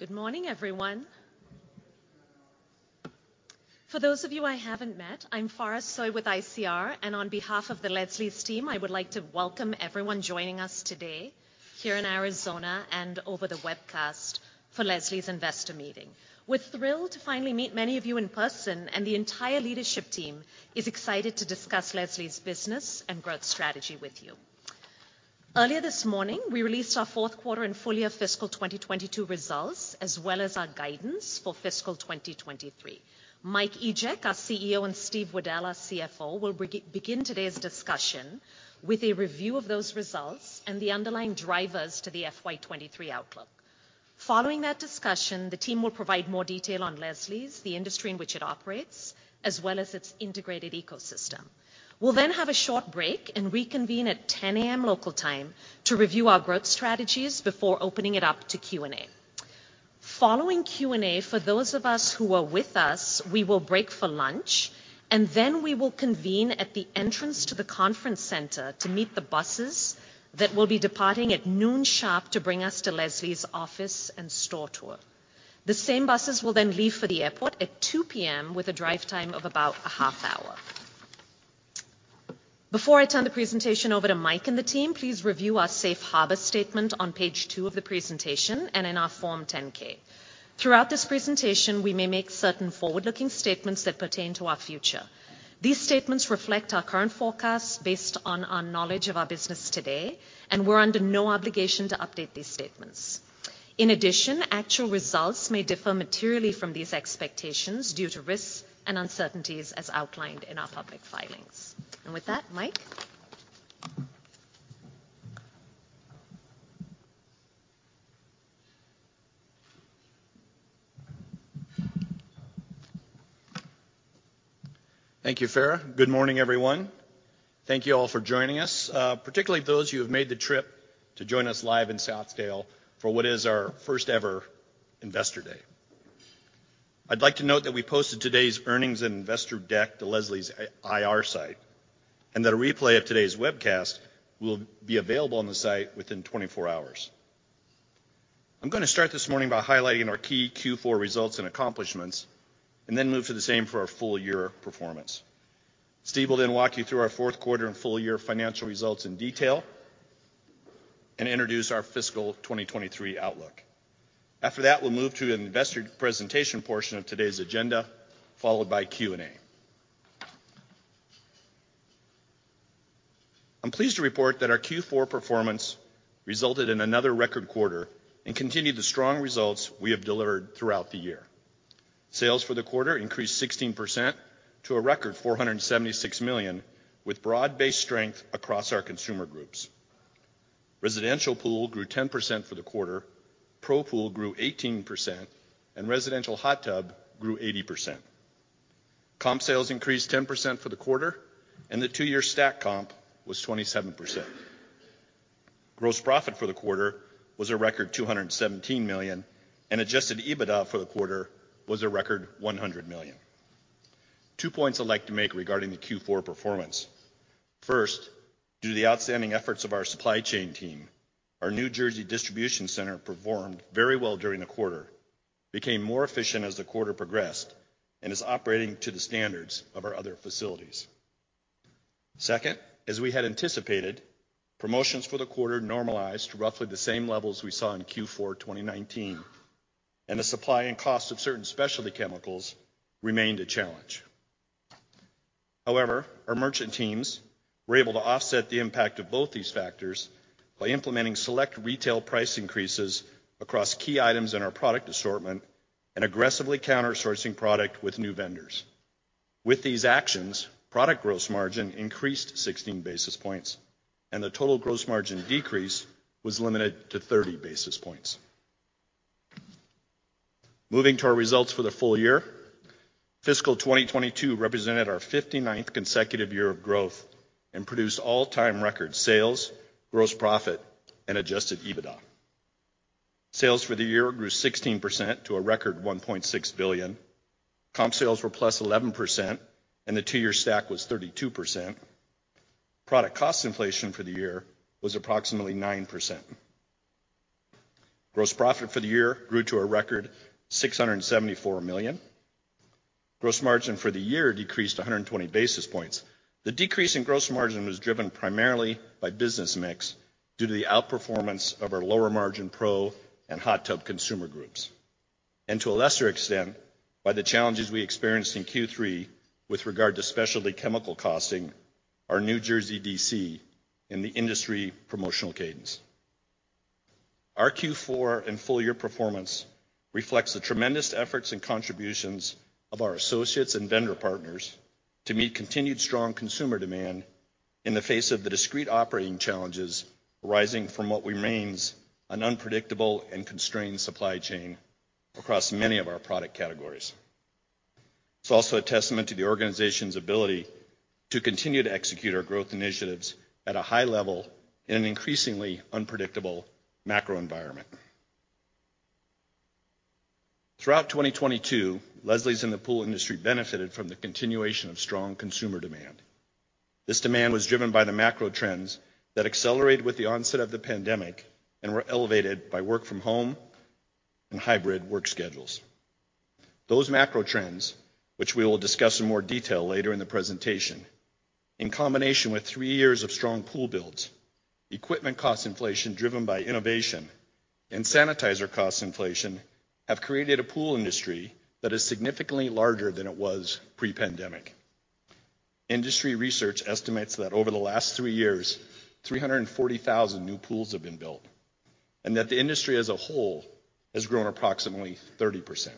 Good morning, everyone. For those of you I haven't met, I'm Farah Soi with ICR. On behalf of the Leslie's team, I would like to welcome everyone joining us today here in Arizona and over the webcast for Leslie's investor meeting. We're thrilled to finally meet many of you in person. The entire leadership team is excited to discuss Leslie's business and growth strategy with you. Earlier this morning, we released our fourth quarter and full year fiscal 2022 results, as well as our guidance for fiscal 2023. Mike Egeck, our CEO, and Steve Waddell, our CFO, will begin today's discussion with a review of those results and the underlying drivers to the FY 2023 outlook. Following that discussion, the team will provide more detail on Leslie's, the industry in which it operates, as well as its integrated ecosystem. We'll then have a short break and reconvene at 10:00 A.M. local time to review our growth strategies before opening it up to Q&A. Following Q&A, for those of us who are with us, we will break for lunch, and then we will convene at the entrance to the conference center to meet the buses that will be departing at 12:00 P.M. sharp to bring us to Leslie's office and store tour. The same buses will then leave for the airport at 2:00 P.M. with a drive time of about a half hour. Before I turn the presentation over to Mike and the team, please review our safe harbor statement on page two of the presentation and in our Form 10-K. Throughout this presentation, we may make certain forward-looking statements that pertain to our future. These statements reflect our current forecasts based on our knowledge of our business today, and we're under no obligation to update these statements. In addition, actual results may differ materially from these expectations due to risks and uncertainties as outlined in our public filings. With that, Mike. Thank you, Farah. Good morning, everyone. Thank you all for joining us, particularly those who have made the trip to join us live in Scottsdale for what is our first ever Investor Day. I'd like to note that we posted today's earnings and investor deck to Leslie's IR site, and that a replay of today's webcast will be available on the site within 24 hours. I'm gonna start this morning by highlighting our key Q4 results and accomplishments and then move to the same for our full year performance. Steve will then walk you through our fourth quarter and full year financial results in detail and introduce our fiscal 2023 outlook. After that, we'll move to an investor presentation portion of today's agenda, followed by Q&A. I'm pleased to report that our Q4 performance resulted in another record quarter and continued the strong results we have delivered throughout the year. Sales for the quarter increased 16% to a record $476 million, with broad-based strength across our consumer groups. Residential pool grew 10% for the quarter, Pro pool grew 18%, and residential hot tub grew 80%. Comp sales increased 10% for the quarter, and the two-year stack comp was 27%. Gross profit for the quarter was a record $217 million, and adjusted EBITDA for the quarter was a record $100 million. Two points I'd like to make regarding the Q4 performance. First, due to the outstanding efforts of our supply chain team, our New Jersey distribution center performed very well during the quarter, became more efficient as the quarter progressed, and is operating to the standards of our other facilities. Second, as we had anticipated, promotions for the quarter normalized to roughly the same levels we saw in Q4 2019, and the supply and cost of certain specialty chemicals remained a challenge. However, our merchant teams were able to offset the impact of both these factors by implementing select retail price increases across key items in our product assortment and aggressively counter-sourcing product with new vendors. With these actions, product gross margin increased 16 basis points, and the total gross margin decrease was limited to 30 basis points. Moving to our results for the full year, fiscal 2022 represented our 59th consecutive year of growth and produced all-time record sales, gross profit, and adjusted EBITDA. Sales for the year grew 16% to a record $1.6 billion. Comp sales were +11%, and the two-year stack was 32%. Product cost inflation for the year was approximately 9%. Gross profit for the year grew to a record $674 million. Gross margin for the year decreased 120 basis points. The decrease in gross margin was driven primarily by business mix due to the outperformance of our lower margin Pro and hot tub consumer groups, and to a lesser extent, by the challenges we experienced in Q3 with regard to specialty chemical costing, our New Jersey D.C., and the industry promotional cadence. Our Q4 and full year performance reflects the tremendous efforts and contributions of our associates and vendor partners to meet continued strong consumer demand in the face of the discrete operating challenges arising from what remains an unpredictable and constrained supply chain across many of our product categories. It's also a testament to the organization's ability to continue to execute our growth initiatives at a high level in an increasingly unpredictable macro environment. Throughout 2022, Leslie's in the pool industry benefited from the continuation of strong consumer demand. This demand was driven by the macro trends that accelerated with the onset of the pandemic and were elevated by work from home and hybrid work schedules. Those macro trends, which we will discuss in more detail later in the presentation, in combination with three years of strong pool builds, equipment cost inflation driven by innovation and sanitizer cost inflation, have created a pool industry that is significantly larger than it was pre-pandemic. Industry research estimates that over the last three years, 340,000 new pools have been built, and that the industry as a whole has grown approximately 30%.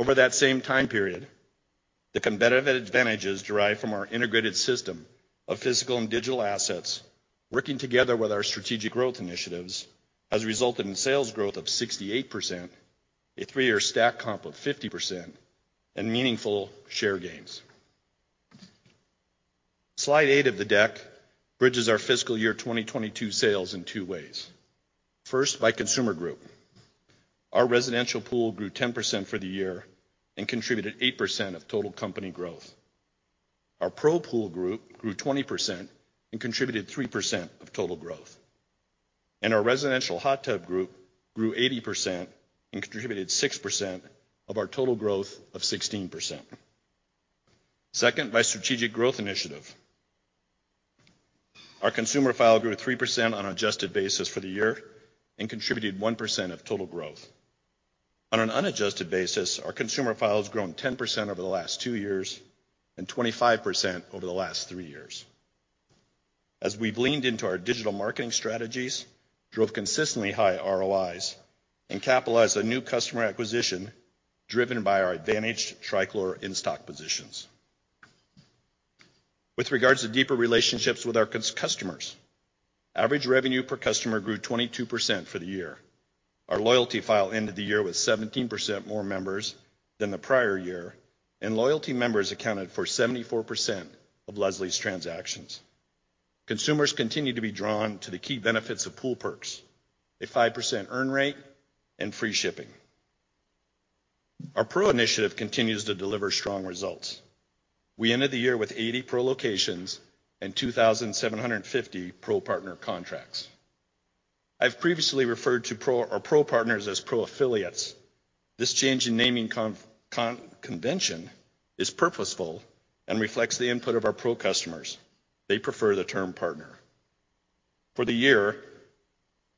Over that same time period, the competitive advantages derived from our integrated system of physical and digital assets working together with our strategic growth initiatives, has resulted in sales growth of 68%, a three-year stack comp of 50%, and meaningful share gains. Slide eight of the deck bridges our fiscal year 2022 sales in two ways. First, by consumer group. Our residential pool grew 10% for the year and contributed 8% of total company growth. Our Pro pool group grew 20% and contributed 3% of total growth. Our residential hot tub group grew 80% and contributed 6% of our total growth of 16%. Second, by strategic growth initiative. Our consumer file grew 3% on adjusted basis for the year and contributed 1% of total growth. On an unadjusted basis, our consumer file has grown 10% over the last two years and 25% over the last three years. As we've leaned into our digital marketing strategies, drove consistently high ROIs, and capitalized on new customer acquisition driven by our advantage trichlor in-stock positions. With regards to deeper relationships with our customers, average revenue per customer grew 22% for the year. Our loyalty file ended the year with 17% more members than the prior year, and loyalty members accounted for 74% of Leslie's transactions. Consumers continue to be drawn to the key benefits of Pool Perks, a 5% earn rate, and free shipping. Our Pro initiative continues to deliver strong results. We ended the year with 80 Pro locations and 2,750 Pro Partner contracts. I've previously referred to Pro or Pro Partners as Pro affiliates. This change in naming convention is purposeful and reflects the input of our Pro customers. They prefer the term partner. For the year,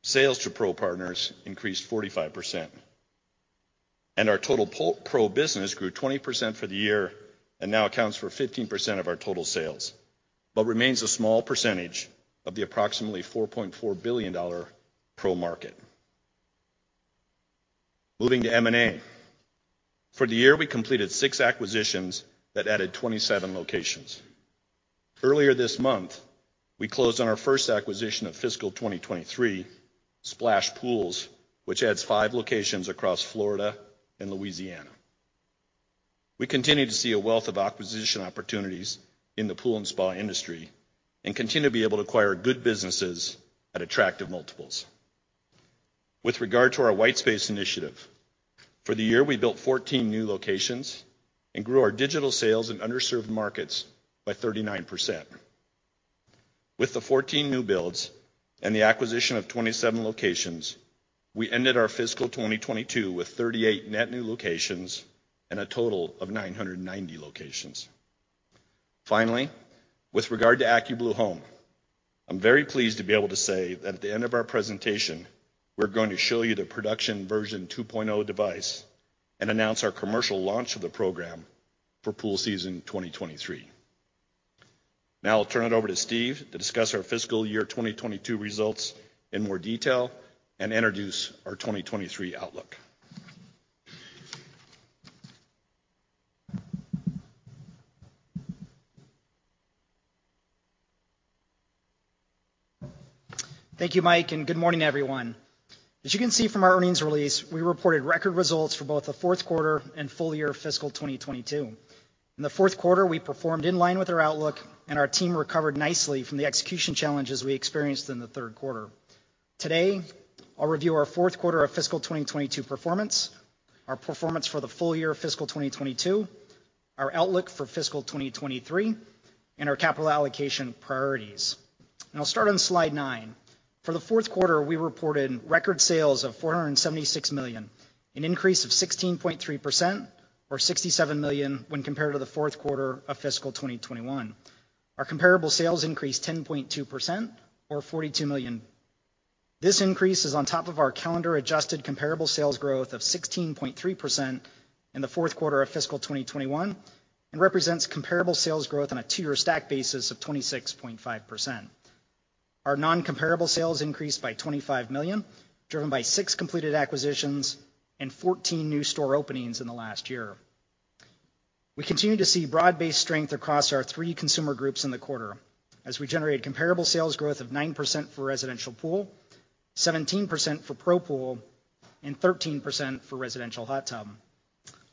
sales to Pro partners increased 45%, and our total Pro business grew 20% for the year and now accounts for 15% of our total sales, but remains a small percentage of the approximately $4.4 billion Pro market. Moving to M&A. For the year, we completed six acquisitions that added 27 locations. Earlier this month, we closed on our first acquisition of fiscal 2023, Splash Pools, which adds five locations across Florida and Louisiana. We continue to see a wealth of acquisition opportunities in the pool and spa industry and continue to be able to acquire good businesses at attractive multiples. With regard to our White Space initiative, for the year, we built 14 new locations and grew our digital sales in underserved markets by 39%. With the 14 new builds and the acquisition of 27 locations, we ended our fiscal 2022 with 38 net new locations and a total of 990 locations. With regard to AccuBlue Home, I'm very pleased to be able to say that at the end of our presentation, we're going to show you the production version 2.0 device and announce our commercial launch of the program for pool season 2023. I'll turn it over to Steve to discuss our fiscal year 2022 results in more detail and introduce our 2023 outlook. Thank you, Mike, and good morning, everyone. As you can see from our earnings release, we reported record results for both the fourth quarter and full year fiscal 2022. In the fourth quarter, we performed in line with our outlook and our team recovered nicely from the execution challenges we experienced in the third quarter. Today, I'll review our fourth quarter of fiscal 2022 performance, our performance for the full year of fiscal 2022, our outlook for fiscal 2023, and our capital allocation priorities. I'll start on slide nine. For the fourth quarter, we reported record sales of $476 million, an increase of 16.3% or $67 million when compared to the fourth quarter of fiscal 2021. Our comparable sales increased 10.2% or $42 million. This increase is on top of our calendar adjusted comparable sales growth of 16.3% in the fourth quarter of fiscal 2021 and represents comparable sales growth on a two-year stack basis of 26.5%. Our non-comparable sales increased by $25 million, driven by six completed acquisitions and 14 new store openings in the last year. We continue to see broad-based strength across our three consumer groups in the quarter as we generated comparable sales growth of 9% for residential pool, 17% for Pro pool, and 13% for residential hot tub.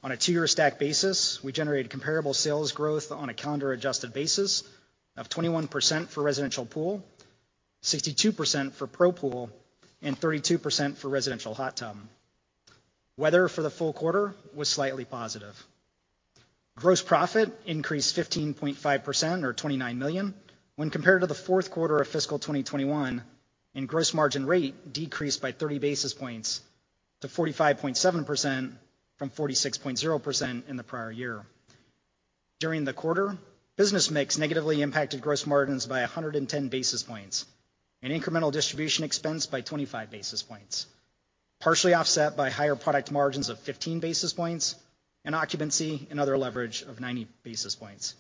On a two-year stack basis, we generated comparable sales growth on a calendar adjusted basis of 21% for residential pool, 62% for Pro pool, and 32% for residential hot tub. Weather for the full quarter was slightly positive. Gross profit increased 15.5% or $29 million when compared to the fourth quarter of fiscal 2021, and gross margin rate decreased by 30 basis points to 45.7% from 46.0% in the prior year. During the quarter, business mix negatively impacted gross margins by 110 basis points, and incremental distribution expense by 25 basis points, partially offset by higher product margins of 15 basis points and occupancy and other leverage of 90 basis points.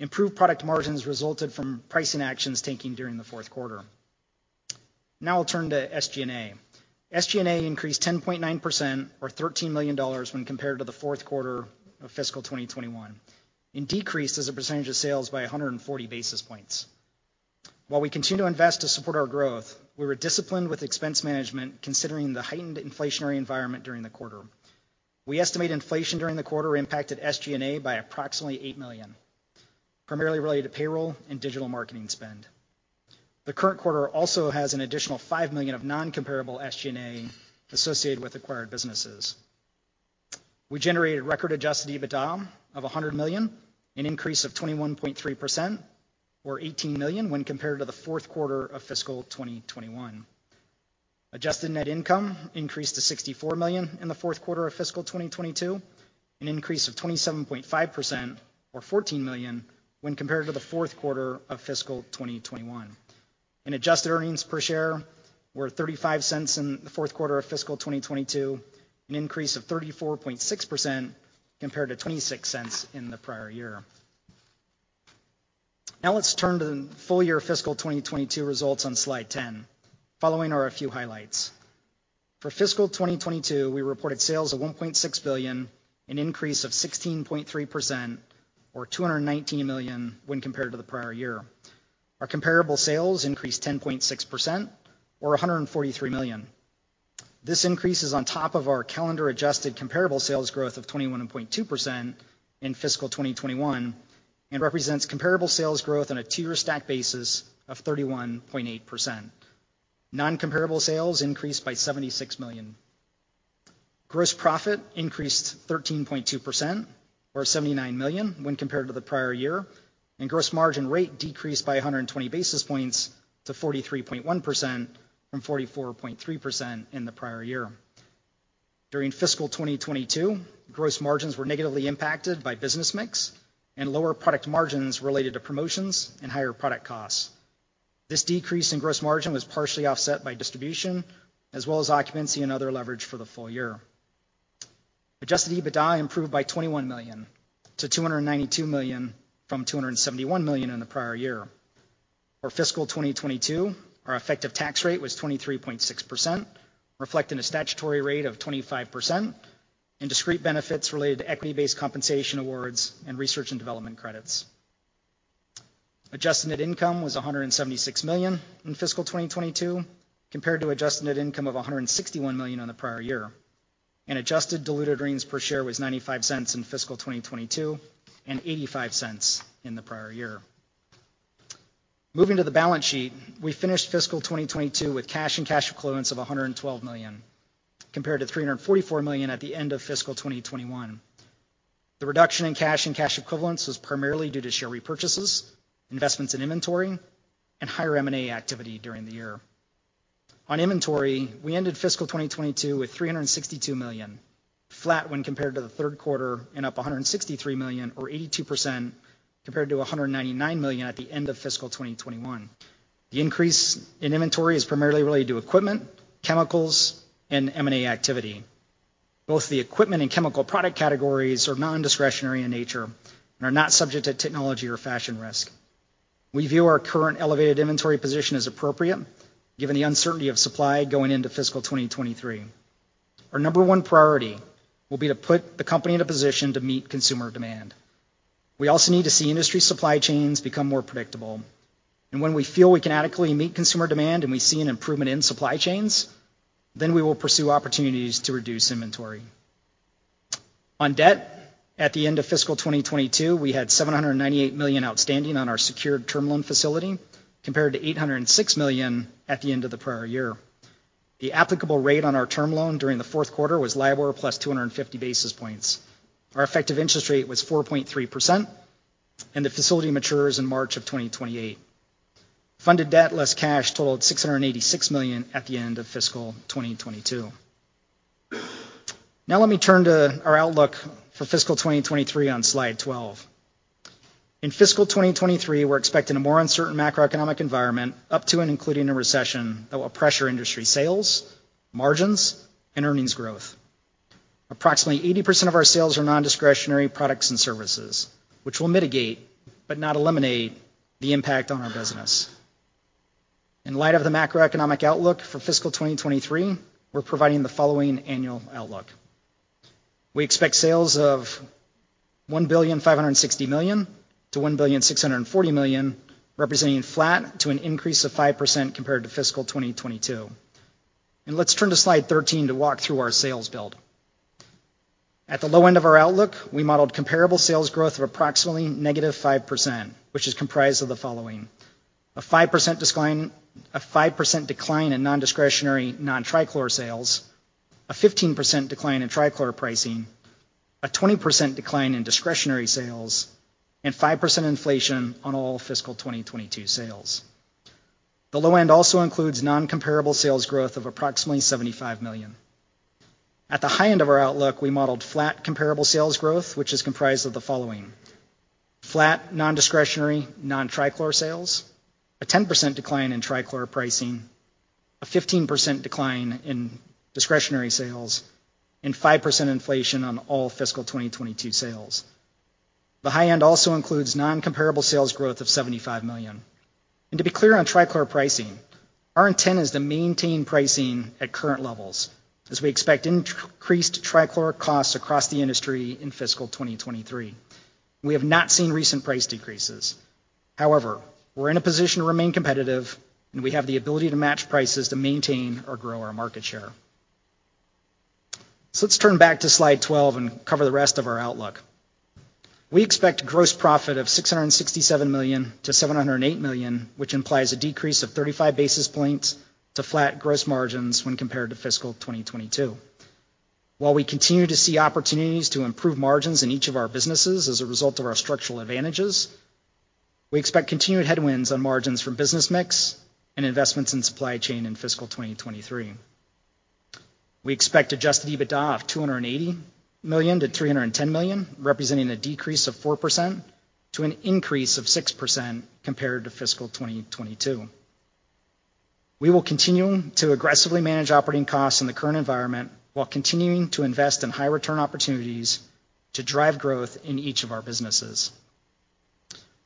Improved product margins resulted from pricing actions taking during the fourth quarter. Now we'll turn to SG&A. SG&A increased 10.9% or $13 million when compared to the fourth quarter of fiscal 2021, and decreased as a percentage of sales by 140 basis points. While we continue to invest to support our growth, we were disciplined with expense management considering the heightened inflationary environment during the quarter. We estimate inflation during the quarter impacted SG&A by approximately $8 million, primarily related to payroll and digital marketing spend. The current quarter also has an additional $5 million of non-comparable SG&A associated with acquired businesses. We generated record adjusted EBITDA of $100 million, an increase of 21.3% or $18 million when compared to the fourth quarter of fiscal 2021. Adjusted net income increased to $64 million in the fourth quarter of fiscal 2022, an increase of 27.5% or $14 million when compared to the fourth quarter of fiscal 2021. Adjusted earnings per share were $0.35 in the fourth quarter of fiscal 2022, an increase of 34.6% compared to $0.26 in the prior year. Let's turn to the full year fiscal 2022 results on slide 10. Following are a few highlights. For fiscal 2022, we reported sales of $1.6 billion, an increase of 16.3% or $219 million when compared to the prior year. Our comparable sales increased 10.6% or $143 million. This increase is on top of our calendar adjusted comparable sales growth of 21.2% in fiscal 2021, and represents comparable sales growth on a two-year stack basis of 31.8%. Non-comparable sales increased by $76 million. Gross profit increased 13.2% or $79 million when compared to the prior year. Gross margin rate decreased by 120 basis points to 43.1% from 44.3% in the prior year. During fiscal 2022, gross margins were negatively impacted by business mix and lower product margins related to promotions and higher product costs. This decrease in gross margin was partially offset by distribution as well as occupancy and other leverage for the full year. Adjusted EBITDA improved by $21 million to $292 million from $271 million in the prior year. For fiscal 2022, our effective tax rate was 23.6%, reflecting a statutory rate of 25% in discrete benefits related to equity-based compensation awards and research and development credits. Adjusted net income was $176 million in fiscal 2022 compared to adjusted net income of $161 million in the prior year. Adjusted diluted earnings per share was $0.95 in fiscal 2022, and $0.85 in the prior year. Moving to the balance sheet, we finished fiscal 2022 with cash and cash equivalents of $112 million, compared to $344 million at the end of fiscal 2021. The reduction in cash and cash equivalents was primarily due to share repurchases, investments in inventory, and higher M&A activity during the year. On inventory, we ended fiscal 2022 with $362 million, flat when compared to the third quarter and up $163 million or 82% compared to $199 million at the end of fiscal 2021. The increase in inventory is primarily related to equipment, chemicals, and M&A activity. Both the equipment and chemical product categories are non-discretionary in nature and are not subject to technology or fashion risk. We view our current elevated inventory position as appropriate given the uncertainty of supply going into fiscal 2023. Our number one priority will be to put the company in a position to meet consumer demand. We also need to see industry supply chains become more predictable. And when we feel we can adequately meet consumer demand and we see an improvement in supply chains, then we will pursue opportunities to reduce inventory. On debt, at the end of fiscal 2022, we had $798 million outstanding on our secured term loan facility, compared to $806 million at the end of the prior year. The applicable rate on our term loan during the fourth quarter was LIBOR +250 basis points. Our effective interest rate was 4.3%, and the facility matures in March of 2028. Funded debt less cash totaled $686 million at the end of fiscal 2022. Now let me turn to our outlook for fiscal 2023 on slide 12. In fiscal 2023, we're expecting a more uncertain macroeconomic environment up to and including a recession that will pressure industry sales, margins, and earnings growth. Approximately 80% of our sales are non-discretionary products and services, which will mitigate but not eliminate the impact on our business. In light of the macroeconomic outlook for fiscal 2023, we're providing the following annual outlook. We expect sales of $1.56 billion-$1.64 billion, representing flat to an increase of 5% compared to fiscal 2022. Let's turn to slide 13 to walk through our sales build. At the low end of our outlook, we modeled comparable sales growth of approximately -5%, which is comprised of the following: a 5% decline, a 5% decline in non-discretionary non-trichlor sales, a 15% decline in trichlor pricing, a 20% decline in discretionary sales, and 5% inflation on all fiscal 2022 sales. The low end also includes non-comparable sales growth of approximately $75 million. At the high end of our outlook, we modeled flat comparable sales growth, which is comprised of the following: flat non-discretionary non-trichlor sales, a 10% decline in trichlor pricing, a 15% decline in discretionary sales, and 5% inflation on all fiscal 2022 sales. The high end also includes non-comparable sales growth of $75 million. To be clear on trichlor pricing, our intent is to maintain pricing at current levels as we expect increased trichlor costs across the industry in fiscal 2023. We have not seen recent price decreases. However, we're in a position to remain competitive, and we have the ability to match prices to maintain or grow our market share. Let's turn back to slide 12 and cover the rest of our outlook. We expect gross profit of $667 million-$708 million, which implies a decrease of 35 basis points to flat gross margins when compared to fiscal 2022. While we continue to see opportunities to improve margins in each of our businesses as a result of our structural advantages, we expect continued headwinds on margins from business mix and investments in supply chain in fiscal 2023. We expect adjusted EBITDA of $280 million-$310 million, representing a decrease of 4% to an increase of 6% compared to fiscal 2022. We will continue to aggressively manage operating costs in the current environment while continuing to invest in high return opportunities to drive growth in each of our businesses.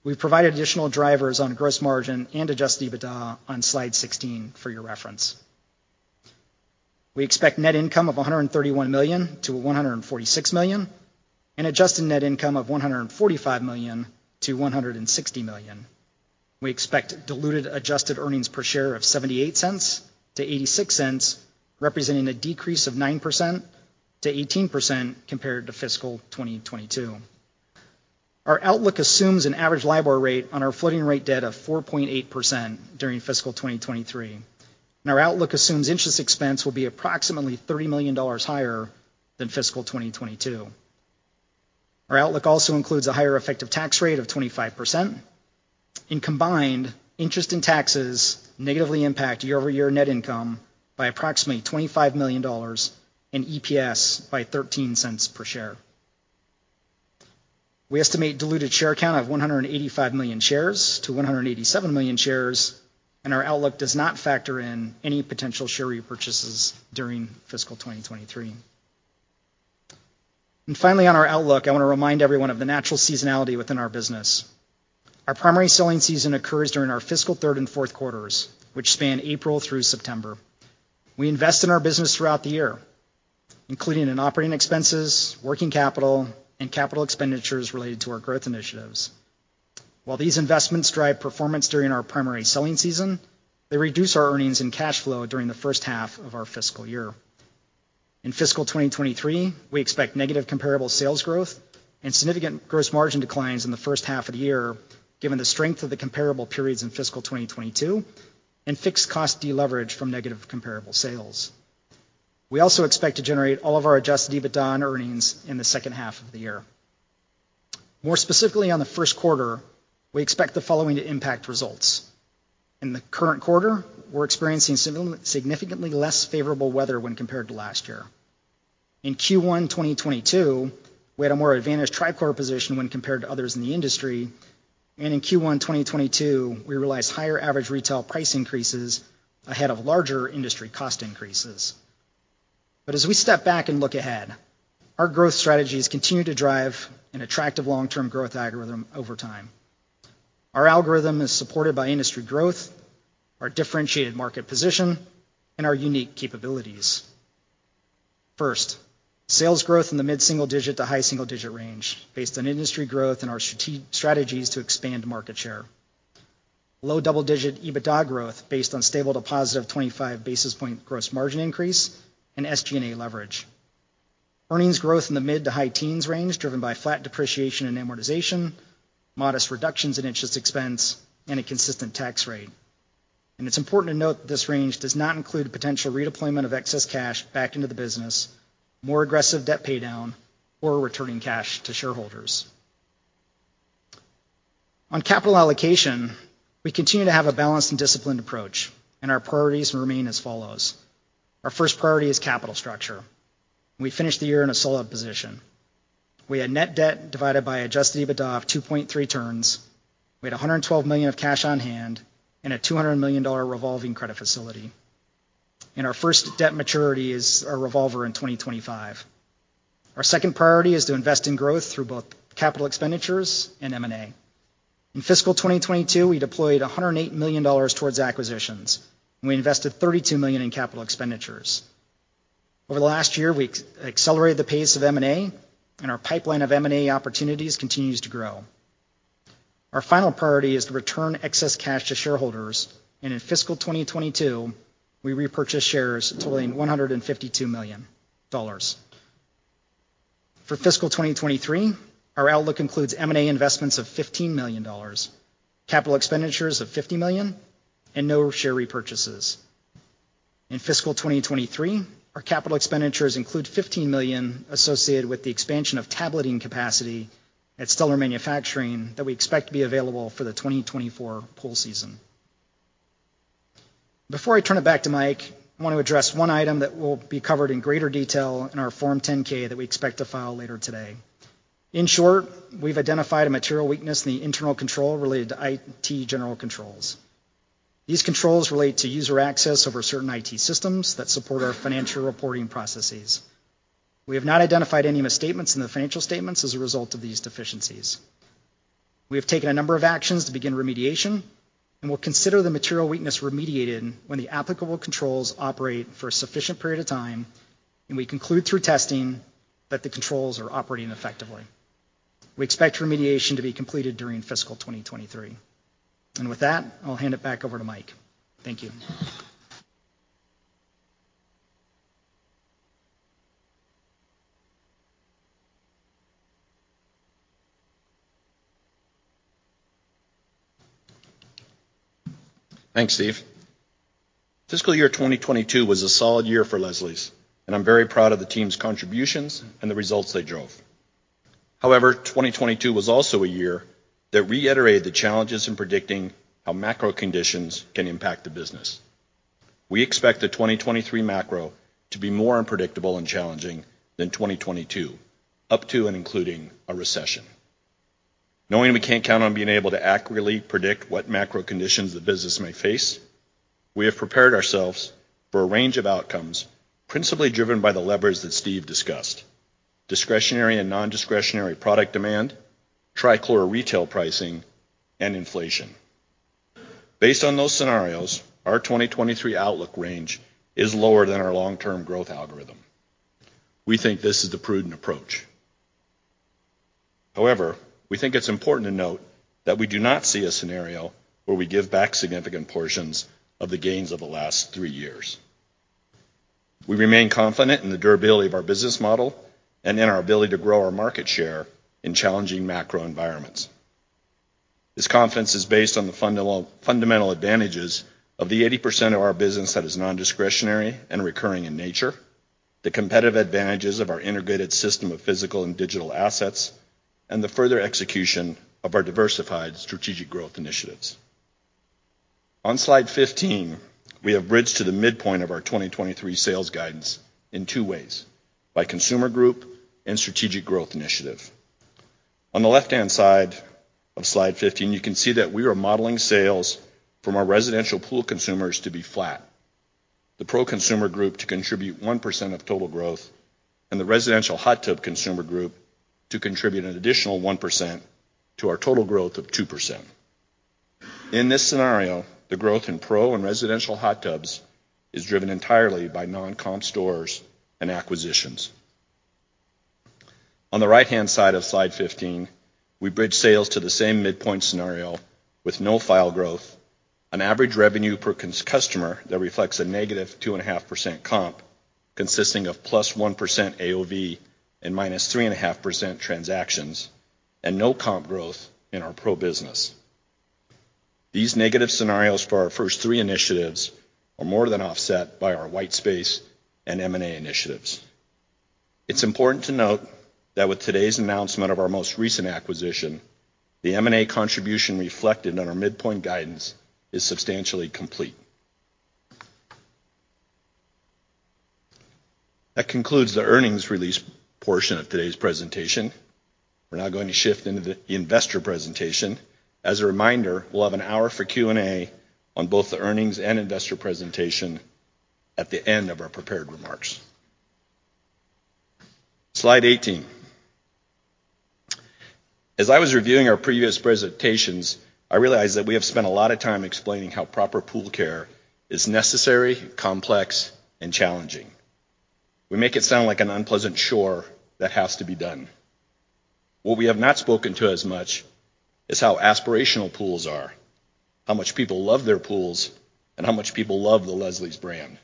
We've provided additional drivers on gross margin and adjusted EBITDA on slide 16 for your reference. We expect net income of $131 million-$146 million and adjusted net income of $145 million-$160 million. We expect diluted adjusted earnings per share of $0.78-$0.86, representing a decrease of 9%-18% compared to fiscal 2022. Our outlook assumes an average LIBOR rate on our floating rate debt of 4.8% during fiscal 2023. Our outlook assumes interest expense will be approximately $30 million higher than fiscal 2022. Our outlook also includes a higher effective tax rate of 25%, combined, interest and taxes negatively impact year-over-year net income by approximately $25 million and EPS by $0.13 per share. We estimate diluted share count of 185 million-187 million shares. Our outlook does not factor in any potential share repurchases during fiscal 2023. Finally, on our outlook, I wanna remind everyone of the natural seasonality within our business. Our primary selling season occurs during our fiscal third and fourth quarters, which span April through September. We invest in our business throughout the year, including in operating expenses, working capital, and capital expenditures related to our growth initiatives. While these investments drive performance during our primary selling season, they reduce our earnings and cash flow during the first half of our fiscal year. In fiscal 2023, we expect negative comparable sales growth and significant gross margin declines in the first half of the year, given the strength of the comparable periods in fiscal 2022 and fixed cost deleverage from negative comparable sales. We also expect to generate all of our adjusted EBITDA and earnings in the second half of the year. More specifically, on the first quarter, we expect the following to impact results. In the current quarter, we're experiencing significantly less favorable weather when compared to last year. In Q1 2022, we had a more advantaged trichlor position when compared to others in the industry, in Q1 2022, we realized higher average retail price increases ahead of larger industry cost increases. As we step back and look ahead, our growth strategies continue to drive an attractive long-term growth algorithm over time. Our algorithm is supported by industry growth, our differentiated market position, and our unique capabilities. First, sales growth in the mid-single digit to high single-digit range based on industry growth and our strategies to expand market share. Low double-digit EBITDA growth based on stable to positive 25 basis point gross margin increase and SG&A leverage. Earnings growth in the mid to high teens range driven by flat depreciation and amortization, modest reductions in interest expense, and a consistent tax rate. It's important to note that this range does not include potential redeployment of excess cash back into the business, more aggressive debt paydown, or returning cash to shareholders. On capital allocation, we continue to have a balanced and disciplined approach. Our priorities remain as follows. Our first priority is capital structure. We finished the year in a solid position. We had net debt divided by adjusted EBITDA of 2.3 turns. We had $112 million of cash on hand and a $200 million revolving credit facility. Our first debt maturity is our revolver in 2025. Our second priority is to invest in growth through both capital expenditures and M&A. In fiscal 2022, we deployed $108 million towards acquisitions, and we invested $32 million in capital expenditures. Over the last year, we accelerated the pace of M&A, and our pipeline of M&A opportunities continues to grow. Our final priority is to return excess cash to shareholders, and in fiscal 2022, we repurchased shares totaling $152 million. For fiscal 2023, our outlook includes M&A investments of $15 million, capital expenditures of $50 million, and no share repurchases. In fiscal 2023, our capital expenditures include $15 million associated with the expansion of tableting capacity at Stellar Manufacturing that we expect to be available for the 2024 pool season. Before I turn it back to Mike, I want to address one item that will be covered in greater detail in our Form 10-K that we expect to file later today. In short, we've identified a material weakness in the internal control related to IT general controls. These controls relate to user access over certain IT systems that support our financial reporting processes. We have not identified any misstatements in the financial statements as a result of these deficiencies. We have taken a number of actions to begin remediation and will consider the material weakness remediated when the applicable controls operate for a sufficient period of time and we conclude through testing that the controls are operating effectively. We expect remediation to be completed during fiscal 2023. With that, I'll hand it back over to Mike. Thank you. Thanks, Steve. Fiscal year 2022 was a solid year for Leslie's. I'm very proud of the team's contributions and the results they drove. However, 2022 was also a year that reiterated the challenges in predicting how macro conditions can impact the business. We expect the 2023 macro to be more unpredictable and challenging than 2022, up to and including a recession. Knowing we can't count on being able to accurately predict what macro conditions the business may face, we have prepared ourselves for a range of outcomes principally driven by the levers that Steve discussed: discretionary and non-discretionary product demand, trichlor retail pricing, and inflation. Based on those scenarios, our 2023 outlook range is lower than our long-term growth algorithm. We think this is the prudent approach. We think it's important to note that we do not see a scenario where we give back significant portions of the gains of the last three years. We remain confident in the durability of our business model and in our ability to grow our market share in challenging macro environments. This confidence is based on the fundamental advantages of the 80% of our business that is non-discretionary and recurring in nature, the competitive advantages of our integrated system of physical and digital assets, and the further execution of our diversified strategic growth initiatives. On slide 15, we have bridged to the midpoint of our 2023 sales guidance in two ways, by consumer group and strategic growth initiative. On the left-hand side of slide 15, you can see that we are modeling sales from our residential pool consumers to be flat, the Pro consumer group to contribute 1% of total growth, and the residential hot tub consumer group to contribute an additional 1% to our total growth of 2%. In this scenario, the growth in Pro and residential hot tubs is driven entirely by non-comp stores and acquisitions. On the right-hand side of slide 15, we bridge sales to the same midpoint scenario with no file growth, an average revenue per customer that reflects a -2.5% comp, consisting of +1% AOV and -3.5% transactions, and no comp growth in our Pro business. These negative scenarios for our first three initiatives are more than offset by our white space and M&A initiatives. It's important to note that with today's announcement of our most recent acquisition, the M&A contribution reflected on our midpoint guidance is substantially complete. That concludes the earnings release portion of today's presentation. We're now going to shift into the investor presentation. As a reminder, we'll have an hour for Q&A on both the earnings and investor presentation at the end of our prepared remarks. Slide 18. As I was reviewing our previous presentations, I realized that we have spent a lot of time explaining how proper pool care is necessary, complex, and challenging. We make it sound like an unpleasant chore that has to be done. What we have not spoken to as much is how aspirational pools are, how much people love their pools, and how much people love the Leslie's brand.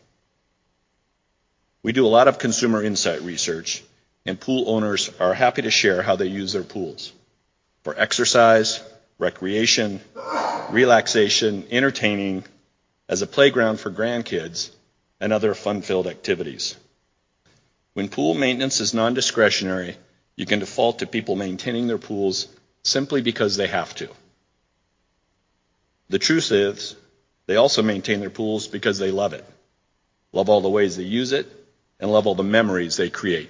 We do a lot of consumer insight research, and pool owners are happy to share how they use their pools: for exercise, recreation, relaxation, entertaining, as a playground for grandkids, and other fun-filled activities. When pool maintenance is non-discretionary, you can default to people maintaining their pools simply because they have to. The truth is they also maintain their pools because they love it, love all the ways they use it, and love all the memories they create.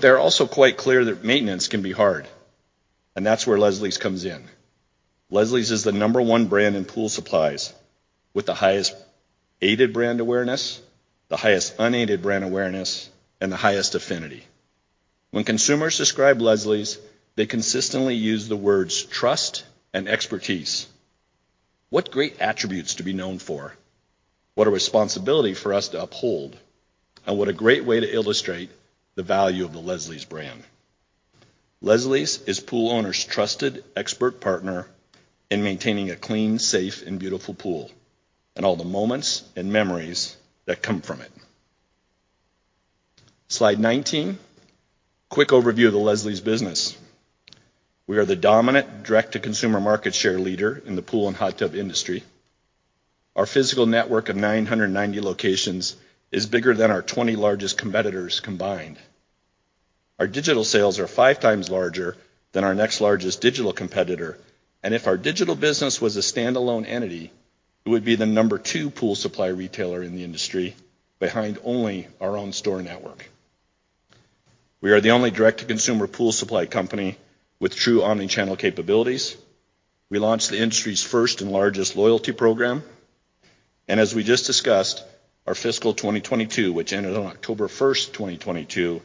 They're also quite clear that maintenance can be hard, and that's where Leslie's comes in. Leslie's is the number-one brand in pool supplies with the highest aided brand awareness, the highest unaided brand awareness, and the highest affinity. When consumers describe Leslie's, they consistently use the words trust and expertise. What great attributes to be known for. What a responsibility for us to uphold, and what a great way to illustrate the value of the Leslie's brand. Leslie's is pool owners' trusted expert partner in maintaining a clean, safe, and beautiful pool, and all the moments and memories that come from it. Slide 19. Quick overview of the Leslie's business. We are the dominant direct-to-consumer market share leader in the pool and hot tub industry. Our physical network of 990 locations is bigger than our 20 largest competitors combined. Our digital sales are 5x larger than our next largest digital competitor, and if our digital business was a standalone entity, it would be the number two pool supply retailer in the industry, behind only our own store network. We are the only direct-to-consumer pool supply company with true omnichannel capabilities. We launched the industry's first and largest loyalty program. As we just discussed, our fiscal 2022, which ended on October 1st, 2022,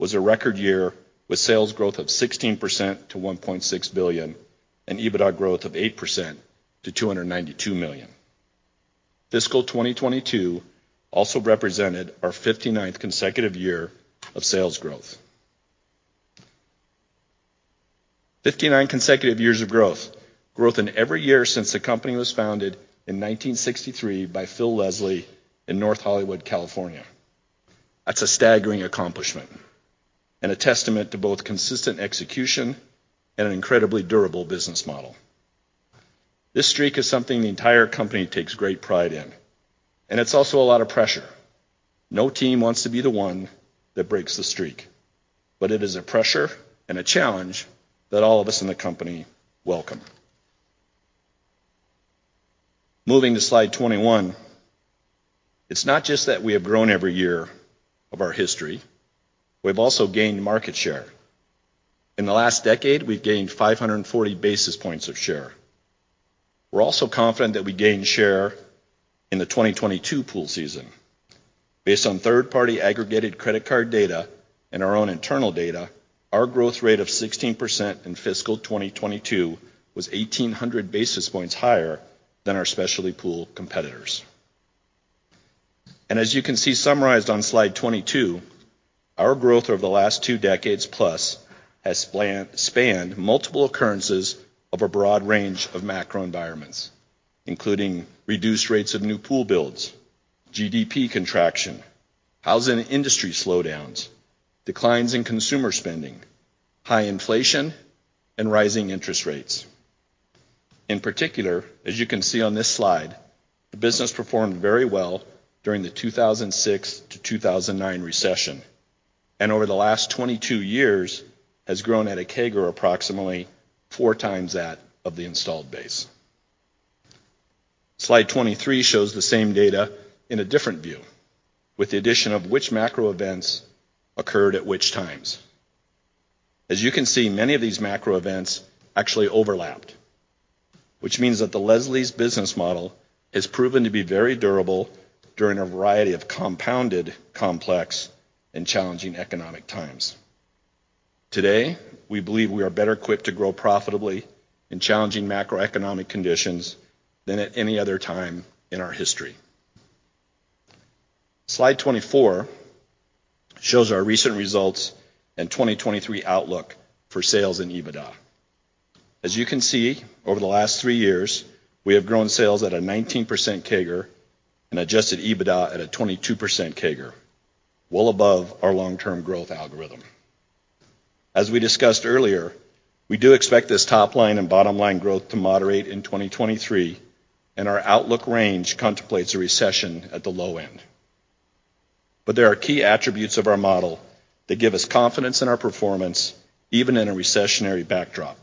was a record year with sales growth of 16% to $1.6 billion and EBITDA growth of 8% to $292 million. Fiscal 2022 also represented our 59th consecutive year of sales growth. 59 consecutive years of growth. Growth in every year since the company was founded in 1963 by Phil Leslie in North Hollywood, California. That's a staggering accomplishment and a testament to both consistent execution and an incredibly durable business model. This streak is something the entire company takes great pride in, and it's also a lot of pressure. No team wants to be the one that breaks the streak, but it is a pressure and a challenge that all of us in the company welcome. Moving to slide 21. It's not just that we have grown every year of our history, we've also gained market share. In the last decade, we've gained 540 basis points of share. We're also confident that we gained share in the 2022 pool season. Based on third-party aggregated credit card data and our own internal data, our growth rate of 16% in fiscal 2022 was 1,800 basis points higher than our specialty pool competitors. As you can see summarized on slide 22, our growth over the last two decades plus has spanned multiple occurrences of a broad range of macro environments, including reduced rates of new pool builds, GDP contraction, housing industry slowdowns, declines in consumer spending, high inflation, and rising interest rates. In particular, as you can see on this slide, the business performed very well during the 2006 to 2009 recession, and over the last 22 years has grown at a CAGR approximately 4x that of the installed base. Slide 23 shows the same data in a different view with the addition of which macro events occurred at which times. As you can see, many of these macro events actually overlapped, which means that the Leslie's business model has proven to be very durable during a variety of compounded, complex, and challenging economic times. Today, we believe we are better equipped to grow profitably in challenging macroeconomic conditions than at any other time in our history. Slide 24 shows our recent results and 2023 outlook for sales and EBITDA. As you can see, over the last three years, we have grown sales at a 19% CAGR and adjusted EBITDA at a 22% CAGR, well above our long-term growth algorithm. As we discussed earlier, we do expect this top line and bottom line growth to moderate in 2023, and our outlook range contemplates a recession at the low end. There are key attributes of our model that give us confidence in our performance, even in a recessionary backdrop.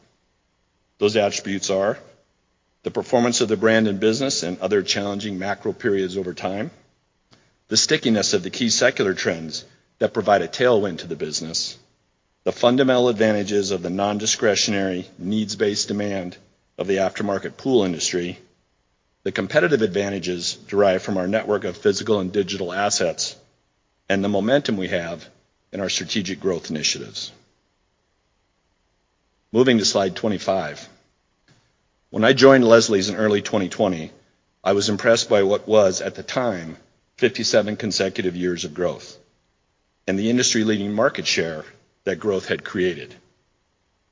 Those attributes are the performance of the brand and business in other challenging macro periods over time, the stickiness of the key secular trends that provide a tailwind to the business, the fundamental advantages of the non-discretionary needs-based demand of the aftermarket pool industry, the competitive advantages derived from our network of physical and digital assets, and the momentum we have in our strategic growth initiatives. Moving to slide 25. When I joined Leslie's in early 2020, I was impressed by what was, at the time, 57 consecutive years of growth and the industry-leading market share that growth had created.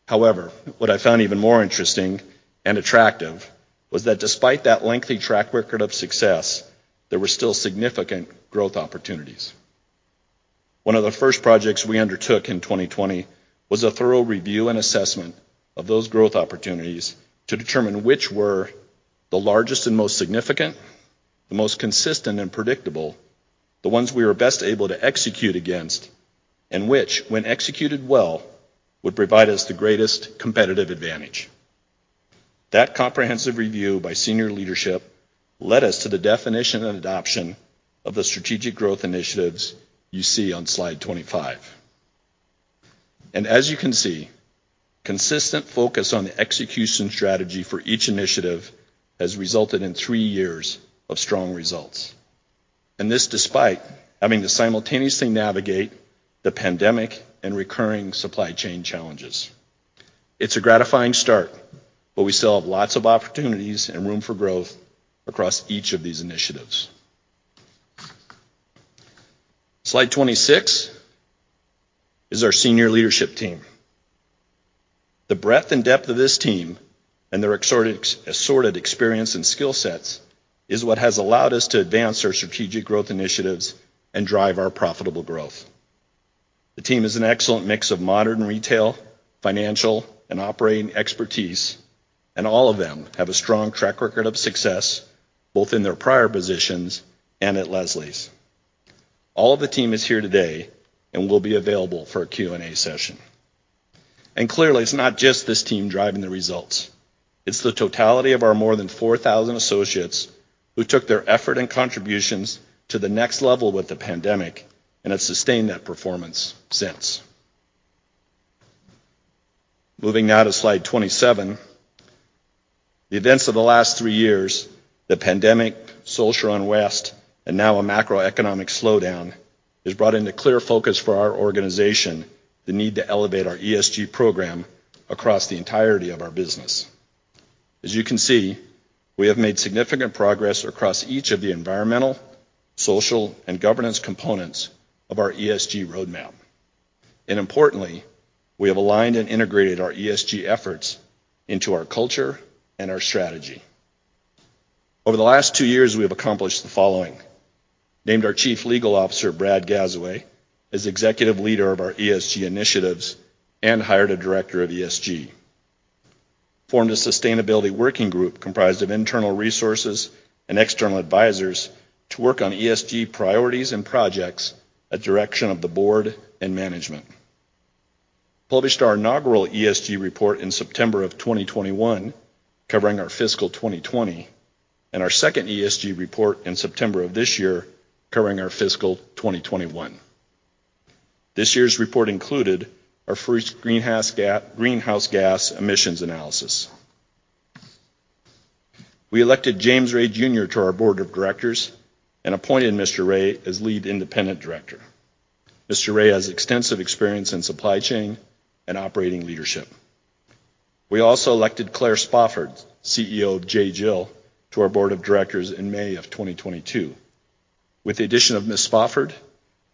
What I found even more interesting and attractive was that despite that lengthy track record of success, there were still significant growth opportunities. One of the first projects we undertook in 2020 was a thorough review and assessment of those growth opportunities to determine which were the largest and most significant, the most consistent and predictable, the ones we were best able to execute against, and which, when executed well, would provide us the greatest competitive advantage. That comprehensive review by senior leadership led us to the definition and adoption of the strategic growth initiatives you see on slide 25. As you can see, consistent focus on the execution strategy for each initiative has resulted in three years of strong results. This despite having to simultaneously navigate the pandemic and recurring supply chain challenges. It's a gratifying start, but we still have lots of opportunities and room for growth across each of these initiatives. Slide 26 is our senior leadership team. The breadth and depth of this team and their assorted experience and skill sets is what has allowed us to advance our strategic growth initiatives and drive our profitable growth. The team is an excellent mix of modern retail, financial, and operating expertise, and all of them have a strong track record of success, both in their prior positions and at Leslie's. All of the team is here today and will be available for a Q&A session. Clearly, it's not just this team driving the results. It's the totality of our more than 4,000 associates who took their effort and contributions to the next level with the pandemic and have sustained that performance since. Moving now to slide 27. The events of the last three years, the pandemic, social unrest, and now a macroeconomic slowdown, has brought into clear focus for our organization the need to elevate our ESG program across the entirety of our business. As you can see, we have made significant progress across each of the environmental, social, and governance components of our ESG roadmap. Importantly, we have aligned and integrated our ESG efforts into our culture and our strategy. Over the last two years, we have accomplished the following. Named our Chief Legal Officer, Brad Gazaway, as executive leader of our ESG initiatives and hired a Director of ESG. Formed a sustainability working group comprised of internal resources and external advisors to work on ESG priorities and projects at direction of the board and management. Published our inaugural ESG report in September of 2021, covering our fiscal 2020, and our second ESG report in September of this year, covering our fiscal 2021. This year's report included our first greenhouse gas emissions analysis. We elected James Ray Jr. to our board of directors and appointed Mr. Ray as Lead Independent Director. Mr. Ray has extensive experience in supply chain and operating leadership. We also elected Claire Spofford, CEO of J.Jill, to our board of directors in May of 2022. With the addition of Ms. Spofford,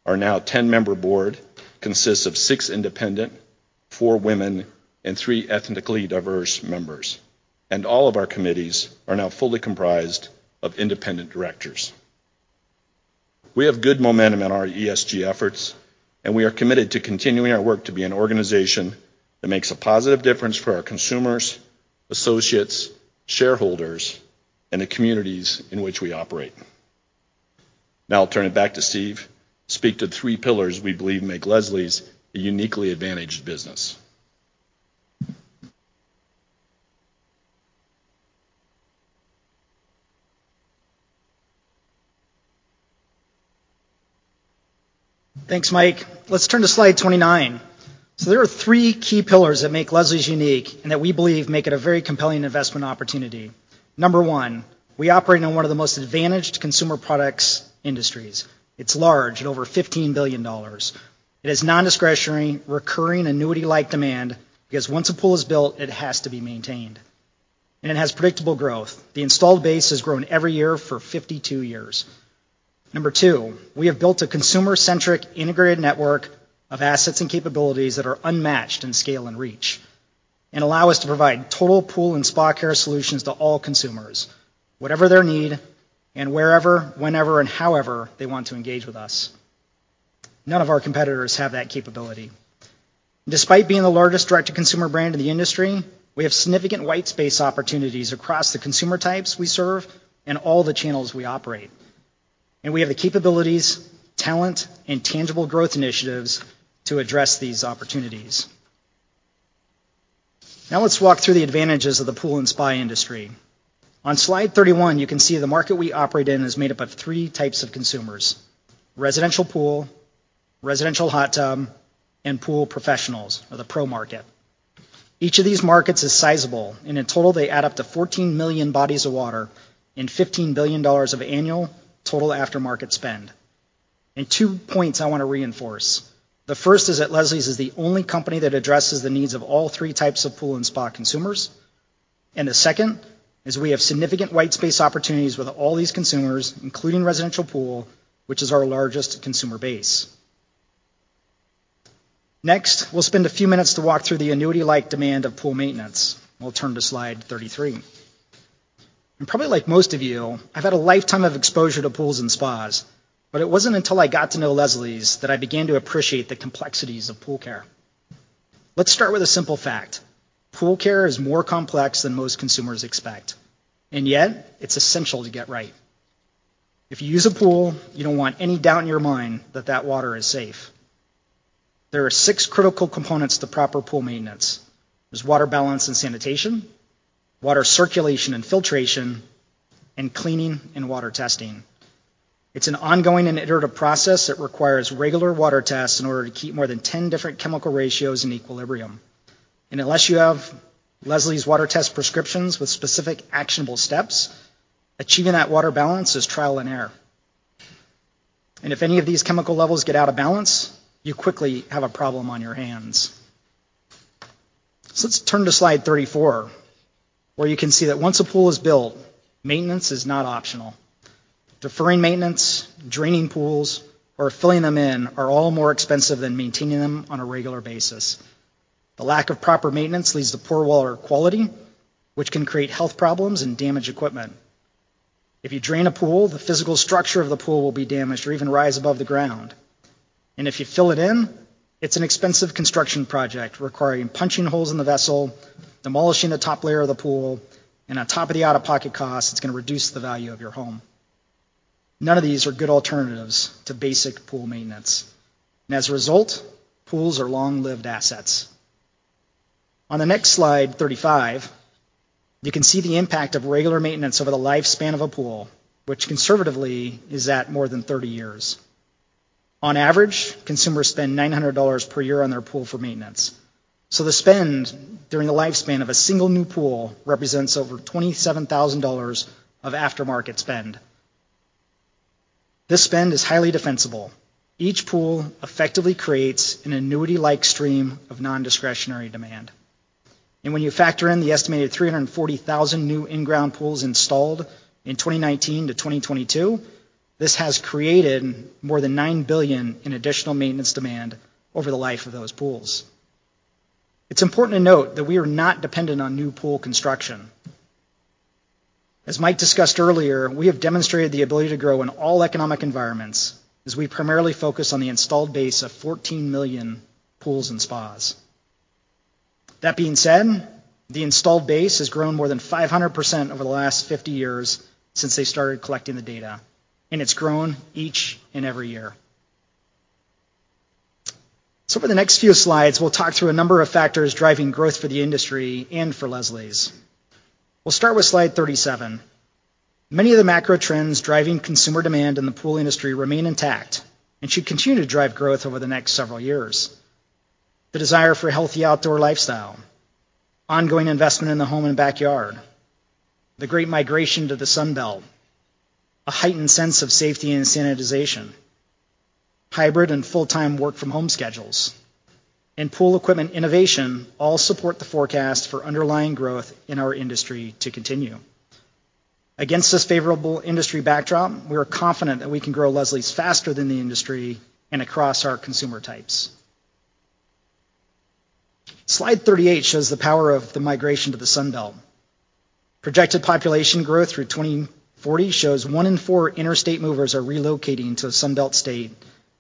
our now 10-member board consists of six independent, four women, and three ethnically diverse members. All of our committees are now fully comprised of independent directors. We have good momentum in our ESG efforts, and we are committed to continuing our work to be an organization that makes a positive difference for our consumers, associates, shareholders, and the communities in which we operate. Now I'll turn it back to Steve to speak to the three pillars we believe make Leslie's a uniquely advantaged business. Thanks, Mike. Let's turn to slide 29. There are three key pillars that make Leslie's unique and that we believe make it a very compelling investment opportunity. Number one, we operate in one of the most advantaged consumer products industries. It's large, at over $15 billion. It has non-discretionary, recurring, annuity-like demand because once a pool is built, it has to be maintained. It has predictable growth. The installed base has grown every year for 52 years. Number two, we have built a consumer-centric integrated network of assets and capabilities that are unmatched in scale and reach and allow us to provide total pool and spa care solutions to all consumers, whatever their need and wherever, whenever, and however they want to engage with us. None of our competitors have that capability. Despite being the largest direct-to-consumer brand in the industry, we have significant white space opportunities across the consumer types we serve and all the channels we operate, and we have the capabilities, talent, and tangible growth initiatives to address these opportunities. Now let's walk through the advantages of the pool and spa industry. On slide 31, you can see the market we operate in is made up of three types of consumers: residential pool, residential hot tub, and pool professionals or the Pro market. Each of these markets is sizable, and in total, they add up to 14 million bodies of water and $15 billion of annual total aftermarket spend. Two points I want to reinforce. The first is that Leslie's is the only company that addresses the needs of all three types of pool and spa consumers. The second is we have significant white space opportunities with all these consumers, including residential pool, which is our largest consumer base. Next, we'll spend a few minutes to walk through the annuity-like demand of pool maintenance. We'll turn to slide 33. Probably like most of you, I've had a lifetime of exposure to pools and spas, but it wasn't until I got to know Leslie's that I began to appreciate the complexities of pool care. Let's start with a simple fact. Pool care is more complex than most consumers expect, and yet it's essential to get right. If you use a pool, you don't want any doubt in your mind that that water is safe. There are six critical components to proper pool maintenance. There's water balance and sanitation, water circulation and filtration, and cleaning and water testing. It's an ongoing and iterative process that requires regular water tests in order to keep more than 10 different chemical ratios in equilibrium. Unless you have Leslie's water test prescriptions with specific actionable steps, achieving that water balance is trial and error. If any of these chemical levels get out of balance, you quickly have a problem on your hands. Let's turn to slide 34, where you can see that once a pool is built, maintenance is not optional. Deferring maintenance, draining pools, or filling them in are all more expensive than maintaining them on a regular basis. The lack of proper maintenance leads to poor water quality, which can create health problems and damage equipment. If you drain a pool, the physical structure of the pool will be damaged or even rise above the ground. If you fill it in, it's an expensive construction project requiring punching holes in the vessel, demolishing the top layer of the pool, and on top of the out-of-pocket cost, it's going to reduce the value of your home. None of these are good alternatives to basic pool maintenance. As a result, pools are long-lived assets. On the next slide, 35, you can see the impact of regular maintenance over the lifespan of a pool, which conservatively is at more than 30 years. On average, consumers spend $900 per year on their pool for maintenance. The spend during the lifespan of a single new pool represents over $27,000 of aftermarket spend. This spend is highly defensible. Each pool effectively creates an annuity-like stream of nondiscretionary demand. When you factor in the estimated 340,000 new in-ground pools installed in 2019-2022, this has created more than $9 billion in additional maintenance demand over the life of those pools. It's important to note that we are not dependent on new pool construction. As Mike discussed earlier, we have demonstrated the ability to grow in all economic environments as we primarily focus on the installed base of 14 million pools and spas. That being said, the installed base has grown more than 500% over the last 50 years since they started collecting the data, and it's grown each and every year. For the next few slides, we'll talk through a number of factors driving growth for the industry and for Leslie's. We'll start with slide 37. Many of the macro trends driving consumer demand in the pool industry remain intact and should continue to drive growth over the next several years. The desire for a healthy outdoor lifestyle, ongoing investment in the home and backyard, the great migration to the Sun Belt, a heightened sense of safety and sanitization, hybrid and full-time work from home schedules, and pool equipment innovation all support the forecast for underlying growth in our industry to continue. Against this favorable industry backdrop, we are confident that we can grow Leslie's faster than the industry and across our consumer types. Slide 38 shows the power of the migration to the Sun Belt. Projected population growth through 2040 shows one in four interstate movers are relocating to a Sun Belt state,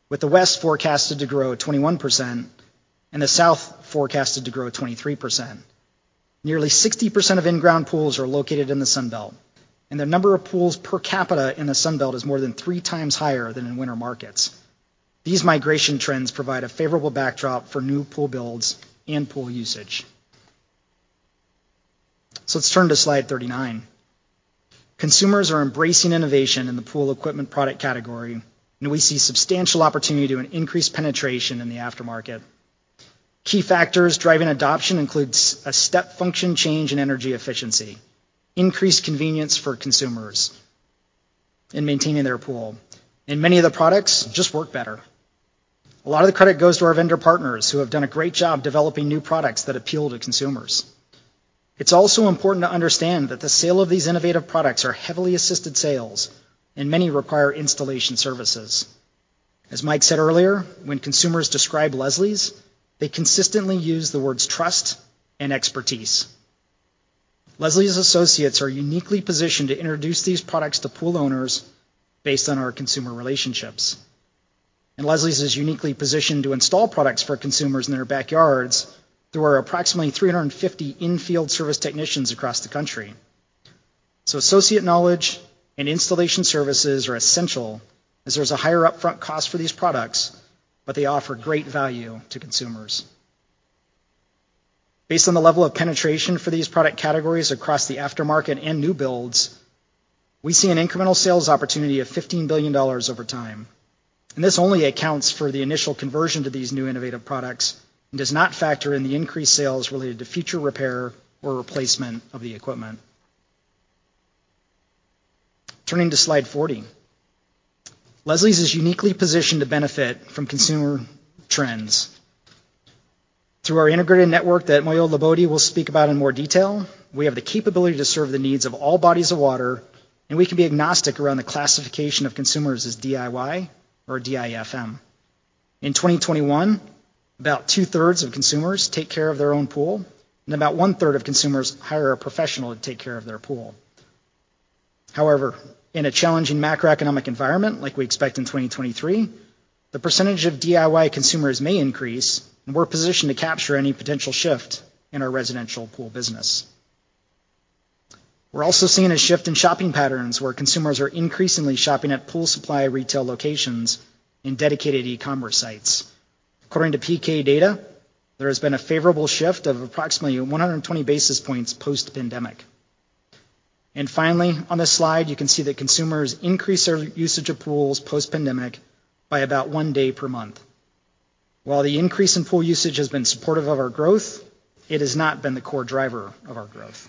with the West forecasted to grow 21% and the South forecasted to grow 23%. Nearly 60% of in-ground pools are located in the Sun Belt. The number of pools per capita in the Sun Belt is more than 3x higher than in winter markets. These migration trends provide a favorable backdrop for new pool builds and pool usage. Let's turn to slide 39. Consumers are embracing innovation in the pool equipment product category. We see substantial opportunity to an increased penetration in the aftermarket. Key factors driving adoption includes a step function change in energy efficiency, increased convenience for consumers in maintaining their pool. Many of the products just work better. A lot of the credit goes to our vendor partners who have done a great job developing new products that appeal to consumers. It's also important to understand that the sale of these innovative products are heavily assisted sales and many require installation services. As Mike said earlier, when consumers describe Leslie's, they consistently use the words trust and expertise. Leslie's associates are uniquely positioned to introduce these products to pool owners based on our consumer relationships. Leslie's is uniquely positioned to install products for consumers in their backyards through our approximately 350 in-field service technicians across the country. Associate knowledge and installation services are essential as there's a higher upfront cost for these products, but they offer great value to consumers. Based on the level of penetration for these product categories across the aftermarket and new builds, we see an incremental sales opportunity of $15 billion over time, and this only accounts for the initial conversion to these new innovative products and does not factor in the increased sales related to future repair or replacement of the equipment. Turning to slide 40. Leslie's is uniquely positioned to benefit from consumer trends. Through our integrated network that Moyo LaBode will speak about in more detail, we have the capability to serve the needs of all bodies of water, and we can be agnostic around the classification of consumers as DIY or DIFM. In 2021, about 2/3 of consumers take care of their own pool, and about 1/3 of consumers hire a professional to take care of their pool. However, in a challenging macroeconomic environment like we expect in 2023, the percentage of DIY consumers may increase, and we're positioned to capture any potential shift in our residential pool business. We're also seeing a shift in shopping patterns where consumers are increasingly shopping at pool supply retail locations and dedicated e-commerce sites. According to Pkdata, there has been a favorable shift of approximately 120 basis points post-pandemic. Finally, on this slide, you can see that consumers increase their usage of pools post-pandemic by about one day per month. While the increase in pool usage has been supportive of our growth, it has not been the core driver of our growth.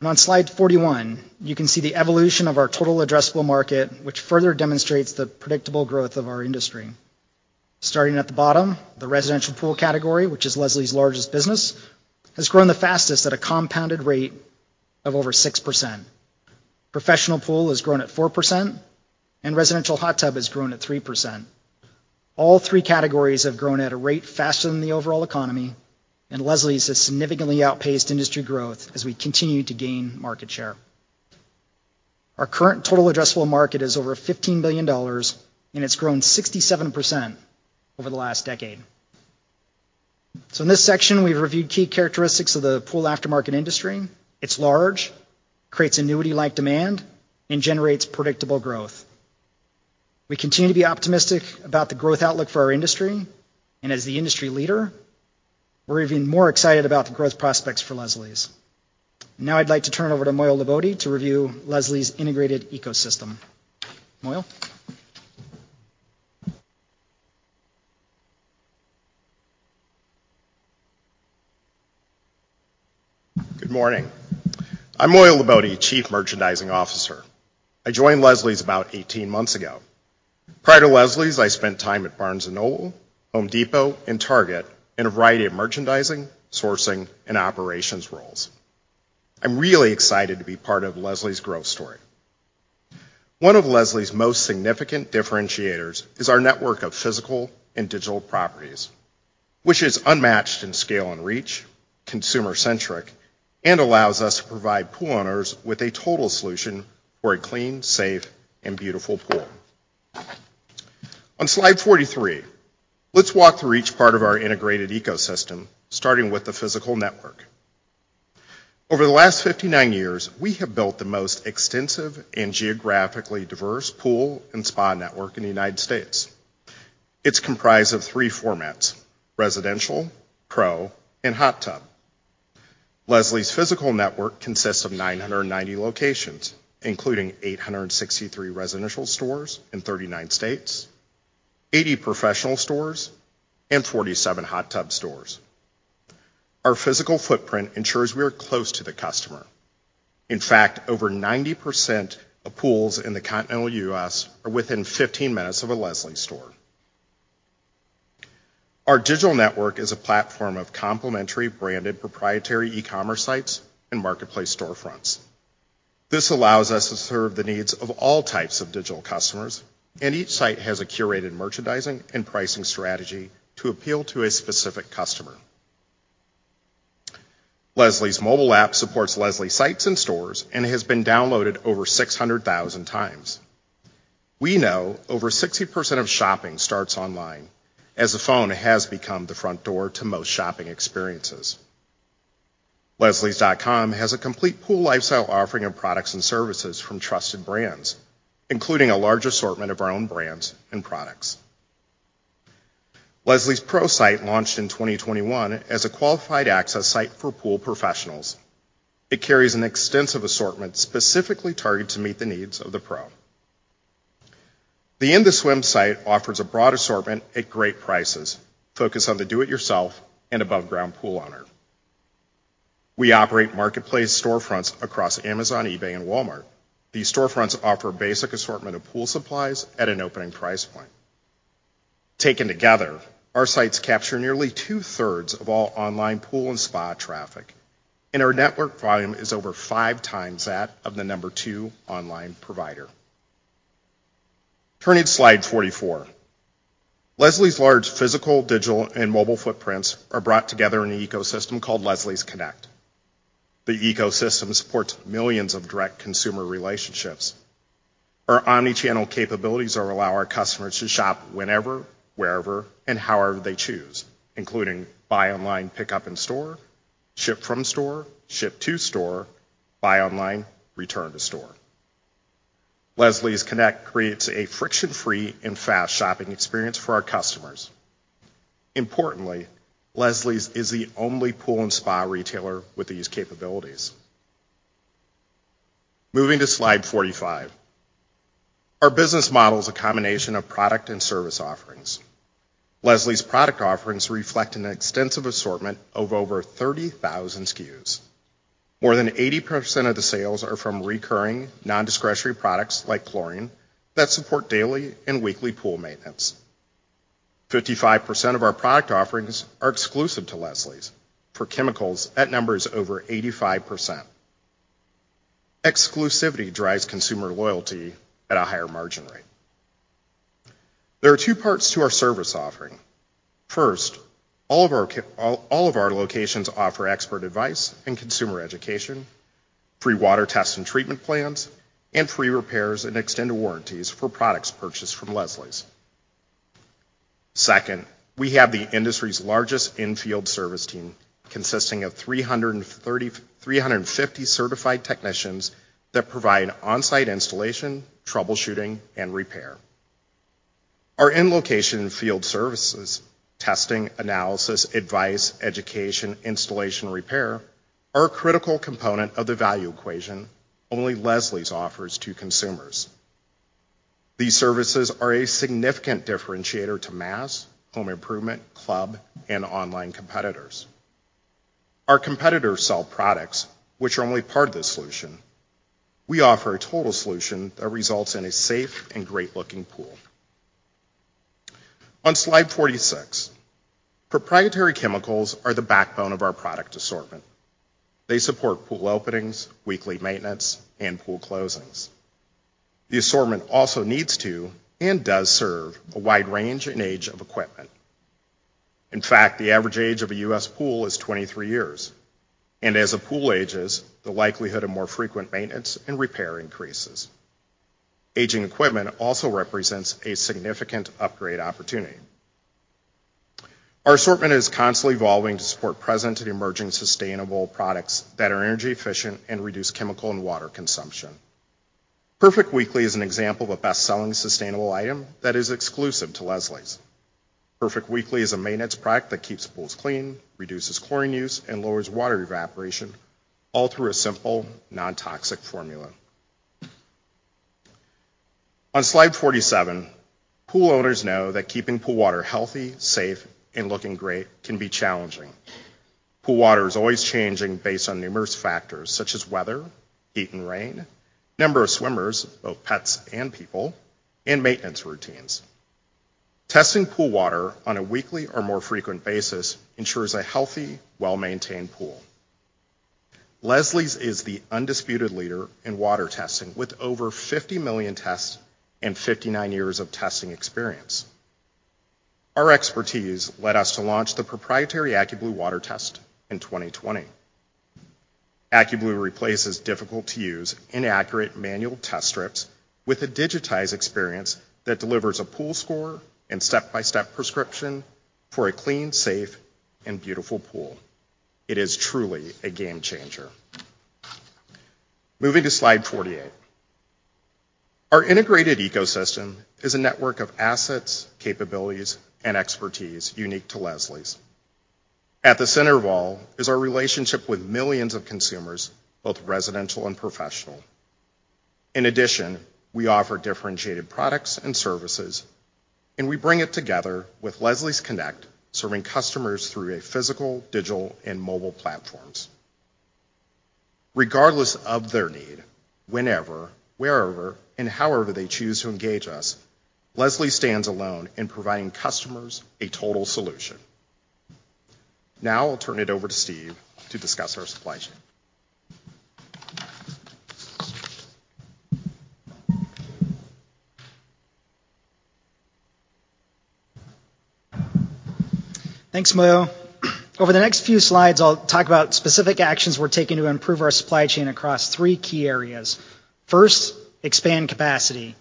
On slide 41, you can see the evolution of our total addressable market, which further demonstrates the predictable growth of our industry. Starting at the bottom, the residential pool category, which is Leslie's largest business, has grown the fastest at a compounded rate of over 6%. Professional pool has grown at 4%, and residential hot tub has grown at 3%. All three categories have grown at a rate faster than the overall economy. Leslie's has significantly outpaced industry growth as we continue to gain market share. Our current total addressable market is over $15 billion. It's grown 67% over the last decade. In this section, we've reviewed key characteristics of the pool aftermarket industry. It's large, creates annuity-like demand, and generates predictable growth. We continue to be optimistic about the growth outlook for our industry, and as the industry leader, we're even more excited about the growth prospects for Leslie's. I'd like to turn over to Moyo LaBode to review Leslie's integrated ecosystem. Moyo? Good morning. I'm Moyo LaBode, Chief Merchandising Officer. I joined Leslie's about 18 months ago. Prior to Leslie's, I spent time at Barnes & Noble, The Home Depot, and Target in a variety of merchandising, sourcing, and operations roles. I'm really excited to be part of Leslie's growth story. One of Leslie's most significant differentiators is our network of physical and digital properties, which is unmatched in scale and reach, consumer-centric, and allows us to provide pool owners with a total solution for a clean, safe, and beautiful pool. On slide 43, let's walk through each part of our integrated ecosystem, starting with the physical network. Over the last 59 years, we have built the most extensive and geographically diverse pool and spa network in the United States. It's comprised of three formats: residential, Pro, and hot tub. Leslie's physical network consists of 990 locations, including 863 residential stores in 39 states, 80 professional stores, and 47 hot tub stores. Our physical footprint ensures we are close to the customer. In fact, over 90% of pools in the continental U.S. are within 15 minutes of a Leslie's store. Our digital network is a platform of complementary branded proprietary e-commerce sites and marketplace storefronts. This allows us to serve the needs of all types of digital customers, and each site has a curated merchandising and pricing strategy to appeal to a specific customer. Leslie's mobile app supports Leslie's sites and stores and has been downloaded over 600,000 times. We know over 60% of shopping starts online as the phone has become the front door to most shopping experiences. leslies.com has a complete pool lifestyle offering of products and services from trusted brands, including a large assortment of our own brands and products. Leslie's Pro site launched in 2021 as a qualified access site for pool professionals. It carries an extensive assortment specifically targeted to meet the needs of the Pro. The In The Swim site offers a broad assortment at great prices, focused on the do it yourself and above ground pool owner. We operate marketplace storefronts across Amazon, eBay, and Walmart. These storefronts offer a basic assortment of pool supplies at an opening price point. Taken together, our sites capture nearly 2/3 of all online pool and spa traffic, and our network volume is over 5x that of the number two online provider. Turning to slide 44. Leslie's large physical, digital, and mobile footprints are brought together in an ecosystem called Leslie's Connect. The ecosystem supports millions of direct consumer relationships. Our omni-channel capabilities allow our customers to shop whenever, wherever, and however they choose, including buy online, pickup in store, ship from store, ship to store, buy online, return to store. Leslie's Connect creates a friction-free and fast shopping experience for our customers. Importantly, Leslie's is the only pool and spa retailer with these capabilities. Moving to slide 45. Our business model is a combination of product and service offerings. Leslie's product offerings reflect an extensive assortment of over 30,000 SKUs. More than 80% of the sales are from recurring, non-discretionary products like chlorine that support daily and weekly pool maintenance. 55% of our product offerings are exclusive to Leslie's. For chemicals, that number is over 85%. Exclusivity drives consumer loyalty at a higher margin rate. There are two parts to our service offering. All of our locations offer expert advice and consumer education, free water tests and treatment plans, and free repairs and extended warranties for products purchased from Leslie's. We have the industry's largest in-field service team, consisting of 350 certified technicians that provide on-site installation, troubleshooting, and repair. Our in-location field services, testing, analysis, advice, education, installation, repair are a critical component of the value equation only Leslie's offers to consumers. These services are a significant differentiator to mass, home improvement, club, and online competitors. Our competitors sell products which are only part of the solution. We offer a total solution that results in a safe and great-looking pool. On slide 46, proprietary chemicals are the backbone of our product assortment. They support pool openings, weekly maintenance, and pool closings. The assortment also needs to and does serve a wide range and age of equipment. In fact, the average age of a U.S. pool is 23 years. As a pool ages, the likelihood of more frequent maintenance and repair increases. Aging equipment also represents a significant upgrade opportunity. Our assortment is constantly evolving to support present and emerging sustainable products that are energy efficient and reduce chemical and water consumption. Perfect Weekly is an example of a best-selling sustainable item that is exclusive to Leslie's. Perfect Weekly is a maintenance product that keeps pools clean, reduces chlorine use, and lowers water evaporation, all through a simple non-toxic formula. On slide 47, pool owners know that keeping pool water healthy, safe, and looking great can be challenging. Pool water is always changing based on numerous factors such as weather, heat and rain, number of swimmers, both pets and people, and maintenance routines. Testing pool water on a weekly or more frequent basis ensures a healthy, well-maintained pool. Leslie's is the undisputed leader in water testing with over 50 million tests and 59 years of testing experience. Our expertise led us to launch the proprietary AccuBlue water test in 2020. AccuBlue replaces difficult-to-use, inaccurate manual test strips with a digitized experience that delivers a pool score and step-by-step prescription for a clean, safe, and beautiful pool. It is truly a game changer. Moving to slide 48. Our integrated ecosystem is a network of assets, capabilities, and expertise unique to Leslie's. At the center of all is our relationship with millions of consumers, both residential and professional. In addition, we offer differentiated products and services, and we bring it together with Leslie's Connect, serving customers through a physical, digital, and mobile platforms. Regardless of their need, whenever, wherever, and however they choose to engage us, Leslie's stands alone in providing customers a total solution. Now I'll turn it over to Steve to discuss our supply chain. Thanks, Moyo. Over the next three slides, I'll talk about specific actions we're taking to improve our supply chain across three key areas. First, expand capacity.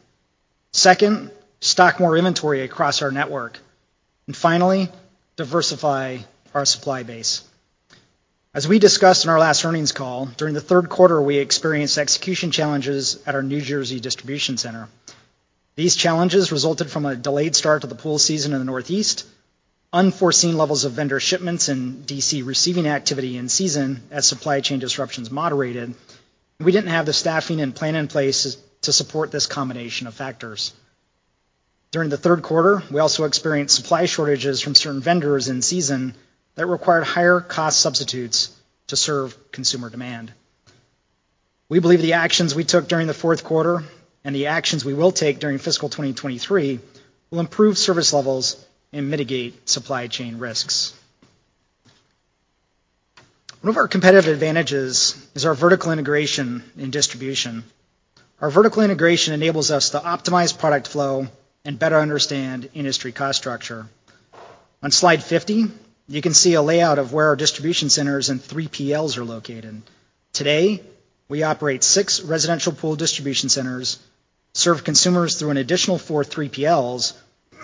Second, stock more inventory across our network. Finally, diversify our supply base. As we discussed in our last earnings call, during the third quarter, we experienced execution challenges at our New Jersey distribution center. These challenges resulted from a delayed start to the pool season in the Northeast, unforeseen levels of vendor shipments and D.C. receiving activity in season as supply chain disruptions moderated, and we didn't have the staffing and plan in place to support this combination of factors. During the third quarter, we also experienced supply shortages from certain vendors in season that required higher cost substitutes to serve consumer demand. We believe the actions we took during the fourth quarter and the actions we will take during fiscal 2023 will improve service levels and mitigate supply chain risks. One of our competitive advantages is our vertical integration in distribution. Our vertical integration enables us to optimize product flow and better understand industry cost structure. On slide 50, you can see a layout of where our distribution centers and 3PLs are located. Today, we operate six residential pool distribution centers, serve consumers through an additional four 3PLs,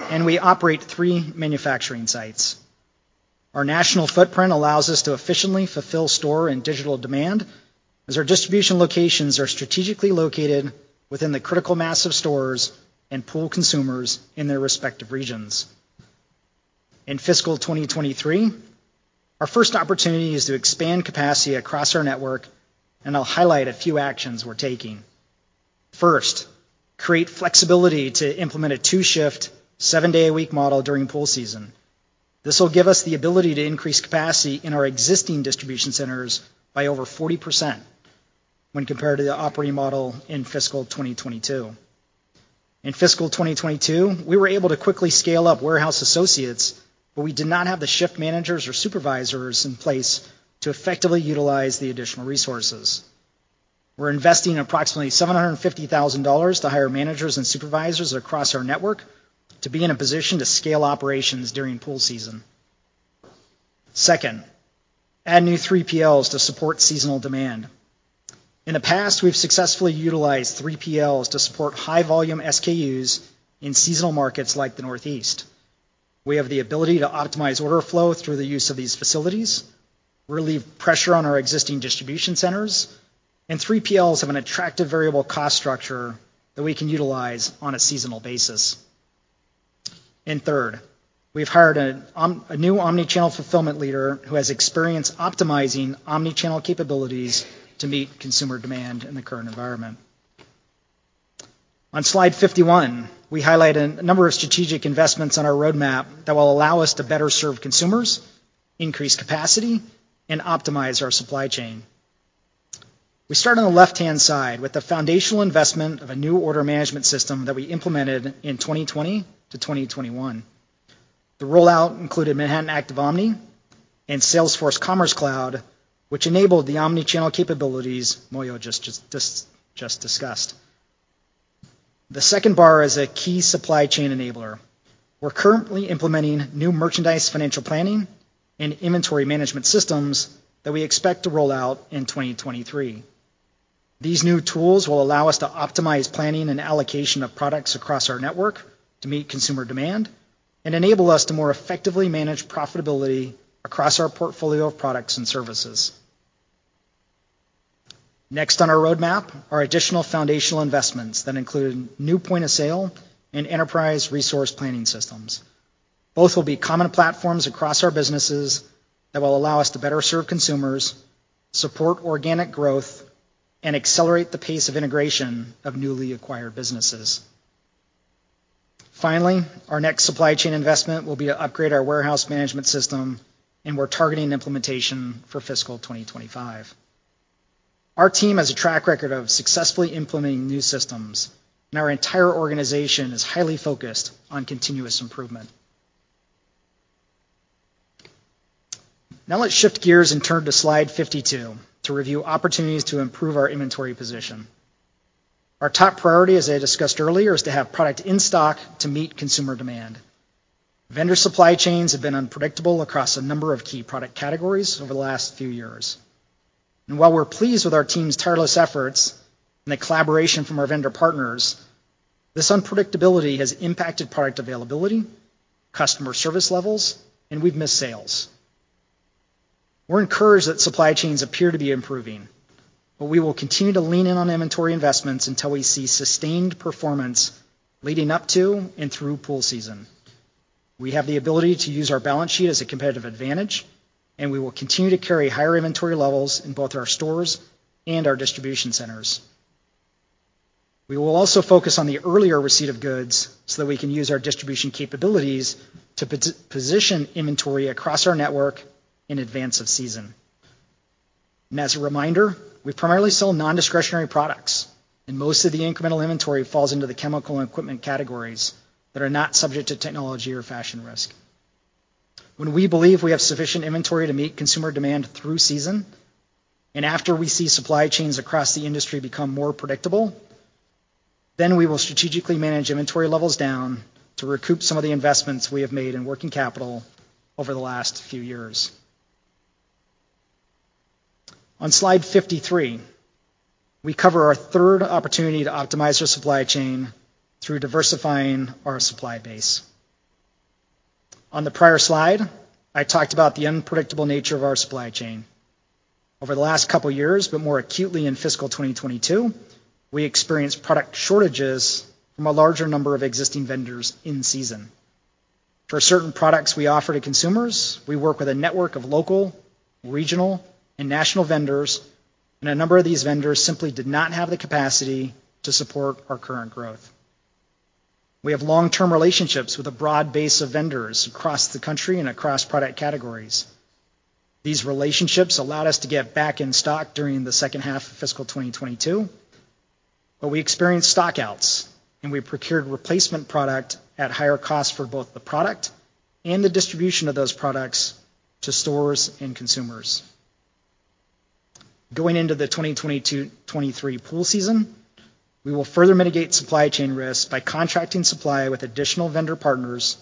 and we operate three manufacturing sites. Our national footprint allows us to efficiently fulfill store and digital demand as our distribution locations are strategically located within the critical mass of stores and pool consumers in their respective regions. In fiscal 2023, our first opportunity is to expand capacity across our network. I'll highlight a few actions we're taking. First, create flexibility to implement a two-shift, seven-day-a-week model during pool season. This will give us the ability to increase capacity in our existing distribution centers by over 40% when compared to the operating model in fiscal 2022. In fiscal 2022, we were able to quickly scale up warehouse associates, but we did not have the shift managers or supervisors in place to effectively utilize the additional resources. We're investing approximately $750,000 to hire managers and supervisors across our network to be in a position to scale operations during pool season. Second, add new 3PLs to support seasonal demand. In the past, we've successfully utilized 3PLs to support high-volume SKUs in seasonal markets like the Northeast. We have the ability to optimize order flow through the use of these facilities, relieve pressure on our existing distribution centers, 3PLs have an attractive variable cost structure that we can utilize on a seasonal basis. Third, we've hired a new omni-channel fulfillment leader who has experience optimizing omni-channel capabilities to meet consumer demand in the current environment. On slide 51, we highlight a number of strategic investments on our roadmap that will allow us to better serve consumers, increase capacity, and optimize our supply chain. We start on the left-hand side with the foundational investment of a new order management system that we implemented in 2020-2021. The rollout included Manhattan Active Omni and Salesforce Commerce Cloud, which enabled the omni-channel capabilities Moyo just discussed. The second bar is a key supply chain enabler. We're currently implementing new merchandise financial planning and inventory management systems that we expect to roll out in 2023. These new tools will allow us to optimize planning and allocation of products across our network to meet consumer demand and enable us to more effectively manage profitability across our portfolio of products and services. Next on our roadmap are additional foundational investments that include new point-of-sale and enterprise resource planning systems. Both will be common platforms across our businesses that will allow us to better serve consumers, support organic growth, and accelerate the pace of integration of newly acquired businesses. Our next supply chain investment will be to upgrade our warehouse management system. We're targeting implementation for fiscal 2025. Our team has a track record of successfully implementing new systems. Our entire organization is highly focused on continuous improvement. Let's shift gears and turn to slide 52 to review opportunities to improve our inventory position. Our top priority, as I discussed earlier, is to have product in stock to meet consumer demand. Vendor supply chains have been unpredictable across a number of key product categories over the last few years. While we're pleased with our team's tireless efforts and the collaboration from our vendor partners, this unpredictability has impacted product availability, customer service levels, and we've missed sales. We're encouraged that supply chains appear to be improving, we will continue to lean in on inventory investments until we see sustained performance leading up to and through pool season. We have the ability to use our balance sheet as a competitive advantage, we will continue to carry higher inventory levels in both our stores and our distribution centers. We will also focus on the earlier receipt of goods so that we can use our distribution capabilities to pre-position inventory across our network in advance of season. As a reminder, we primarily sell non-discretionary products, and most of the incremental inventory falls into the chemical and equipment categories that are not subject to technology or fashion risk. When we believe we have sufficient inventory to meet consumer demand through season, and after we see supply chains across the industry become more predictable, then we will strategically manage inventory levels down to recoup some of the investments we have made in working capital over the last few years. On slide 53, we cover our third opportunity to optimize our supply chain through diversifying our supply base. On the prior slide, I talked about the unpredictable nature of our supply chain. Over the last couple years, but more acutely in fiscal 2022, we experienced product shortages from a larger number of existing vendors in season. For certain products we offer to consumers, we work with a network of local, regional, and national vendors, and a number of these vendors simply did not have the capacity to support our current growth. We have long-term relationships with a broad base of vendors across the country and across product categories. These relationships allowed us to get back in stock during the second half of fiscal 2022, but we experienced stock-outs, and we procured replacement product at higher cost for both the product and the distribution of those products to stores and consumers. Going into the 2022-2023 pool season, we will further mitigate supply chain risk by contracting supply with additional vendor partners,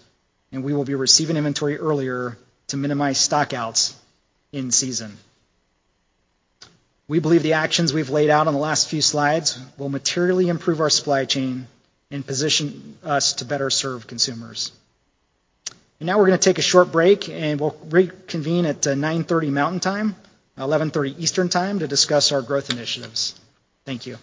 and we will be receiving inventory earlier to minimize stock-outs in season. We believe the actions we've laid out on the last few slides will materially improve our supply chain and position us to better serve consumers. Now we're gonna take a short break, and we'll reconvene at 9:30 Mountain Time, 11:30 Eastern Time, to discuss our growth initiatives. Thank you.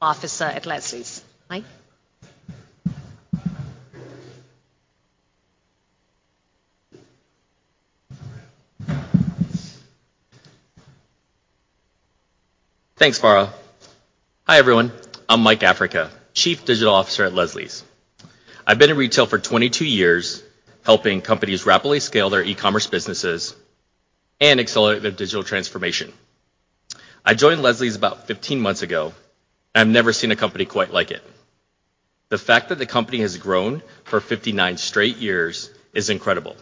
Mike? Thanks, Farah. Hi, everyone. I'm Mike Africa, Chief Digital Officer at Leslie's. I've been in retail for 22 years, helping companies rapidly scale their e-commerce businesses and accelerate their digital transformation. I joined Leslie's about 15 months ago. I've never seen a company quite like it. The fact that the company has grown for 59 straight years is incredible.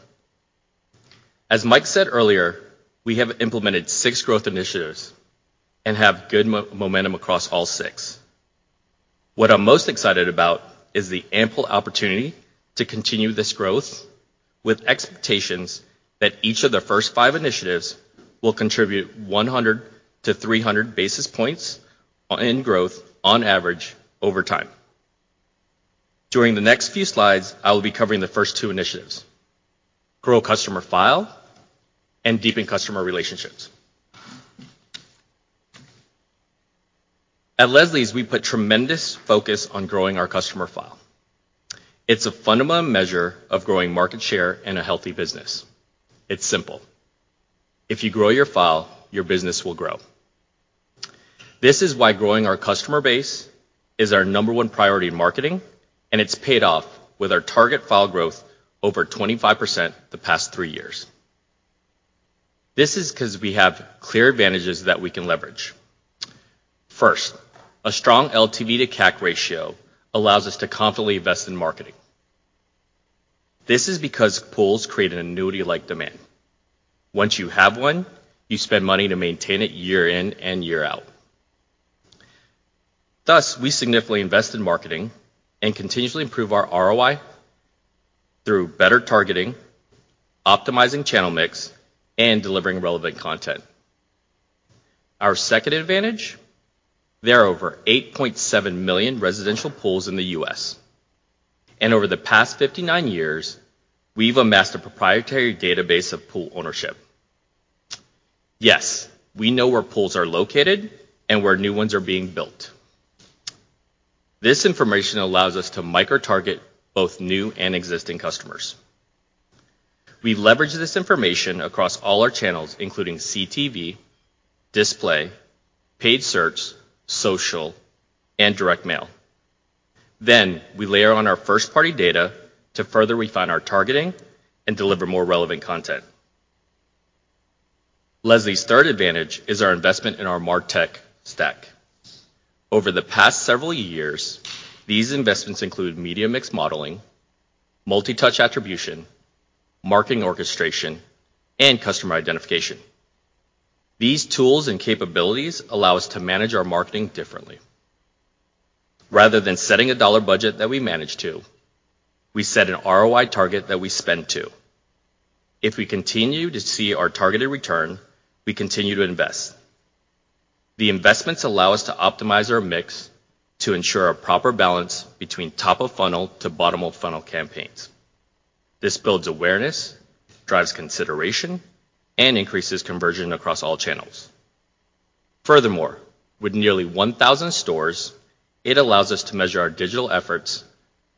As Mike said earlier, we have implemented six growth initiatives and have good momentum across all six. What I'm most excited about is the ample opportunity to continue this growth with expectations that each of the first five initiatives will contribute 100 to 300 basis points in growth on average over time. During the next few slides, I will be covering the first two initiatives: grow customer file and deepen customer relationships. At Leslie's, we put tremendous focus on growing our customer file. It's a fundamental measure of growing market share and a healthy business. It's simple. If you grow your file, your business will grow. This is why growing our customer base is our number one priority in marketing, and it's paid off with our target file growth over 25% the past three years. This is 'cause we have clear advantages that we can leverage. First, a strong LTV to CAC ratio allows us to confidently invest in marketing. This is because pools create an annuity-like demand. Once you have one, you spend money to maintain it year in and year out. Thus, we significantly invest in marketing and continuously improve our ROI through better targeting, optimizing channel mix, and delivering relevant content. Our second advantage, there are over 8.7 million residential pools in the U.S. Over the past 59 years, we've amassed a proprietary database of pool ownership. Yes, we know where pools are located and where new ones are being built. This information allows us to micro-target both new and existing customers. We leverage this information across all our channels, including CTV, display, paid search, social, and direct mail. We layer on our first-party data to further refine our targeting and deliver more relevant content. Leslie's third advantage is our investment in our martech stack. Over the past several years, these investments include media mix modeling, multi-touch attribution, marketing orchestration, and customer identification. These tools and capabilities allow us to manage our marketing differently. Rather than setting a dollar budget that we manage to, we set an ROI target that we spend to. If we continue to see our targeted return, we continue to invest. The investments allow us to optimize our mix to ensure a proper balance between top of funnel to bottom of funnel campaigns. This builds awareness, drives consideration, and increases conversion across all channels. Furthermore, with nearly 1,000 stores, it allows us to measure our digital efforts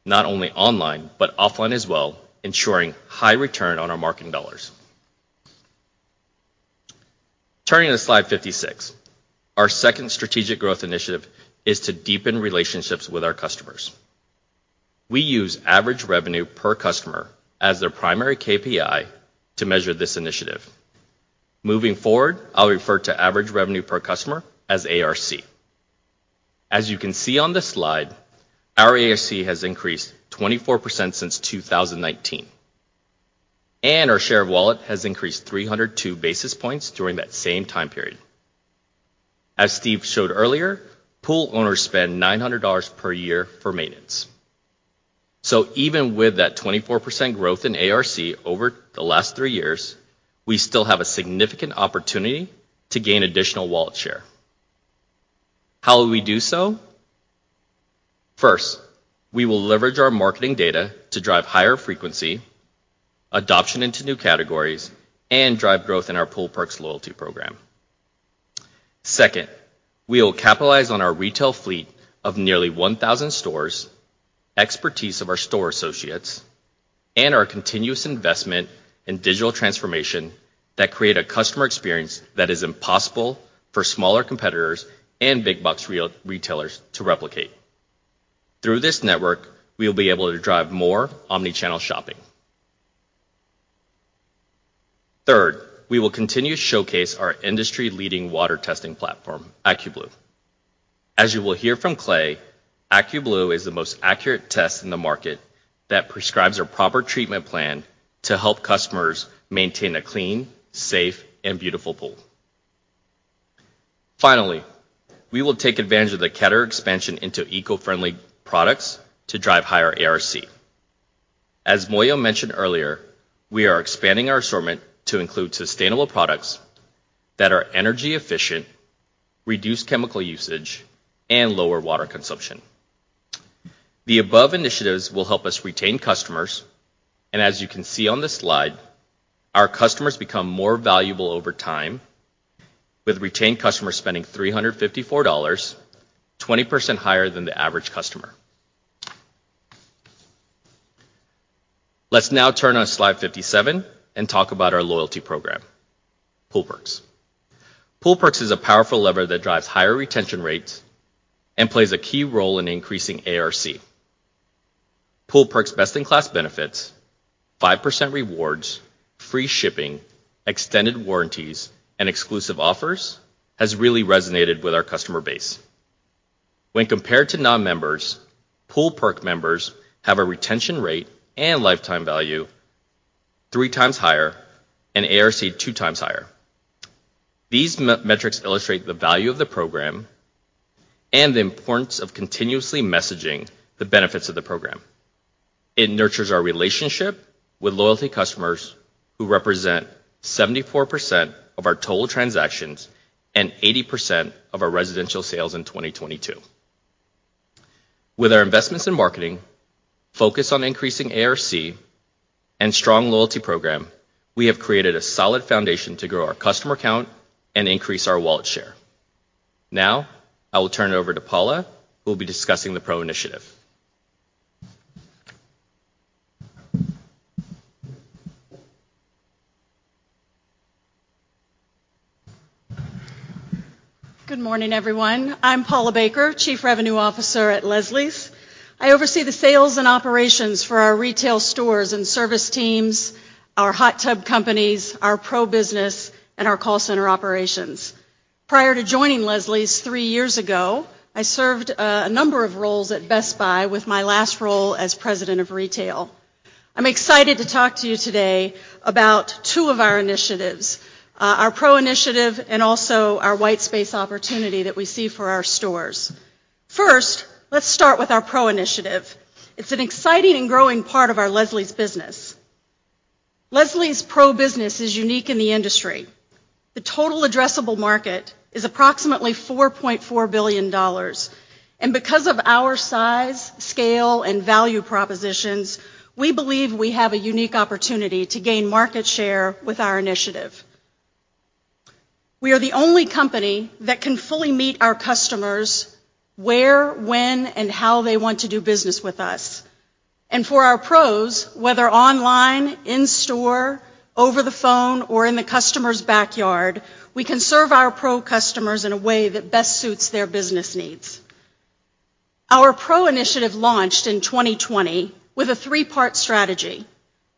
not only online but offline as well, ensuring high return on our marketing dollars. Turning to slide 56. Our second strategic growth initiative is to deepen relationships with our customers. We use average revenue per customer as their primary KPI to measure this initiative. Moving forward, I'll refer to average revenue per customer as ARC. As you can see on this slide, our ARC has increased 24% since 2019, and our share of wallet has increased 302 basis points during that same time period. As Steve showed earlier, pool owners spend $900 per year for maintenance. Even with that 24% growth in ARC over the last three years, we still have a significant opportunity to gain additional wallet share. How will we do so? First, we will leverage our marketing data to drive higher frequency, adoption into new categories, and drive growth in our Pool Perks loyalty program. Second, we will capitalize on our retail fleet of nearly 1,000 stores, expertise of our store associates, and our continuous investment in digital transformation that create a customer experience that is impossible for smaller competitors and big box re-retailers to replicate. Through this network, we will be able to drive more omnichannel shopping. Third, we will continue to showcase our industry-leading water testing platform, AccuBlue. As you will hear from Clay, AccuBlue is the most accurate test in the market that prescribes a proper treatment plan to help customers maintain a clean, safe, and beautiful pool. Finally, we will take advantage of the category expansion into eco-friendly products to drive higher ARC. As Moyo mentioned earlier, we are expanding our assortment to include sustainable products that are energy efficient, reduce chemical usage, and lower water consumption. The above initiatives will help us retain customers, and as you can see on this slide, our customers become more valuable over time, with retained customers spending $354, 20% higher than the average customer. Let's now turn on slide 57 and talk about our loyalty program, Pool Perks. Pool Perks is a powerful lever that drives higher retention rates and plays a key role in increasing ARC. Pool Perks best-in-class benefits, 5% rewards, free shipping, extended warranties, and exclusive offers has really resonated with our customer base. When compared to non-members, Pool Perk members have a retention rate and lifetime value 3x higher and ARC 2x higher. These metrics illustrate the value of the program and the importance of continuously messaging the benefits of the program. It nurtures our relationship with loyalty customers who represent 74% of our total transactions and 80% of our residential sales in 2022. With our investments in marketing, focus on increasing ARC, and strong loyalty program, we have created a solid foundation to grow our customer count and increase our wallet share. Now, I will turn it over to Paula, who will be discussing the Pro initiative. Good morning, everyone. I'm Paula Baker, Chief Revenue Officer at Leslie's. I oversee the sales and operations for our retail stores and service teams, our hot tub companies, our Pro business, and our call center operations. Prior to joining Leslie's three years ago, I served a number of roles at Best Buy, with my last role as President of Retail. I'm excited to talk to you today about two of our initiatives, our Pro initiative and also our white space opportunity that we see for our stores. Let's start with our Pro initiative. It's an exciting and growing part of our Leslie's business. Leslie's Pro business is unique in the industry. The total addressable market is approximately $4.4 billion. Because of our size, scale, and value propositions, we believe we have a unique opportunity to gain market share with our initiative. We are the only company that can fully meet our customers where, when, and how they want to do business with us. For our pros, whether online, in-store, over the phone, or in the customer's backyard, we can serve our Pro customers in a way that best suits their business needs. Our Pro initiative launched in 2020 with a three-part strategy: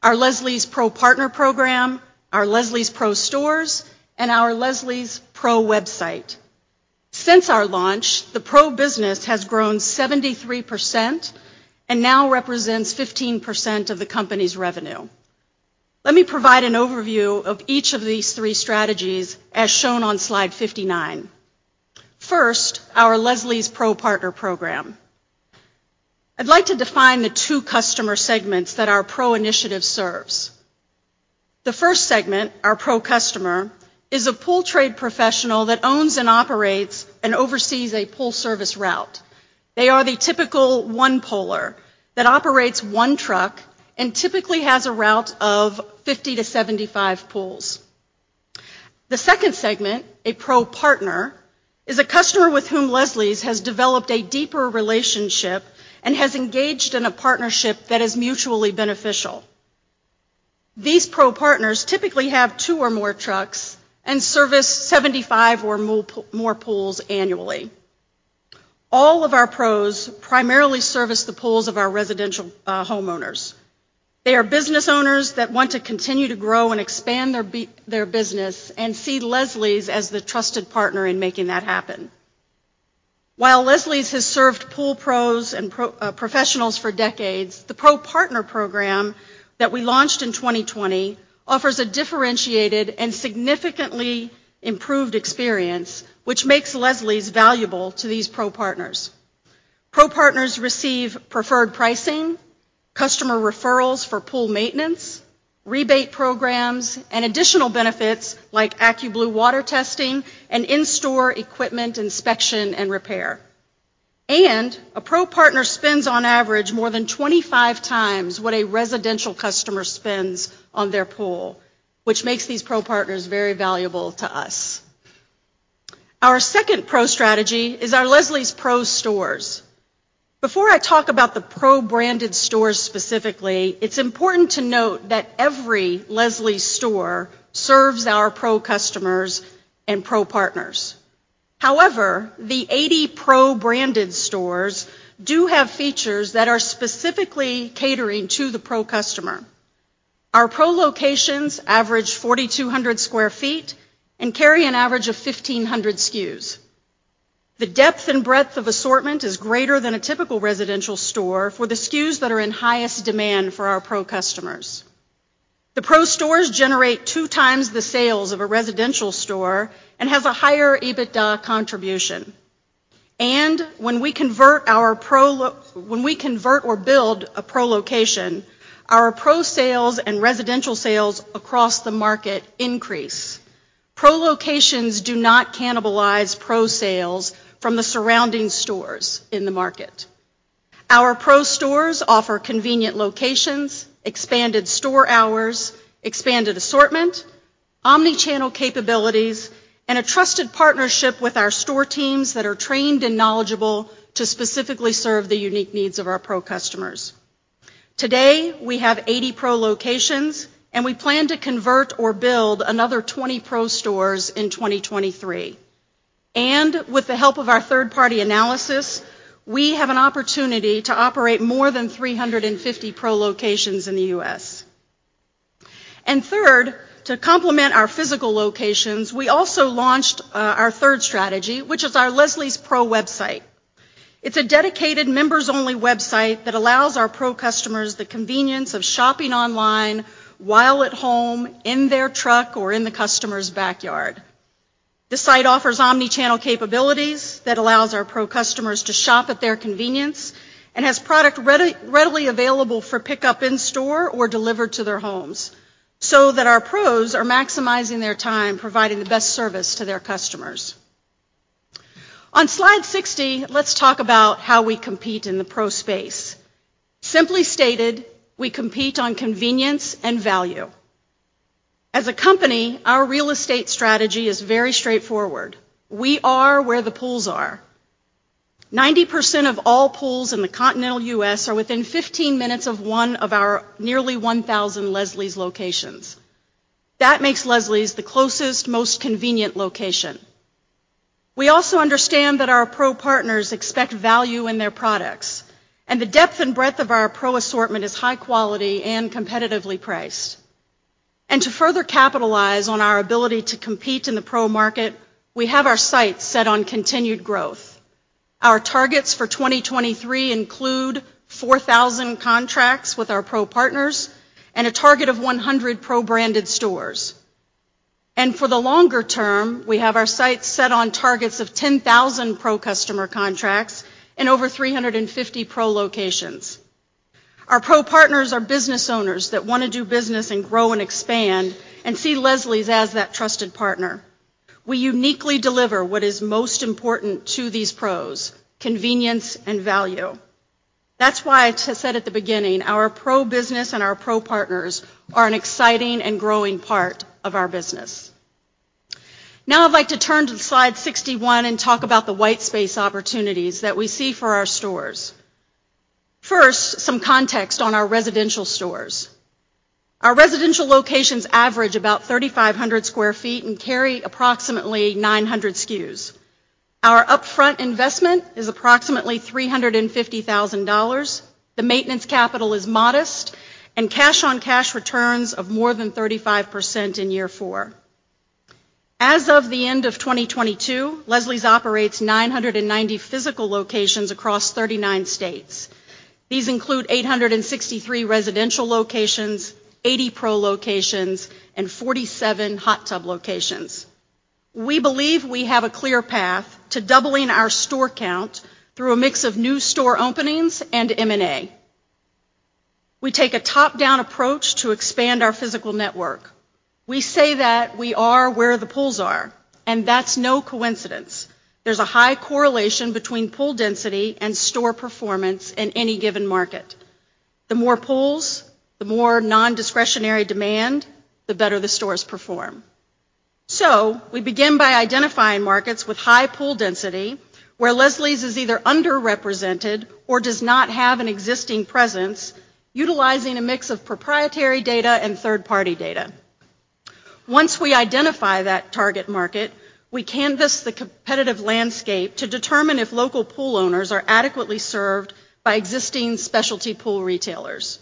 our Leslie's Pro Partner Program, our Leslie's Pro stores, and our Leslie's Pro website. Since our launch, the Pro business has grown 73% and now represents 15% of the company's revenue. Let me provide an overview of each of these three strategies, as shown on slide 59. First, our Leslie's Pro Partner Program. I'd like to define the two customer segments that our Pro initiative serves. The first segment, our Pro customer, is a pool trade professional that owns and operates and oversees a pool service route. They are the typical one-poler that operates one truck and typically has a route of 50 to 75 pools. The second segment, a Pro Partner, is a customer with whom Leslie's has developed a deeper relationship and has engaged in a partnership that is mutually beneficial. These Pro Partners typically have two or more trucks and service 75 or more pools annually. All of our pros primarily service the pools of our residential homeowners. They are business owners that want to continue to grow and expand their business and see Leslie's as the trusted partner in making that happen. While Leslie's has served pool Pros and professionals for decades, the Pro Partner program that we launched in 2020 offers a differentiated and significantly improved experience, which makes Leslie's valuable to these Pro Partners. Pro Partners receive preferred pricing, customer referrals for pool maintenance, rebate programs, and additional benefits like AccuBlue water testing and in-store equipment inspection and repair. A Pro Partner spends, on average, more than 25x what a residential customer spends on their pool, which makes these Pro Partners very valuable to us. Our second Pro strategy is our Leslie's Pro stores. Before I talk about the Pro-branded stores specifically, it's important to note that every Leslie's store serves our Pro customers and Pro Partners. However, the 80 Pro-branded stores do have features that are specifically catering to the Pro customer. Our Pro locations average 4,200 sq ft and carry an average of 1,500 SKUs. The depth and breadth of assortment is greater than a typical residential store for the SKUs that are in highest demand for our Pro customers. The Pro stores generate 2x the sales of a residential store and has a higher EBITDA contribution. When we convert or build a Pro location, our Pro sales and residential sales across the market increase. Pro locations do not cannibalize Pro sales from the surrounding stores in the market. Our Pro stores offer convenient locations, expanded store hours, expanded assortment, omni-channel capabilities, and a trusted partnership with our store teams that are trained and knowledgeable to specifically serve the unique needs of our Pro customers. Today, we have 80 Pro locations, we plan to convert or build another 20 Pro stores in 2023. With the help of our third-party analysis, we have an opportunity to operate more than 350 Pro locations in the U.S. Third, to complement our physical locations, we also launched our third strategy, which is our Leslie's Pro website. It's a dedicated members-only website that allows our Pro customers the convenience of shopping online while at home, in their truck, or in the customer's backyard. This site offers omni-channel capabilities that allows our pro customers to shop at their convenience and has product readily available for pickup in store or delivered to their homes so that our Pros are maximizing their time providing the best service to their customers. On slide 60, let's talk about how we compete in the Pro space. Simply stated, we compete on convenience and value. As a company, our real estate strategy is very straightforward. We are where the pools are. 90% of all pools in the continental U.S. are within 15 minutes of one of our nearly 1,000 Leslie's locations. That makes Leslie's the closest, most convenient location. We also understand that our Pro Partners expect value in their products, the depth and breadth of our Pro assortment is high quality and competitively priced. To further capitalize on our ability to compete in the Pro market, we have our sights set on continued growth. Our targets for 2023 include 4,000 contracts with our Pro Partners and a target of 100 Pro-branded stores. For the longer term, we have our sights set on targets of 10,000 Pro customer contracts and over 350 Pro locations. Our Pro Partners are business owners that wanna do business and grow and expand and see Leslie's as that trusted partner. We uniquely deliver what is most important to these Pros, convenience and value. That's why I said at the beginning, our Pro business and our Pro Partners are an exciting and growing part of our business. Now I'd like to turn to slide 61 and talk about the white space opportunities that we see for our stores. First, some context on our residential stores. Our residential locations average about 3,500 sq ft and carry approximately 900 SKUs. Our upfront investment is approximately $350,000. The maintenance capital is modest, and cash-on-cash returns of more than 35% in year four. As of the end of 2022, Leslie's operates 990 physical locations across 39 states. These include 863 residential locations, 80 Pro locations, and 47 hot tub locations. We believe we have a clear path to doubling our store count through a mix of new store openings and M&A. We take a top-down approach to expand our physical network. We say that we are where the pools are, that's no coincidence. There's a high correlation between pool density and store performance in any given market. The more pools, the more non-discretionary demand, the better the stores perform. We begin by identifying markets with high pool density, where Leslie's is either underrepresented or does not have an existing presence, utilizing a mix of proprietary data and third-party data. Once we identify that target market, we canvas the competitive landscape to determine if local pool owners are adequately served by existing specialty pool retailers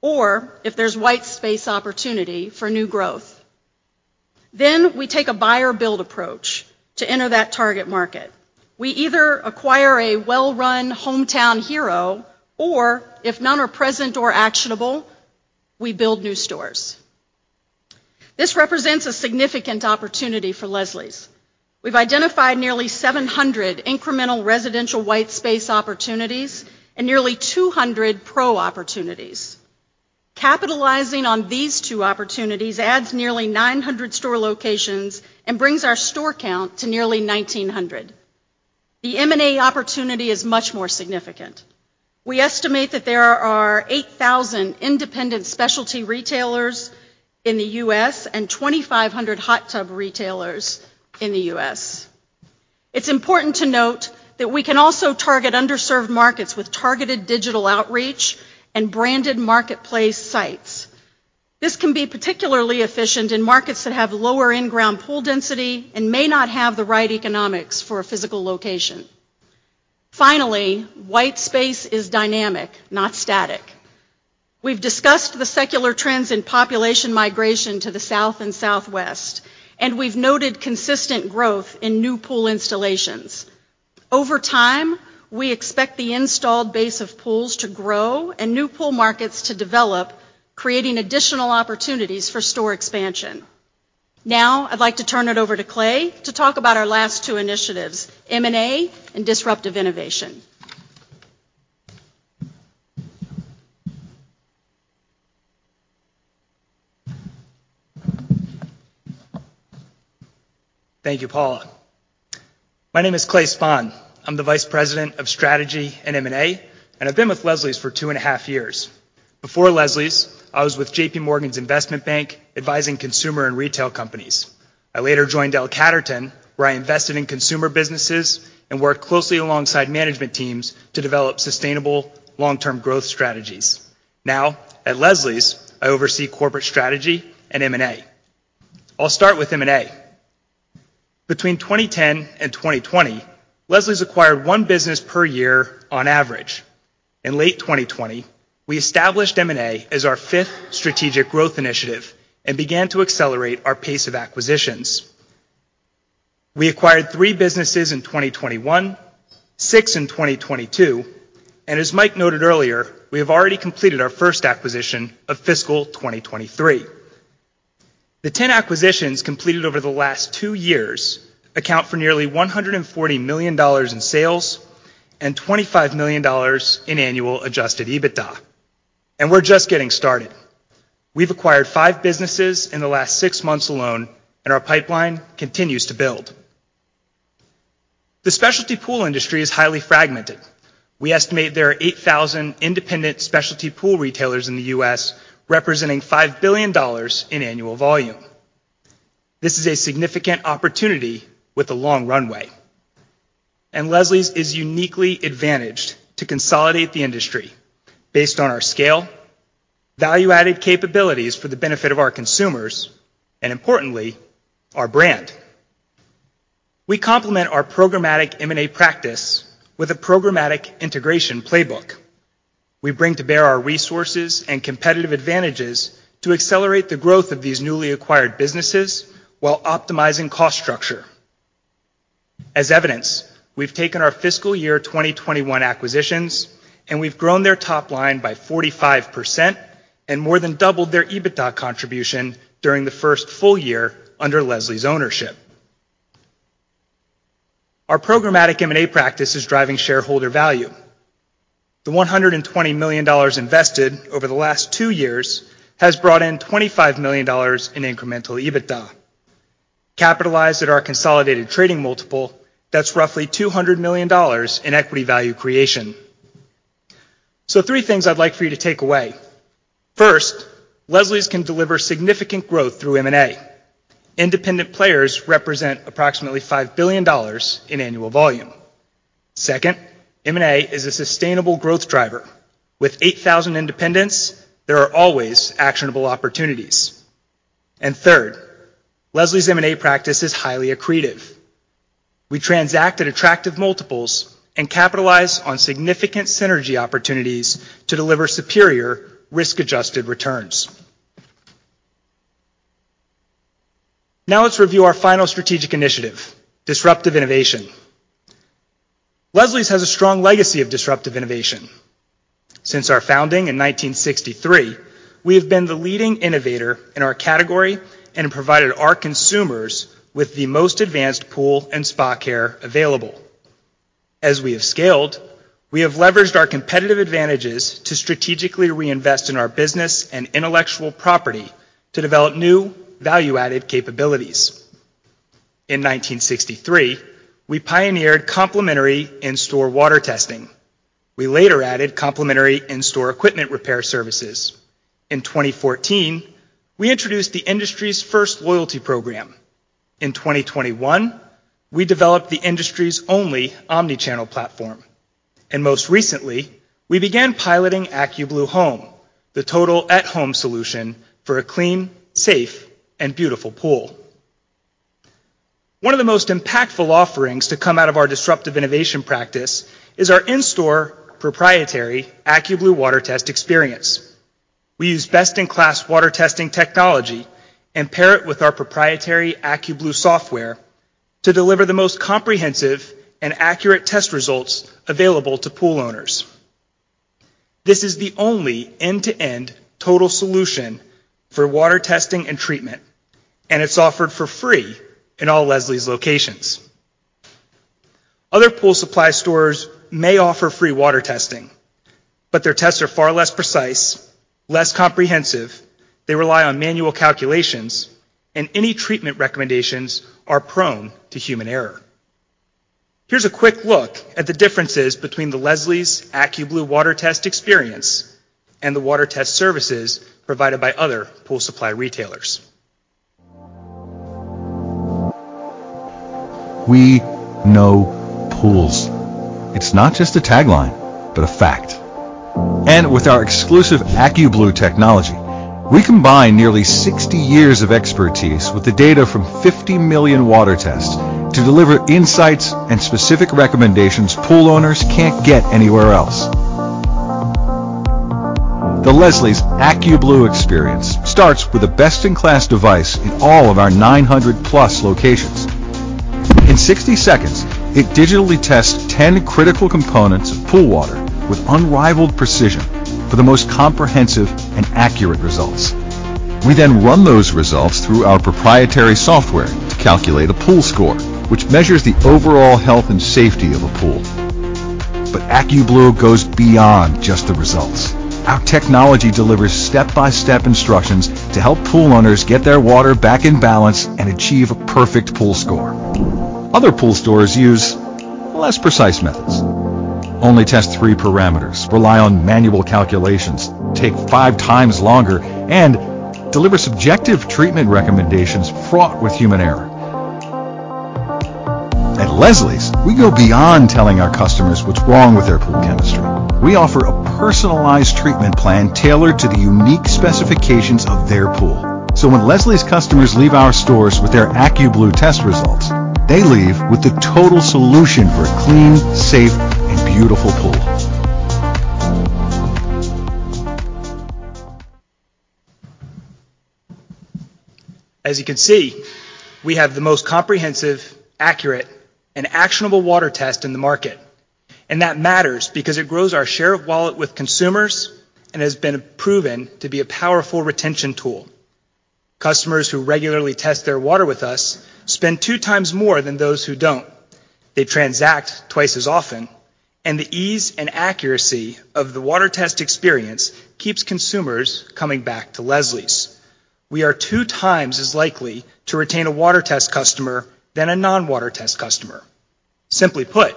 or if there's white space opportunity for new growth. We take a buy or build approach to enter that target market. We either acquire a well-run hometown hero or if none are present or actionable, we build new stores. This represents a significant opportunity for Leslie's. We've identified nearly 700 incremental residential white space opportunities and nearly 200 Pro opportunities. Capitalizing on these two opportunities adds nearly 900 store locations and brings our store count to nearly 1,900. The M&A opportunity is much more significant. We estimate that there are 8,000 independent specialty retailers in the U.S. and 2,500 hot tub retailers in the U.S. It's important to note that we can also target underserved markets with targeted digital outreach and branded marketplace sites. This can be particularly efficient in markets that have lower in-ground pool density and may not have the right economics for a physical location. Finally, white space is dynamic, not static. We've discussed the secular trends in population migration to the South and Southwest, and we've noted consistent growth in new pool installations. Over time, we expect the installed base of pools to grow and new pool markets to develop, creating additional opportunities for store expansion. Now, I'd like to turn it over to Clay to talk about our last two initiatives, M&A and disruptive innovation. Thank you, Paula. My name is Clay Spahn. I'm the Vice President of Strategy and M&A, and I've been with Leslie's for 2.5 years. Before Leslie's, I was with JPMorgan's investment bank, advising consumer and retail companies. I later joined L Catterton, where I invested in consumer businesses and worked closely alongside management teams to develop sustainable long-term growth strategies. Now, at Leslie's, I oversee corporate strategy and M&A. I'll start with M&A. Between 2010 and 2020, Leslie's acquired one business per year on average. In late 2020, we established M&A as our fifth strategic growth initiative and began to accelerate our pace of acquisitions. We acquired three businesses in 2021, six in 2022, and as Mike noted earlier, we have already completed our first acquisition of fiscal 2023. The 10 acquisitions completed over the last two years account for nearly $140 million in sales and $25 million in annual adjusted EBITDA. We're just getting started. We've acquired five businesses in the last six months alone. Our pipeline continues to build. The specialty pool industry is highly fragmented. We estimate there are 8,000 independent specialty pool retailers in the U.S., representing $5 billion in annual volume. This is a significant opportunity with a long runway. Leslie's is uniquely advantaged to consolidate the industry based on our scale, value-added capabilities for the benefit of our consumers, and importantly, our brand. We complement our programmatic M&A practice with a programmatic integration playbook. We bring to bear our resources and competitive advantages to accelerate the growth of these newly acquired businesses while optimizing cost structure. As evidence, we've taken our fiscal year 2021 acquisitions, and we've grown their top line by 45% and more than doubled their EBITDA contribution during the first full year under Leslie's ownership. Our programmatic M&A practice is driving shareholder value. The $120 million invested over the last two years has brought in $25 million in incremental EBITDA. Capitalized at our consolidated trading multiple, that's roughly $200 million in equity value creation. Three things I'd like for you to take away. First, Leslie's can deliver significant growth through M&A. Independent players represent approximately $5 billion in annual volume. Second, M&A is a sustainable growth driver. With 8,000 independents, there are always actionable opportunities. Third, Leslie's M&A practice is highly accretive. We transact at attractive multiples and capitalize on significant synergy opportunities to deliver superior risk-adjusted returns. Now let's review our final strategic initiative, disruptive innovation. Leslie's has a strong legacy of disruptive innovation. Since our founding in 1963, we have been the leading innovator in our category and provided our consumers with the most advanced pool and spa care available. As we have scaled, we have leveraged our competitive advantages to strategically reinvest in our business and intellectual property to develop new value-added capabilities. In 1963, we pioneered complimentary in-store water testing. We later added complimentary in-store equipment repair services. In 2014, we introduced the industry's first loyalty program. In 2021, we developed the industry's only omnichannel platform. Most recently, we began piloting AccuBlue Home, the total at-home solution for a clean, safe and beautiful pool. One of the most impactful offerings to come out of our disruptive innovation practice is our in-store proprietary AccuBlue water test experience. We use best-in-class water testing technology and pair it with our proprietary AccuBlue software to deliver the most comprehensive and accurate test results available to pool owners. This is the only end-to-end total solution for water testing and treatment, and it's offered for free in all Leslie's locations. Other pool supply stores may offer free water testing, but their tests are far less precise, less comprehensive, they rely on manual calculations, and any treatment recommendations are prone to human error. Here's a quick look at the differences between the Leslie's AccuBlue water test experience and the water test services provided by other pool supply retailers. We know pools. It's not just a tagline, but a fact. With our exclusive AccuBlue technology, we combine nearly 60 years of expertise with the data from 50 million water tests to deliver insights and specific recommendations pool owners can't get anywhere else. The Leslie's AccuBlue experience starts with a best-in-class device in all of our 900+ locations. In 60 seconds, it digitally tests 10 critical components of pool water with unrivaled precision for the most comprehensive and accurate results. We then run those results through our proprietary software to calculate a pool score, which measures the overall health and safety of a pool. AccuBlue goes beyond just the results. Our technology delivers step-by-step instructions to help pool owners get their water back in balance and achieve a perfect pool score. Other pool stores use less precise methods, only test three parameters, rely on manual calculations, take five times longer, and deliver subjective treatment recommendations fraught with human error. At Leslie's, we go beyond telling our customers what's wrong with their pool chemistry. We offer a personalized treatment plan tailored to the unique specifications of their pool. When Leslie's customers leave our stores with their AccuBlue test results, they leave with the total solution for a clean, safe and beautiful pool. As you can see, we have the most comprehensive, accurate and actionable water test in the market. That matters because it grows our share of wallet with consumers and has been proven to be a powerful retention tool. Customers who regularly test their water with us spend 2x more than those who don't. They transact twice as often. The ease and accuracy of the water test experience keeps consumers coming back to Leslie's. We are 2x as likely to retain a water test customer than a non-water test customer. Simply put,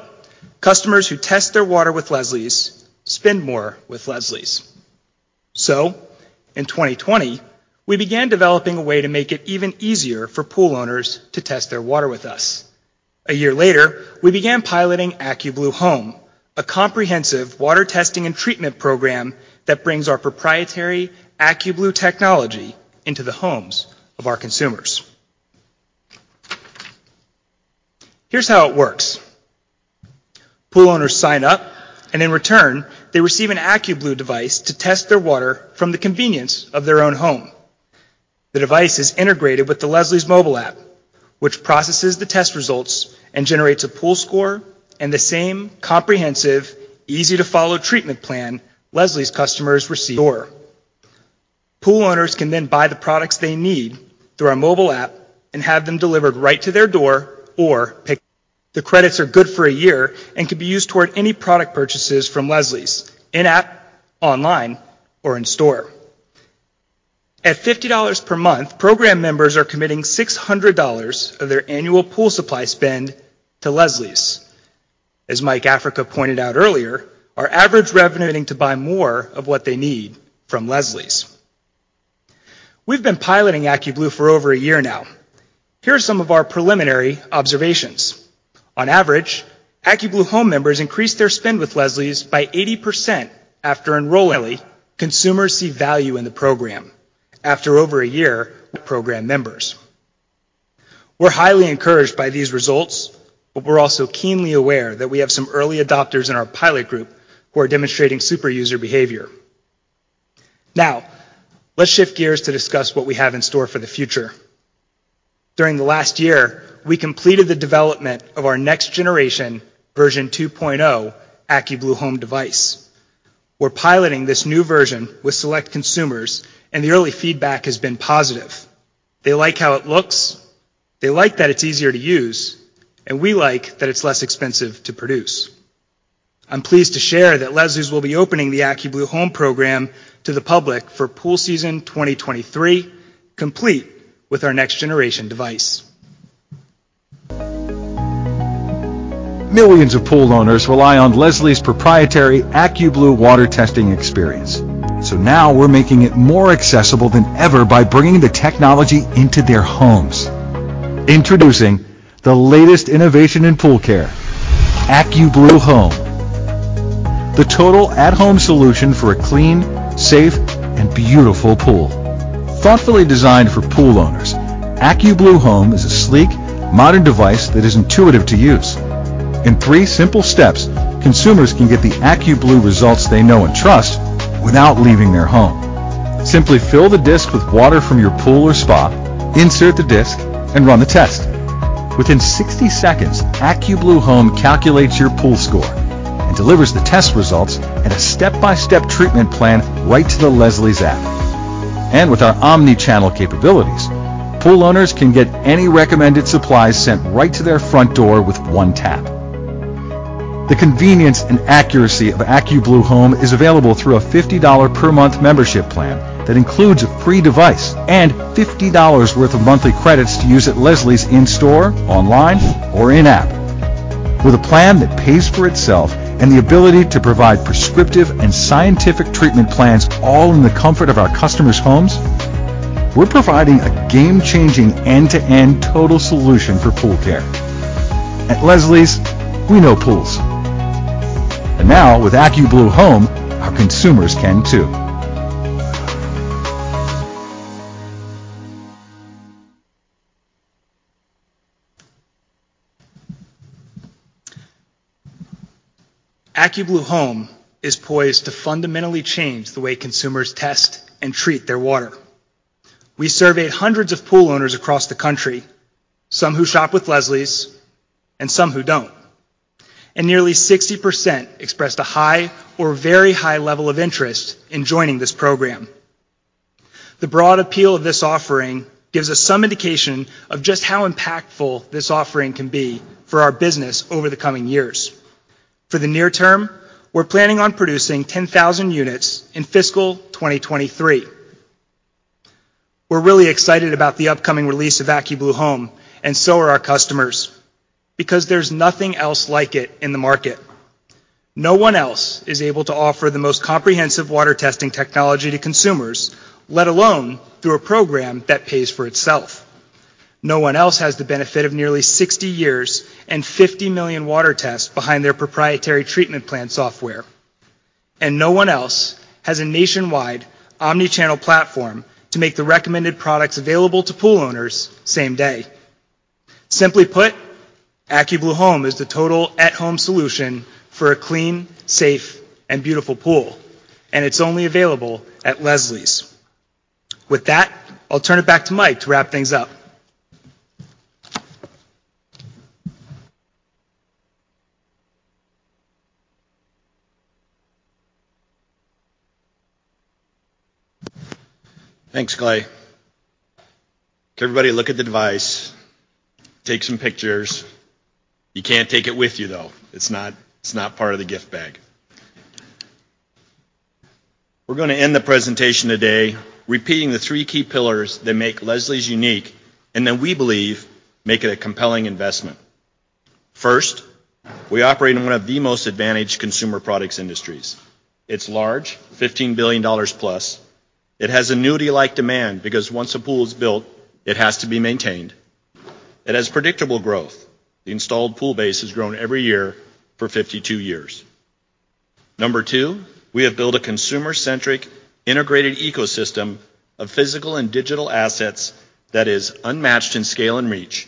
customers who test their water with Leslie's spend more with Leslie's. In 2020, we began developing a way to make it even easier for pool owners to test their water with us. A year later, we began piloting AccuBlue Home, a comprehensive water testing and treatment program that brings our proprietary AccuBlue technology into the homes of our consumers. Here's how it works. Pool owners sign up, and in return, they receive an AccuBlue device to test their water from the convenience of their own home. The device is integrated with the Leslie's mobile app, which processes the test results and generates a pool score and the same comprehensive, easy-to-follow treatment plan Leslie's customers receive. Pool owners can then buy the products they need through our mobile app and have them delivered right to their door or pick. The credits are good for a year and can be used toward any product purchases from Leslie's in app, online or in store. At $50 per month, program members are committing $600 of their annual pool supply spend to Leslie's. As Mike Africa pointed out earlier, our average revenue needing to buy more of what they need from Leslie's. We've been piloting AccuBlue for over a year now. Here are some of our preliminary observations. On average, AccuBlue Home members increased their spend with Leslie's by $80 after enrolling. Consumers see value in the program after over a year with program members. We're highly encouraged by these results, we're also keenly aware that we have some early adopters in our pilot group who are demonstrating super user behavior. Now, let's shift gears to discuss what we have in store for the future. During the last year, we completed the development of our next generation version 2.0 AccuBlue Home device. We're piloting this new version with select consumers. The early feedback has been positive. They like how it looks. They like that it's easier to use. We like that it's less expensive to produce. I'm pleased to share that Leslie's will be opening the AccuBlue Home program to the public for pool season 2023, complete with our next generation device. Millions of pool owners rely on Leslie's proprietary AccuBlue water testing experience. Now we're making it more accessible than ever by bringing the technology into their homes. Introducing the latest innovation in pool care, AccuBlue Home. The total at-home solution for a clean, safe and beautiful pool. Thoughtfully designed for pool owners, AccuBlue Home is a sleek, modern device that is intuitive to use. In thre simple steps, consumers can get the AccuBlue results they know and trust without leaving their home. Simply fill the disk with water from your pool or spa, insert the disk and run the test. Within 60 seconds, AccuBlue Home calculates your pool score and delivers the test results and a step-by-step treatment plan right to the Leslie's app. With our omnichannel capabilities, pool owners can get any recommended supplies sent right to their front door with one tap. The convenience and accuracy of AccuBlue Home is available through a $50 per month membership plan that includes a free device and $50 worth of monthly credits to use at Leslie's in store, online or in app. With a plan that pays for itself and the ability to provide prescriptive and scientific treatment plans all in the comfort of our customers' homes, we're providing a game changing end-to-end total solution for pool care. At Leslie's, we know pools. Now with AccuBlue Home, our consumers can too. AccuBlue Home is poised to fundamentally change the way consumers test and treat their water. We surveyed hundreds of pool owners across the country, some who shop with Leslie's and some who don't. Nearly 60% expressed a high or very high level of interest in joining this program. The broad appeal of this offering gives us some indication of just how impactful this offering can be for our business over the coming years. For the near term, we're planning on producing 10,000 units in fiscal 2023. We're really excited about the upcoming release of AccuBlue Home, so are our customers because there's nothing else like it in the market. No one else is able to offer the most comprehensive water testing technology to consumers, let alone through a program that pays for itself. No one else has the benefit of nearly 60 years and 50 million water tests behind their proprietary treatment plan software. No one else has a nationwide omni-channel platform to make the recommended products available to pool owners same day. Simply put, AccuBlue Home is the total at-home solution for a clean, safe and beautiful pool, and it's only available at Leslie's. With that, I'll turn it back to Mike to wrap things up. Thanks, Clay. Can everybody look at the device? Take some pictures. You can't take it with you, though. It's not part of the gift bag. We're going to end the presentation today repeating the three key pillars that make Leslie's unique and that we believe make it a compelling investment. First, we operate in one of the most advantaged consumer products industries. It's large, $15 billion+. It has annuity-like demand because once a pool is built, it has to be maintained. It has predictable growth. The installed pool base has grown every year for 52 years. Number two, we have built a consumer-centric integrated ecosystem of physical and digital assets that is unmatched in scale and reach,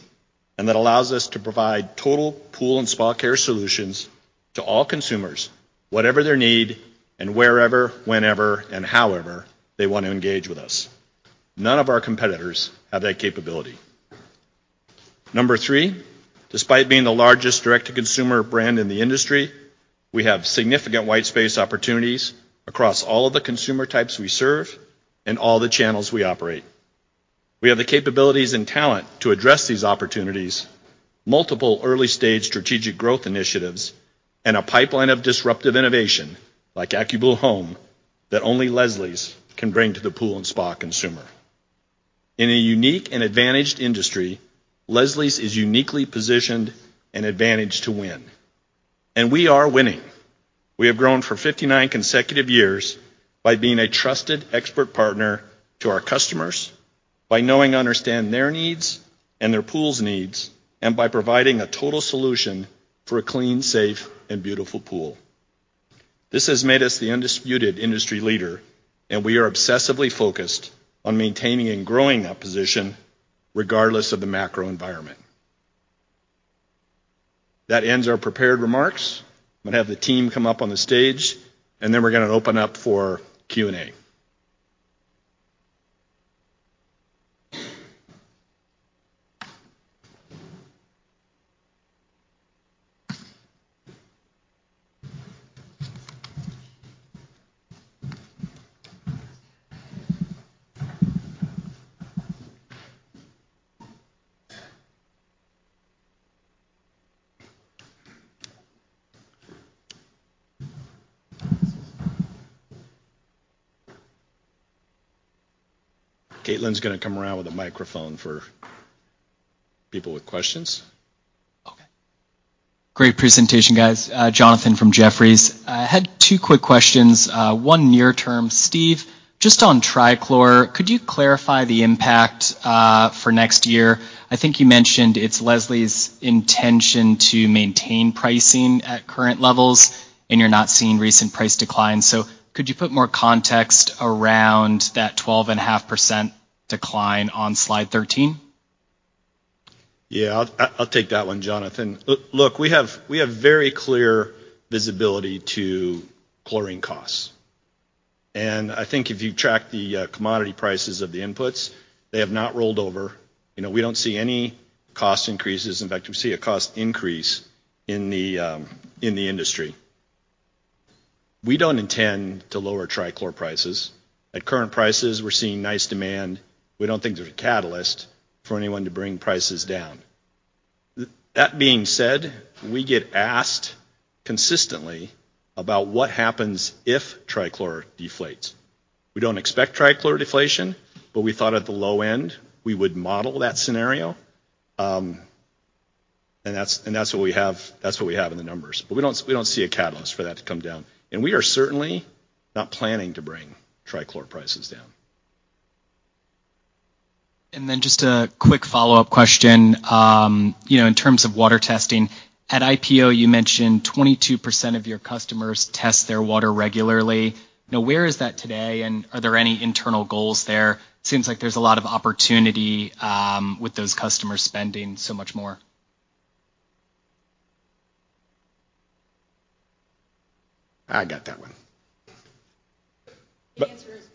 that allows us to provide total pool and spa care solutions to all consumers, whatever their need and wherever, whenever, and however they want to engage with us. None of our competitors have that capability. Number three, despite being the largest direct-to-consumer brand in the industry, we have significant white space opportunities across all of the consumer types we serve and all the channels we operate. We have the capabilities and talent to address these opportunities, multiple early-stage strategic growth initiatives, and a pipeline of disruptive innovation, like AccuBlue Home, that only Leslie's can bring to the pool and spa consumer. In a unique and advantaged industry, Leslie's is uniquely positioned and advantaged to win, and we are winning. We have grown for 59 consecutive years by being a trusted expert partner to our customers, by knowing and understanding their needs and their pool's needs, and by providing a total solution for a clean, safe, and beautiful pool. This has made us the undisputed industry leader, and we are obsessively focused on maintaining and growing that position regardless of the macro environment. That ends our prepared remarks. I'm gonna have the team come up on the stage, and then we're gonna open up for Q&A. Caitlin's gonna come around with a microphone for people with questions. Okay. Great presentation, guys. Jonathan from Jefferies. I had two quick questions, one near term. Steve, just on trichlor, could you clarify the impact for next year? I think you mentioned it's Leslie's intention to maintain pricing at current levels, and you're not seeing recent price declines. Could you put more context around that 12.5% decline on slide 13? Yeah. I'll take that one, Jonathan. Look, we have very clear visibility to chlorine costs. I think if you track the commodity prices of the inputs, they have not rolled over. You know, we don't see any cost increases. In fact, we see a cost increase in the industry. We don't intend to lower trichlor prices. At current prices, we're seeing nice demand. We don't think there's a catalyst for anyone to bring prices down. That being said, we get asked consistently about what happens if trichlor deflates. We don't expect trichlor deflation, but we thought at the low end we would model that scenario. That's what we have in the numbers. We don't see a catalyst for that to come down, and we are certainly not planning to bring trichlor prices down. Just a quick follow-up question. You know, in terms of water testing, at IPO, you mentioned 22% of your customers test their water regularly. Where is that today, and are there any internal goals there? Seems like there's a lot of opportunity with those customers spending so much more. I got that one. The answer is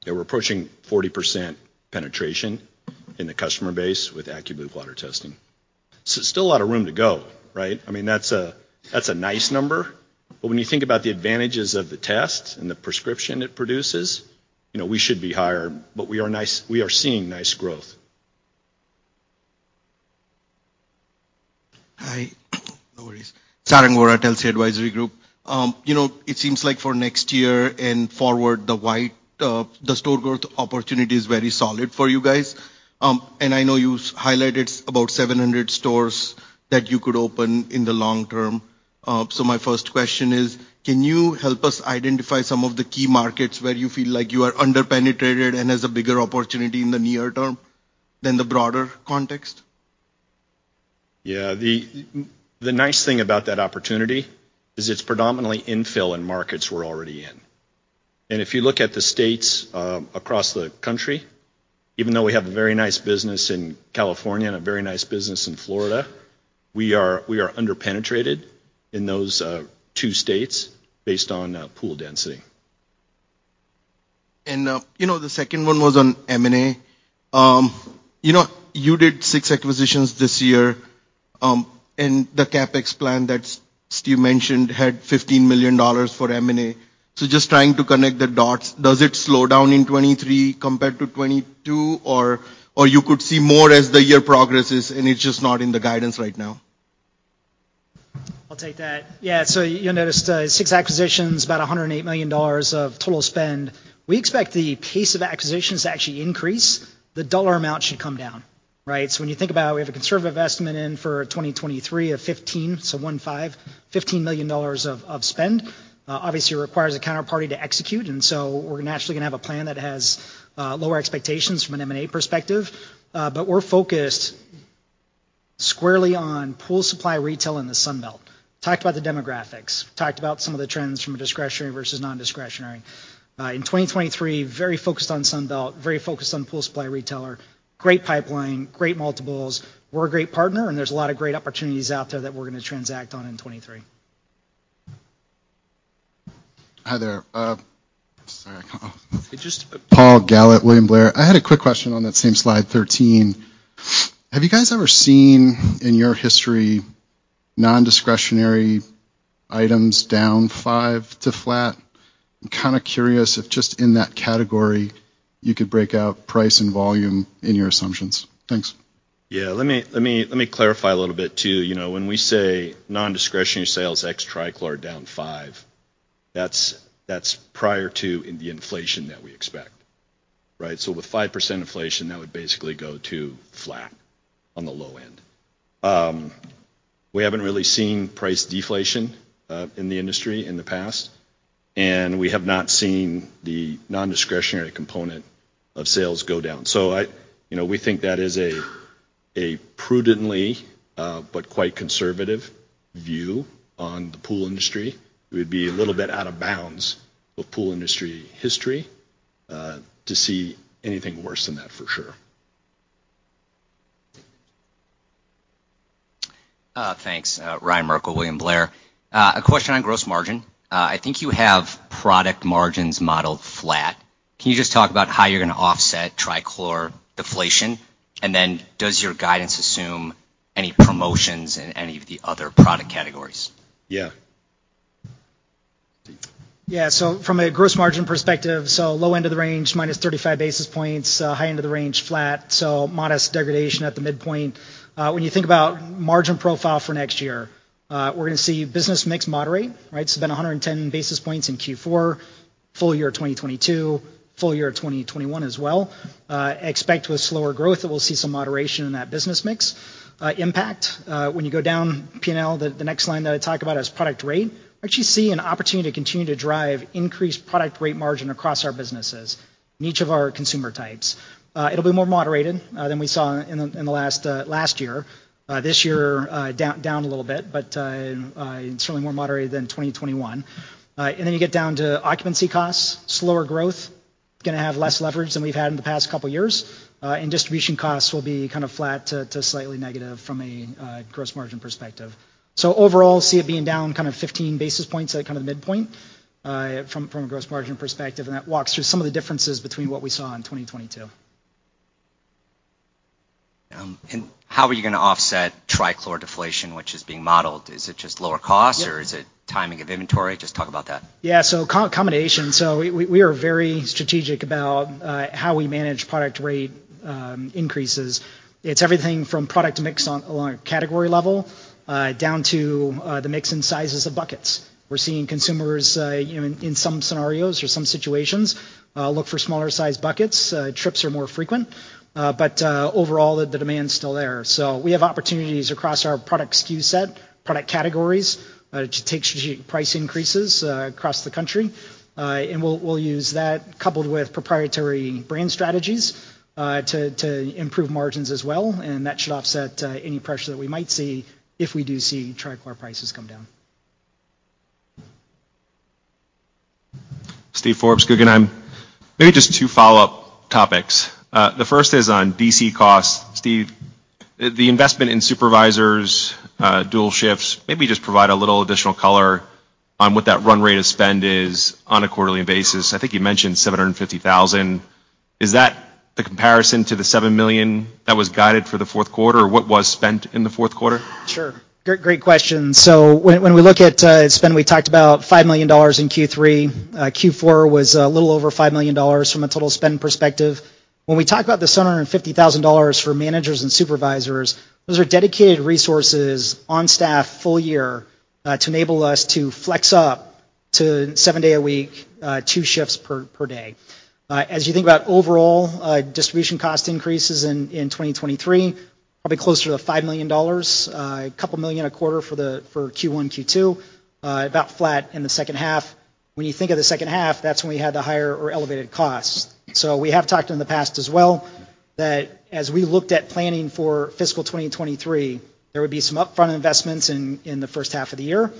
we've got 60% growth in our water testing since its inception in 2019 with Accu. Yeah. We're approaching 40% penetration in the customer base with AccuBlue water testing. Still a lot of room to go, right? I mean, that's a nice number, when you think about the advantages of the test and the prescription it produces, you know, we should be higher, but we are seeing nice growth. Hi. No worries. Sarang Vora, Telsey Advisory Group. you know, it seems like for next year and forward, the white, the store growth opportunity is very solid for you guys. I know you've highlighted about 700 stores that you could open in the long term. My first question is, can you help us identify some of the key markets where you feel like you are under-penetrated and has a bigger opportunity in the near term than the broader context? Yeah. The nice thing about that opportunity is it's predominantly infill in markets we're already in. If you look at the states, across the country, even though we have a very nice business in California and a very nice business in Florida, we are under-penetrated in those two states based on pool density. You know, the second one was on M&A. you know, you did 6 acquisitions this year, and the CapEx plan that Steve mentioned had $15 million for M&A. just trying to connect the dots. Does it slow down in 2023 compared to 2022 or you could see more as the year progresses and it's just not in the guidance right now? I'll take that. Yeah. You noticed six acquisitions, about $108 million of total spend. We expect the pace of acquisitions to actually increase. The dollar amount should come down. Right? When you think about we have a conservative estimate in for 2023 of $15 million, so one five, $15 million of spend. Obviously it requires a counterparty to execute, and so we're naturally gonna have a plan that has lower expectations from an M&A perspective. But we're focused squarely on pool supply retail in the Sun Belt. Talked about the demographics. Talked about some of the trends from a discretionary versus nondiscretionary. In 2023, very focused on Sun Belt, very focused on pool supply retailer, great pipeline, great multiples. We're a great partner, there's a lot of great opportunities out there that we're gonna transact on in 2023. Hi, there. Sorry. Can I come off? Just- Paul Gallet, William Blair. I had a quick question on that same slide 13. Have you guys ever seen in your history nondiscretionary items down 5% to flat? I'm kind of curious if just in that category you could break out price and volume in your assumptions. Thanks. Yeah. Let me clarify a little bit, too. You know, when we say nondiscretionary sales ex trichlor down 5%, that's prior to the inflation that we expect. Right? With 5% inflation, that would basically go to flat on the low end. We haven't really seen price deflation in the industry in the past, and we have not seen the nondiscretionary component of sales go down. You know, we think that is a prudently, but quite conservative view on the pool industry. It would be a little bit out of bounds of pool industry history to see anything worse than that for sure. Thanks. Ryan Merkel, William Blair. A question on gross margin. I think you have product margins modeled flat. Can you just talk about how you're gonna offset trichlor deflation? Does your guidance assume any promotions in any of the other product categories? Yeah. From a gross margin perspective, so low end of the range -35 basis points, high end of the range, flat, so modest degradation at the midpoint. When you think about margin profile for next year, we're gonna see business mix moderate, right? It's been 110 basis points in Q4, full year 2022, full year 2021 as well. Expect with slower growth that we'll see some moderation in that business mix. Impact, when you go down P&L, the next line that I talk about is product rate. We actually see an opportunity to continue to drive increased product rate margin across our businesses in each of our consumer types. It'll be more moderated than we saw in the last last year. This year, down a little bit, but certainly more moderated than 2021. You get down to occupancy costs, slower growth. Gonna have less leverage than we've had in the past couple years. Distribution costs will be kind of flat to slightly negative from a gross margin perspective. Overall, see it being down kind of 15 basis points at kind of the midpoint, from a gross margin perspective, and that walks through some of the differences between what we saw in 2022. How are you gonna offset trichlor deflation, which is being modeled? Is it just lower costs, or is it timing of inventory? Just talk about that. Yeah. Combination. We are very strategic about how we manage product rate increases. It's everything from product mix on a category level, down to the mix and sizes of buckets. We're seeing consumers, you know, in some scenarios or some situations, look for smaller size buckets. Trips are more frequent. But overall the demand's still there. We have opportunities across our product SKU set, product categories, to take strategic price increases across the country. We'll use that coupled with proprietary brand strategies, to improve margins as well, and that should offset any pressure that we might see if we do see trichlor prices come down. Maybe just two follow-up topics. The first is on D.C. costs. Steve, the investment in supervisors, dual shifts, maybe just provide a little additional color on what that run rate of spend is on a quarterly basis. I think you mentioned $750,000. Is that the comparison to the $7 million that was guided for the fourth quarter or what was spent in the fourth quarter? Sure. Great question. When we look at spend, we talked about $5 million in Q3. Q4 was a little over $5 million from a total spend perspective. When we talk about the $750,000 for managers and supervisors, those are dedicated resources on staff full year to enable us to flex up to seven day a week, two shifts per day. As you think about overall distribution cost increases in 2023, probably closer to $5 million. A couple million a quarter for Q1, Q2. About flat in the second half. When you think of the second half, that's when we had the higher or elevated costs. We have talked in the past as well that as we looked at planning for fiscal 2023, there would be some upfront investments in the first half of the year.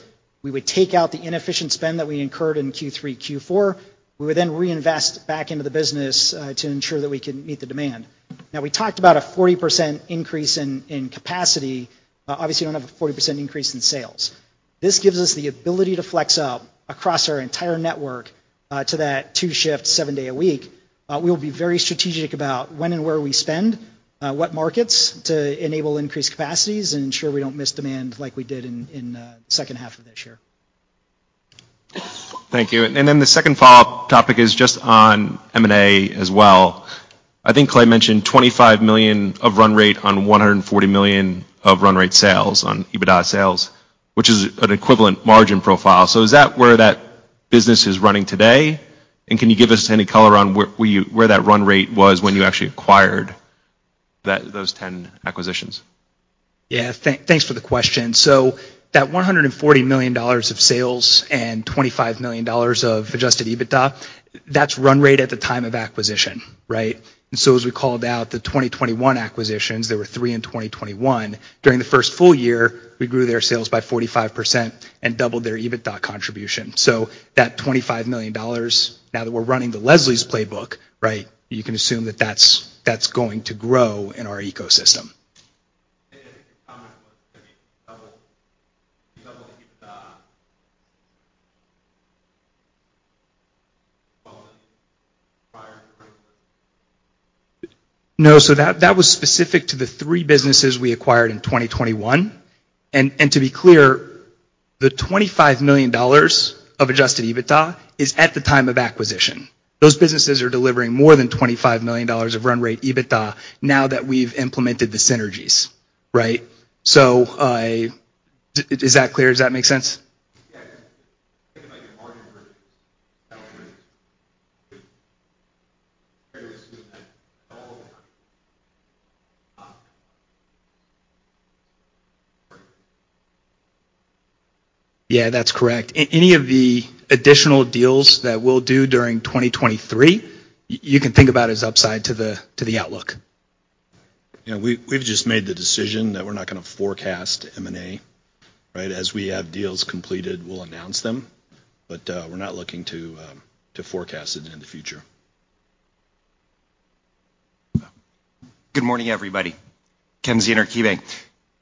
We would take out the inefficient spend that we incurred in Q3, Q4. We would then reinvest back into the business to ensure that we can meet the demand. We talked about a 40% increase in capacity. Obviously you don't have a 40% increase in sales. This gives us the ability to flex up across our entire network to that two shifts, seven day a week. We'll be very strategic about when and where we spend what markets to enable increased capacities and ensure we don't miss demand like we did in the second half of this year. Thank you. The second follow-up topic is just on M&A as well. I think Clay mentioned $25 million of run rate on $140 million of run rate sales on EBITDA sales, which is an equivalent margin profile. Is that where that business is running today? Can you give us any color on where that run rate was when you actually acquired those 10 acquisitions? Yeah. Thanks for the question. That $140 million of sales and $25 million of adjusted EBITDA, that's run rate at the time of acquisition, right? As we called out the 2021 acquisitions, there were three in 2021. During the first full year, we grew their sales by 45% and doubled their EBITDA contribution. That $25 million, now that we're running the Leslie's playbook, right, you can assume that that's going to grow in our ecosystem. I think your comment was, I mean, double the EBITDA prior to. No. That was specific to the three businesses we acquired in 2021. To be clear, the $25 million of adjusted EBITDA is at the time of acquisition. Those businesses are delivering more than $25 million of run rate EBITDA now that we've implemented the synergies, right? Is that clear? Does that make sense? Yeah. Just thinking about your margin versus. Yeah, that's correct. Any of the additional deals that we'll do during 2023, you can think about as upside to the outlook. Yeah. We've just made the decision that we're not gonna forecast M&A, right? As we have deals completed, we'll announce them. We're not looking to forecast it in the future. Good morning, everybody. Kenneth Zener, KeyBanc.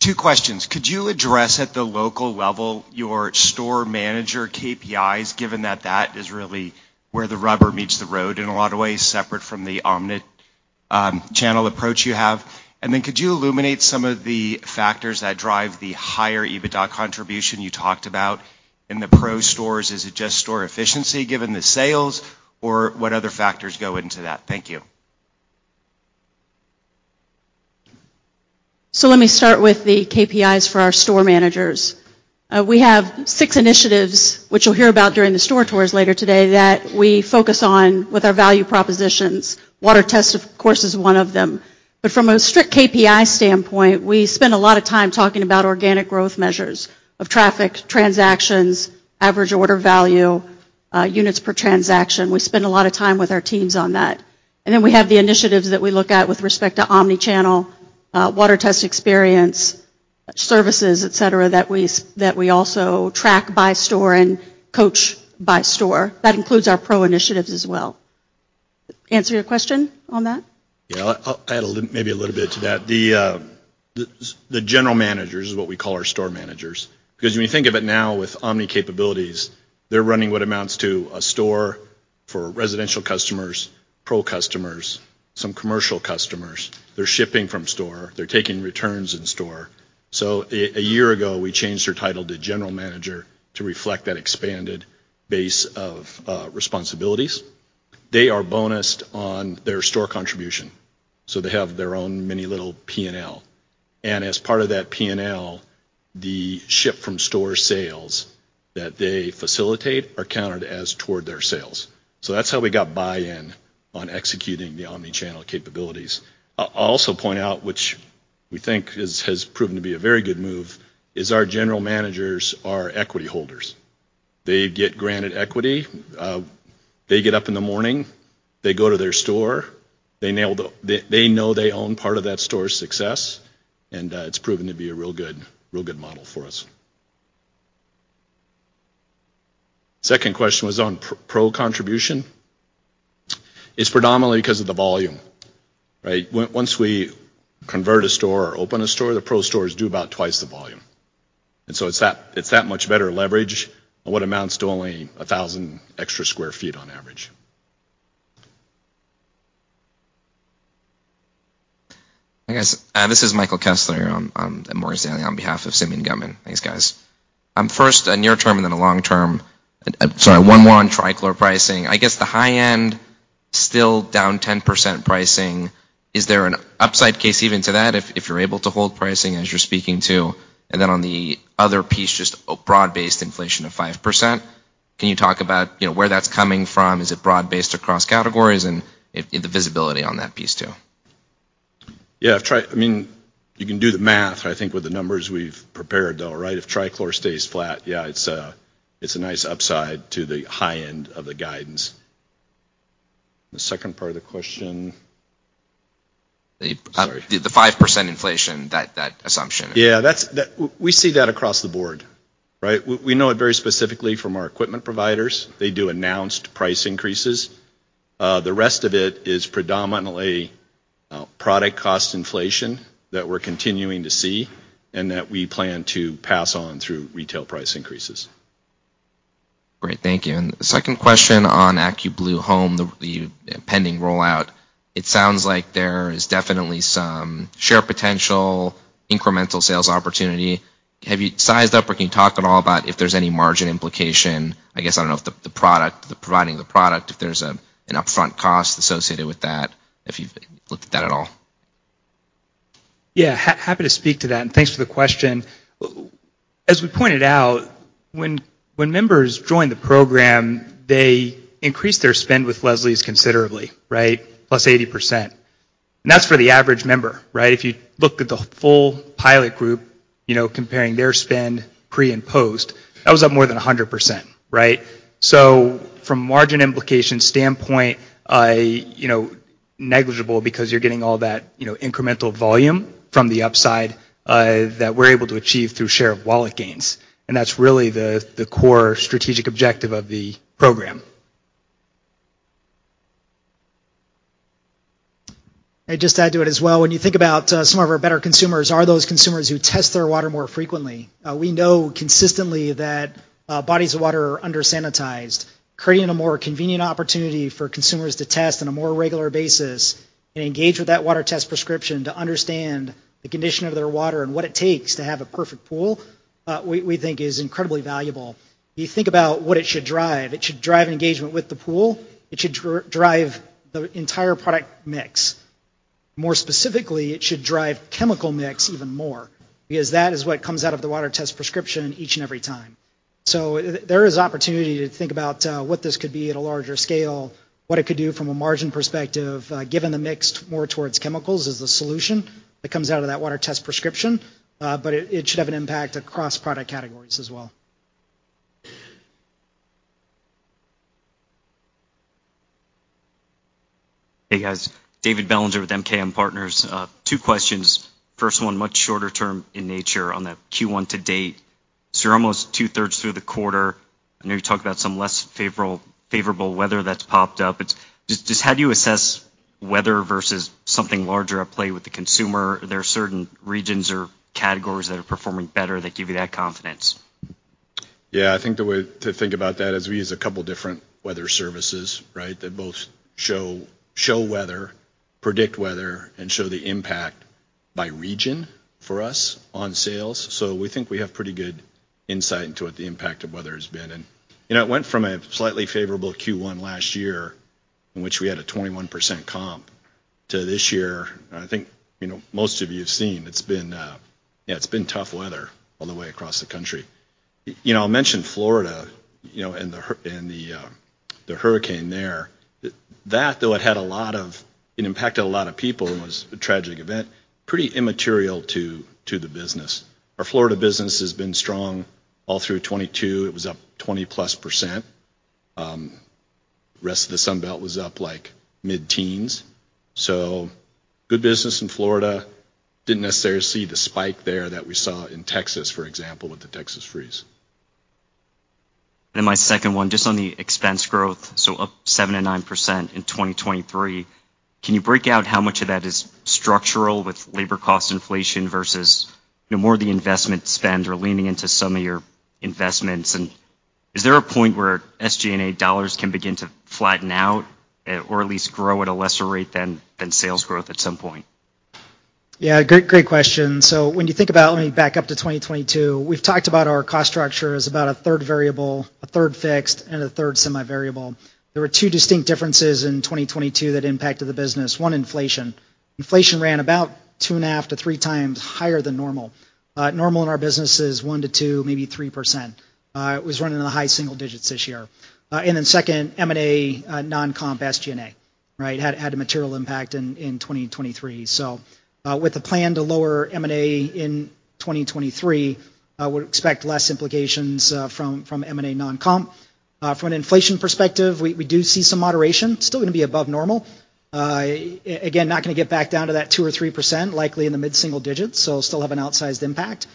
Two questions. Could you address at the local level your store manager KPIs, given that that is really where the rubber meets the road in a lot of ways, separate from the omnichannel approach you have? Could you illuminate some of the factors that drive the higher EBITDA contribution you talked about in the Pro stores? Is it just store efficiency given the sales, or what other factors go into that? Thank you. Let me start with the KPIs for our store managers. We have six initiatives, which you'll hear about during the store tours later today, that we focus on with our value propositions. Water test, of course, is one of them. From a strict KPI standpoint, we spend a lot of time talking about organic growth measures of traffic, transactions, average order value, units per transaction. We spend a lot of time with our teams on that. We have the initiatives that we look at with respect to omni-channel, water test experience, services, et cetera, that we also track by store and coach by store. That includes our Pro initiatives as well. Answer your question on that? Yeah. I'll add a little maybe a little bit to that. The general managers is what we call our store managers, 'cause when you think of it now with omni capabilities, they're running what amounts to a store for residential customers, Pro customers, some commercial customers. They're shipping from store. They're taking returns in store. A year ago, we changed their title to general manager to reflect that expanded base of responsibilities. They are bonused on their store contribution, so they have their own mini little P&L. As part of that P&L, the ship from store sales that they facilitate are counted as toward their sales. That's how we got buy-in on executing the omni-channel capabilities. I'll also point out, which we think has proven to be a very good move, is our general managers are equity holders. They get granted equity. They get up in the morning. They go to their store. They know they own part of that store's success, and it's proven to be a real good, real good model for us. Second question was on Pro contribution. It's predominantly 'cause of the volume, right? Once we convert a store or open a store, the Pro stores do about twice the volume. It's that, it's that much better leverage on what amounts to only 1,000 extra square feet on average. I guess, this is Michael Kessler. I'm at Morgan Stanley on behalf of Simeon Gutman. Thanks, guys. First a near term and then a long term. Sorry, one more on trichlor pricing. I guess the high end still down 10% pricing. Is there an upside case even to that if you're able to hold pricing as you're speaking to? On the other piece, just a broad-based inflation of 5%, can you talk about, you know, where that's coming from? Is it broad-based across categories, and if the visibility on that piece too? Yeah. I mean, you can do the math, I think, with the numbers we've prepared though, right? If trichlor stays flat, yeah, it's a nice upside to the high end of the guidance. The second part of the question? The 5% inflation, that assumption. Yeah. We see that across the board, right? We know it very specifically from our equipment providers. They do announced price increases. The rest of it is predominantly product cost inflation that we're continuing to see and that we plan to pass on through retail price increases. Great. Thank you. Second question on AccuBlue Home, the pending rollout.It sounds like there is definitely some share potential incremental sales opportunity. Have you sized up, or can you talk at all about if there's any margin implication? I guess I don't know if the product, providing the product, if there's an upfront cost associated with that, if you've looked at that at all. Yeah. Happy to speak to that, thanks for the question. As we pointed out, when members join the program, they increase their spend with Leslie's considerably, right? +80%. That's for the average member, right? If you look at the full pilot group, you know, comparing their spend pre and post, that was up more than 100%, right? From a margin implication standpoint, I, you know, negligible because you're getting all that, you know, incremental volume from the upside that we're able to achieve through share of wallet gains, that's really the core strategic objective of the program. I'd just add to it as well. When you think about, some of our better consumers are those consumers who test their water more frequently. We know consistently that bodies of water are under-sanitized. Creating a more convenient opportunity for consumers to test on a more regular basis and engage with that water test prescription to understand the condition of their water and what it takes to have a perfect pool, we think is incredibly valuable. You think about what it should drive, it should drive engagement with the pool. It should drive the entire product mix. More specifically, it should drive chemical mix even more because that is what comes out of the water test prescription each and every time. There is opportunity to think about what this could be at a larger scale, what it could do from a margin perspective, given the mix more towards chemicals as the solution that comes out of that water test prescription, but it should have an impact across product categories as well. Hey, guys. David Bellinger with MKM Partners. Two questions. First one, much shorter term in nature on the Q1 to date. You're almost 2/3 through the quarter. I know you talked about some less favorable weather that's popped up. It's just how do you assess weather versus something larger at play with the consumer? There are certain regions or categories that are performing better that give you that confidence. Yeah. I think the way to think about that is we use a couple different weather services, right? They both show weather, predict weather, and show the impact by region for us on sales. We think we have pretty good insight into what the impact of weather has been. You know, it went from a slightly favorable Q1 last year in which we had a 21% comp to this year, I think, you know, most of you have seen, it's been, yeah, it's been tough weather all the way across the country. You know, I mentioned Florida, you know, and the hurricane there. That though it had a lot of. It impacted a lot of people and was a tragic event, pretty immaterial to the business. Our Florida business has been strong all through 2022. It was up +20%. The rest of the Sun Belt was up like mid-teens. Good business in Florida. Didn't necessarily see the spike there that we saw in Texas, for example, with the Texas freeze. Then my second one, just on the expense growth, so up 7% and 9% in 2023. Can you break out how much of that is structural with labor cost inflation versus, you know, more the investment spend or leaning into some of your investments? And is there a point where SG&A dollars can begin to flatten out, or at least grow at a lesser rate than sales growth at some point? Yeah. Great question. When you think about, let me back up to 2022. We've talked about our cost structure as about a third variable, a third fixed, and a third semi-variable. There were two distinct differences in 2022 that impacted the business. One, inflation. Inflation ran about 2.5x-3x higher than normal. Normal in our business is 1%-2%, maybe 3%. It was running in the high single digits this year. Second, M&A, non-comp SG&A, right? Had a material impact in 2023. With a plan to lower M&A in 2023, we'd expect less implications from M&A non-comp. From an inflation perspective, we do see some moderation. Still gonna be above normal. Again, not gonna get back down to that 2% or 3%, likely in the mid-single digits, still have an outsized impact.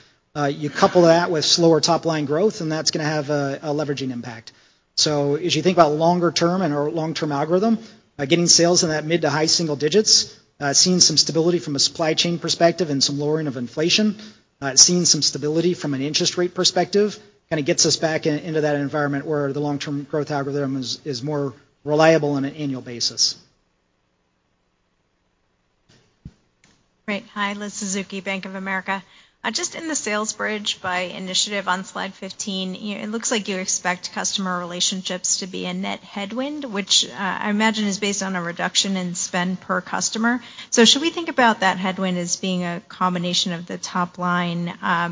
You couple that with slower top-line growth, and that's gonna have a leveraging impact. As you think about longer term and our long-term algorithm, getting sales in that mid to high single digits, seeing some stability from a supply chain perspective and some lowering of inflation, seeing some stability from an interest rate perspective kinda gets us back into that environment where the long-term growth algorithm is more reliable on an annual basis. Great. Hi, Elizabeth Suzuki, Bank of America. Just in the sales bridge by initiative on slide 15, you, it looks like you expect customer relationships to be a net headwind, which, I imagine is based on a reduction in spend per customer. Should we think about that headwind as being a combination of the top line,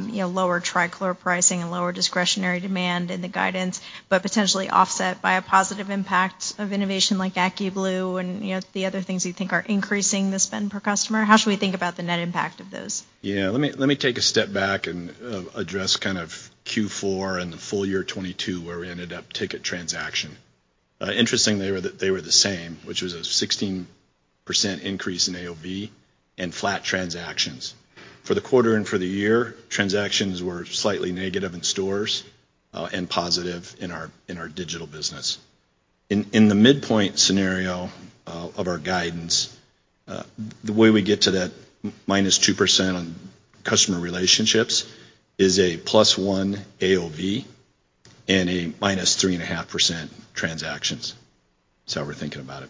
you know, lower trichlor pricing and lower discretionary demand in the guidance, but potentially offset by a positive impact of innovation like AccuBlue and, you know, the other things you think are increasing the spend per customer? How should we think about the net impact of those? Let me take a step back and address kind of Q4 and the full year 2022, where we ended up ticket transaction. Interestingly, they were the same, which was a 16% increase in AOV and flat transactions. For the quarter and for the year, transactions were slightly negative in stores and positive in our digital business. In the midpoint scenario of our guidance, the way we get to that -2% on customer relationships is a +1 AOV and a -3.5% transactions. That's how we're thinking about it.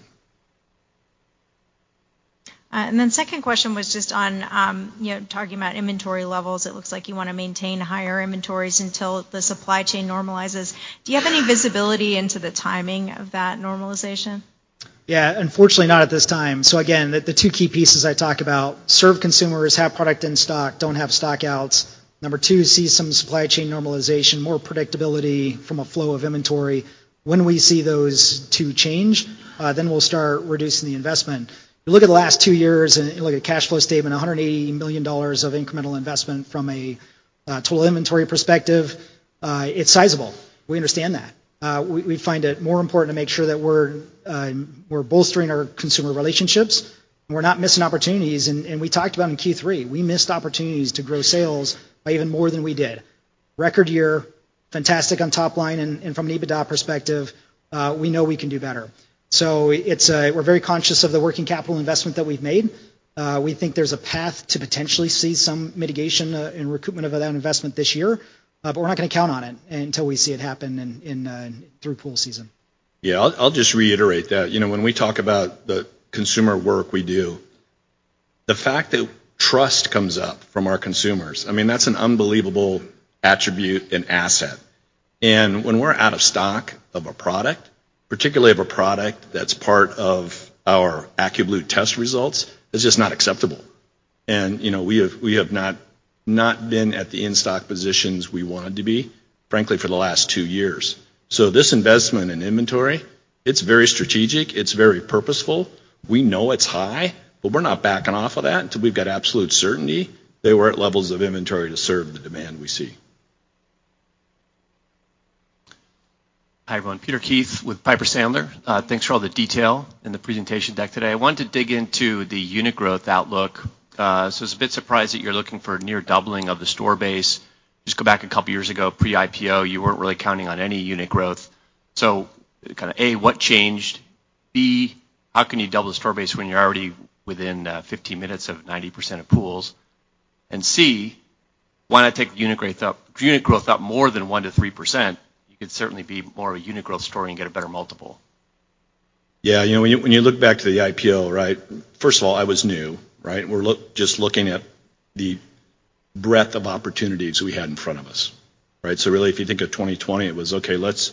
Second question was just on, you know, talking about inventory levels. It looks like you wanna maintain higher inventories until the supply chain normalizes. Do you have any visibility into the timing of that normalization? Yeah, unfortunately not at this time. Again, the two key pieces I talked about, serve consumers, have product in stock, don't have stock-outs. Number two, see some supply chain normalization, more predictability from a flow of inventory. When we see those two change, we'll start reducing the investment. You look at the last two years and you look at cash flow statement, $180 million of incremental investment from a total inventory perspective, it's sizable. We understand that. We find it more important to make sure that we're bolstering our consumer relationships, and we're not missing opportunities. We talked about in Q3, we missed opportunities to grow sales by even more than we did. Record year, fantastic on top line and from an EBITDA perspective, we know we can do better. It's, we're very conscious of the working capital investment that we've made. We think there's a path to potentially see some mitigation, and recoupment of that investment this year, but we're not gonna count on it until we see it happen in through pool season. Yeah. I'll just reiterate that. You know, when we talk about the consumer work we do, the fact that trust comes up from our consumers, I mean, that's an unbelievable attribute and asset. When we're out of stock of a product, particularly of a product that's part of our AccuBlue test results, it's just not acceptable. You know, we have not been at the in-stock positions we wanted to be, frankly, for the last two years. This investment in inventory, it's very strategic, it's very purposeful. We know it's high, but we're not backing off of that until we've got absolute certainty that we're at levels of inventory to serve the demand we see. Hi, everyone. Peter Keith with Piper Sandler. Thanks for all the detail in the presentation deck today. I wanted to dig into the unit growth outlook. I was a bit surprised that you're looking for a near doubling of the store base. Just go back a couple years ago, pre-IPO, you weren't really counting on any unit growth. Kind of, A, what changed? B, how can you double the store base when you're already within, 15 minutes of 90% of pools? C, why not take the unit growth up more than 1% to 3%? You could certainly be more of a unit growth story and get a better multiple. You know, when you look back to the IPO, right? First of all, I was new, right? We're just looking at the breadth of opportunities we had in front of us, right? Really, if you think of 2020, it was, okay, let's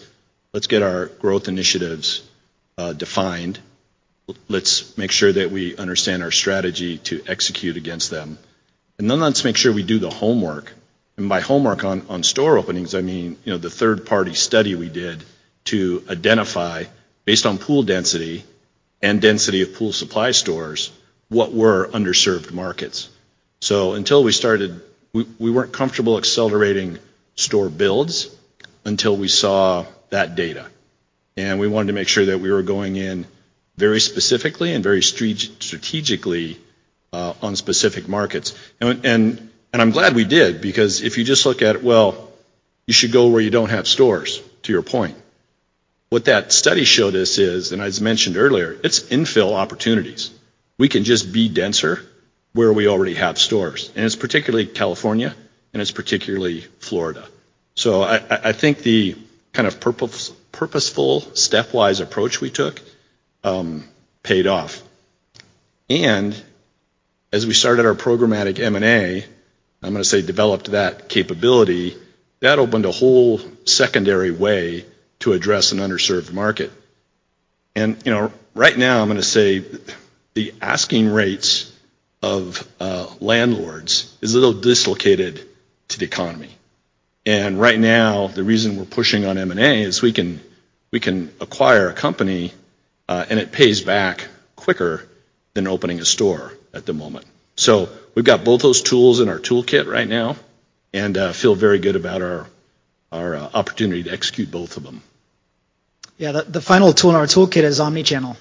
get our growth initiatives defined. Let's make sure that we understand our strategy to execute against them. Then let's make sure we do the homework. By homework on store openings, I mean, you know, the third party study we did to identify, based on pool density and density of pool supply stores, what were underserved markets. Until we started, we weren't comfortable accelerating store builds until we saw that data, and we wanted to make sure that we were going in very specifically and very strategically on specific markets. I'm glad we did because if you just look at, well, you should go where you don't have stores, to your point. What that study showed us is, and as mentioned earlier, it's infill opportunities. We can just be denser where we already have stores, and it's particularly California, and it's particularly Florida. I think the kind of purposeful stepwise approach we took, paid off. As we started our programmatic M&A, I'm gonna say developed that capability, that opened a whole secondary way to address an underserved market. You know, right now I'm gonna say the asking rates of landlords is a little dislocated to the economy. Right now, the reason we're pushing on M&A is we can acquire a company, and it pays back quicker than opening a store at the moment. We've got both those tools in our toolkit right now and, feel very good about our opportunity to execute both of them. Yeah. The final tool in our toolkit is omni-channel.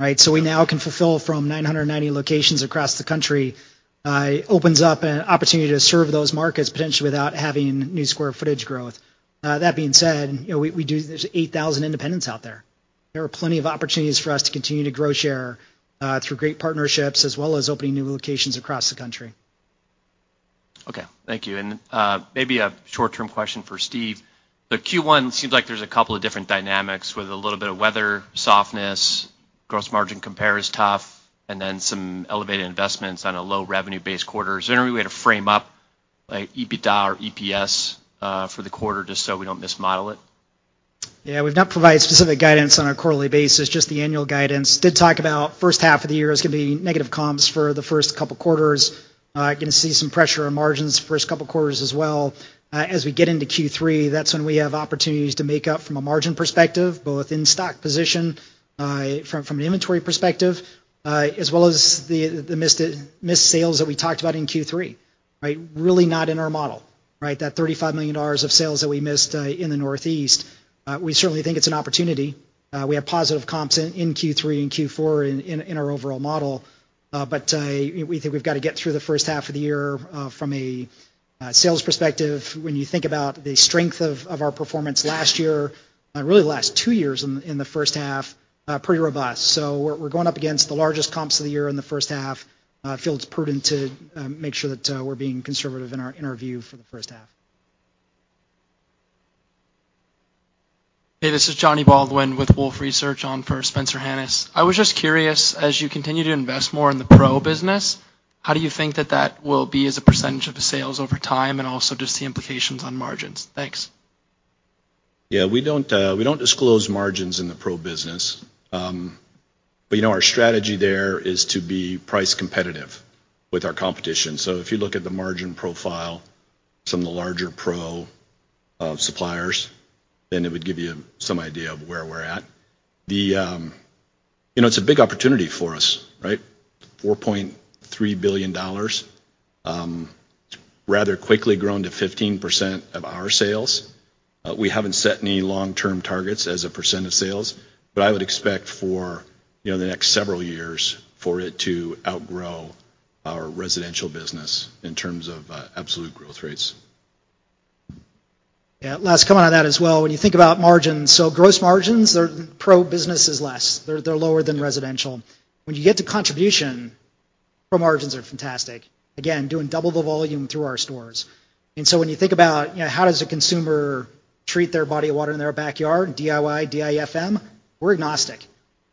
Right? We now can fulfill from 990 locations across the country. It opens up an opportunity to serve those markets potentially without having new square footage growth. That being said, you know, we do there's 8,000 independents out there. There are plenty of opportunities for us to continue to grow share, through great partnerships as well as opening new locations across the country. Okay. Thank you. Maybe a short-term question for Steve. The Q1 seems like there's a couple of different dynamics with a little bit of weather softness, gross margin compare is tough, and then some elevated investments on a low revenue base quarter. Is there any way to frame up like EBITDA or EPS for the quarter just so we don't mismodel it? Yeah. We've not provided specific guidance on a quarterly basis, just the annual guidance. Did talk about first half of the year is gonna be negative comps for the first couple quarters. gonna see some pressure on margins first couple quarters as well. As we get into Q3, that's when we have opportunities to make up from a margin perspective, both in stock position, from an inventory perspective, as well as the missed sales that we talked about in Q3. Right? Really not in our model, right? That $35 million of sales that we missed, in the Northeast, we certainly think it's an opportunity. We have positive comps in Q3 and Q4 in our overall model. We think we've gotta get through the first half of the year, from a sales perspective, when you think about the strength of our performance last year, really the last two years in the first half, pretty robust. We're going up against the largest comps of the year in the first half. Feels prudent to make sure that we're being conservative in our interview for the first half. Hey, this is Johnny Baldwin with Wolfe Research on for Spencer Hanus. I was just curious, as you continue to invest more in the Pro business, how do you think that that will be as a percentage of the sales over time, and also just the implications on margins? Thanks. Yeah. We don't disclose margins in the Pro business. You know, our strategy there is to be price competitive with our competition. If you look at the margin profile from the larger Pro suppliers, it would give you some idea of where we're at. You know, it's a big opportunity for us, right? $4.3 billion, rather quickly grown to 15% of our sales. We haven't set any long-term targets as a percent of sales, I would expect for, you know, the next several years for it to outgrow our residential business in terms of absolute growth rates. Yeah. Let's comment on that as well. When you think about margins, so gross margins, their Pro business is less. They're lower than residential. When you get to contribution, Pro margins are fantastic. Again, doing double the volume through our stores. When you think about, you know, how does a consumer treat their body of water in their backyard, DIY, DIFM, we're agnostic.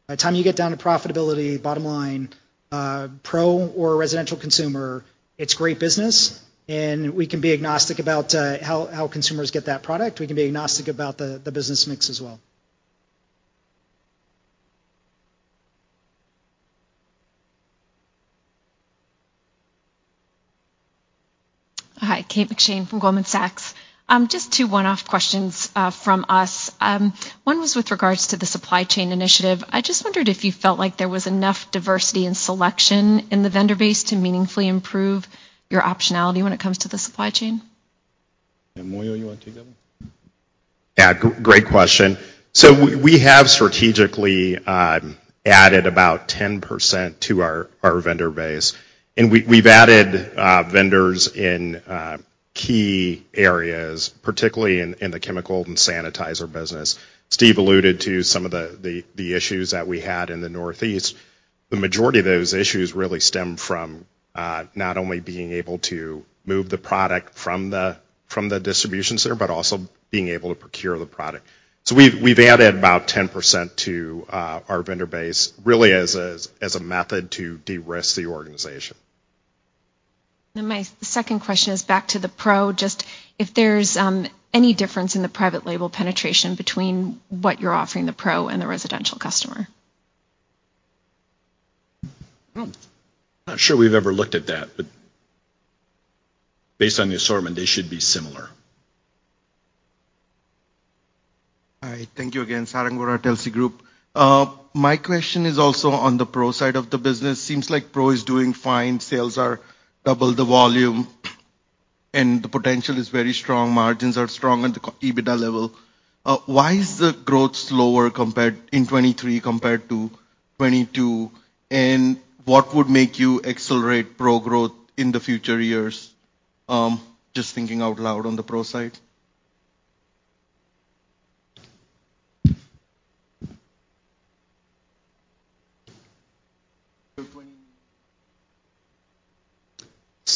By the time you get down to profitability, bottom line, Pro or residential consumer, it's great business, and we can be agnostic about how consumers get that product. We can be agnostic about the business mix as well. Hi, Kate McShane from Goldman Sachs. Just two one-off questions from us. One was with regards to the supply chain initiative. I just wondered if you felt like there was enough diversity and selection in the vendor base to meaningfully improve your optionality when it comes to the supply chain. Yeah. Moyo, you wanna take that one? Yeah. Great question. We have strategically added about 10% to our vendor base. We've added vendors in key areas, particularly in the chemical and sanitizer business. Steve alluded to some of the issues that we had in the Northeast. The majority of those issues really stem from not only being able to move the product from the distribution center, but also being able to procure the product. We've added about 10% to our vendor base really as a method to de-risk the organization. My second question is back to the Pro, just if there's any difference in the private label penetration between what you're offering the Pro and the residential customer. I'm not sure we've ever looked at that, but based on the assortment, they should be similar. All right. Thank you again. Sarang Vora, Telsey Group. My question is also on the Pro side of the business. Seems like Pro is doing fine. Sales are double the volume. The potential is very strong. Margins are strong at the EBITDA level. Why is the growth slower in 2023 compared to 2022? What would make you accelerate Pro growth in the future years? Just thinking out loud on the Pro side.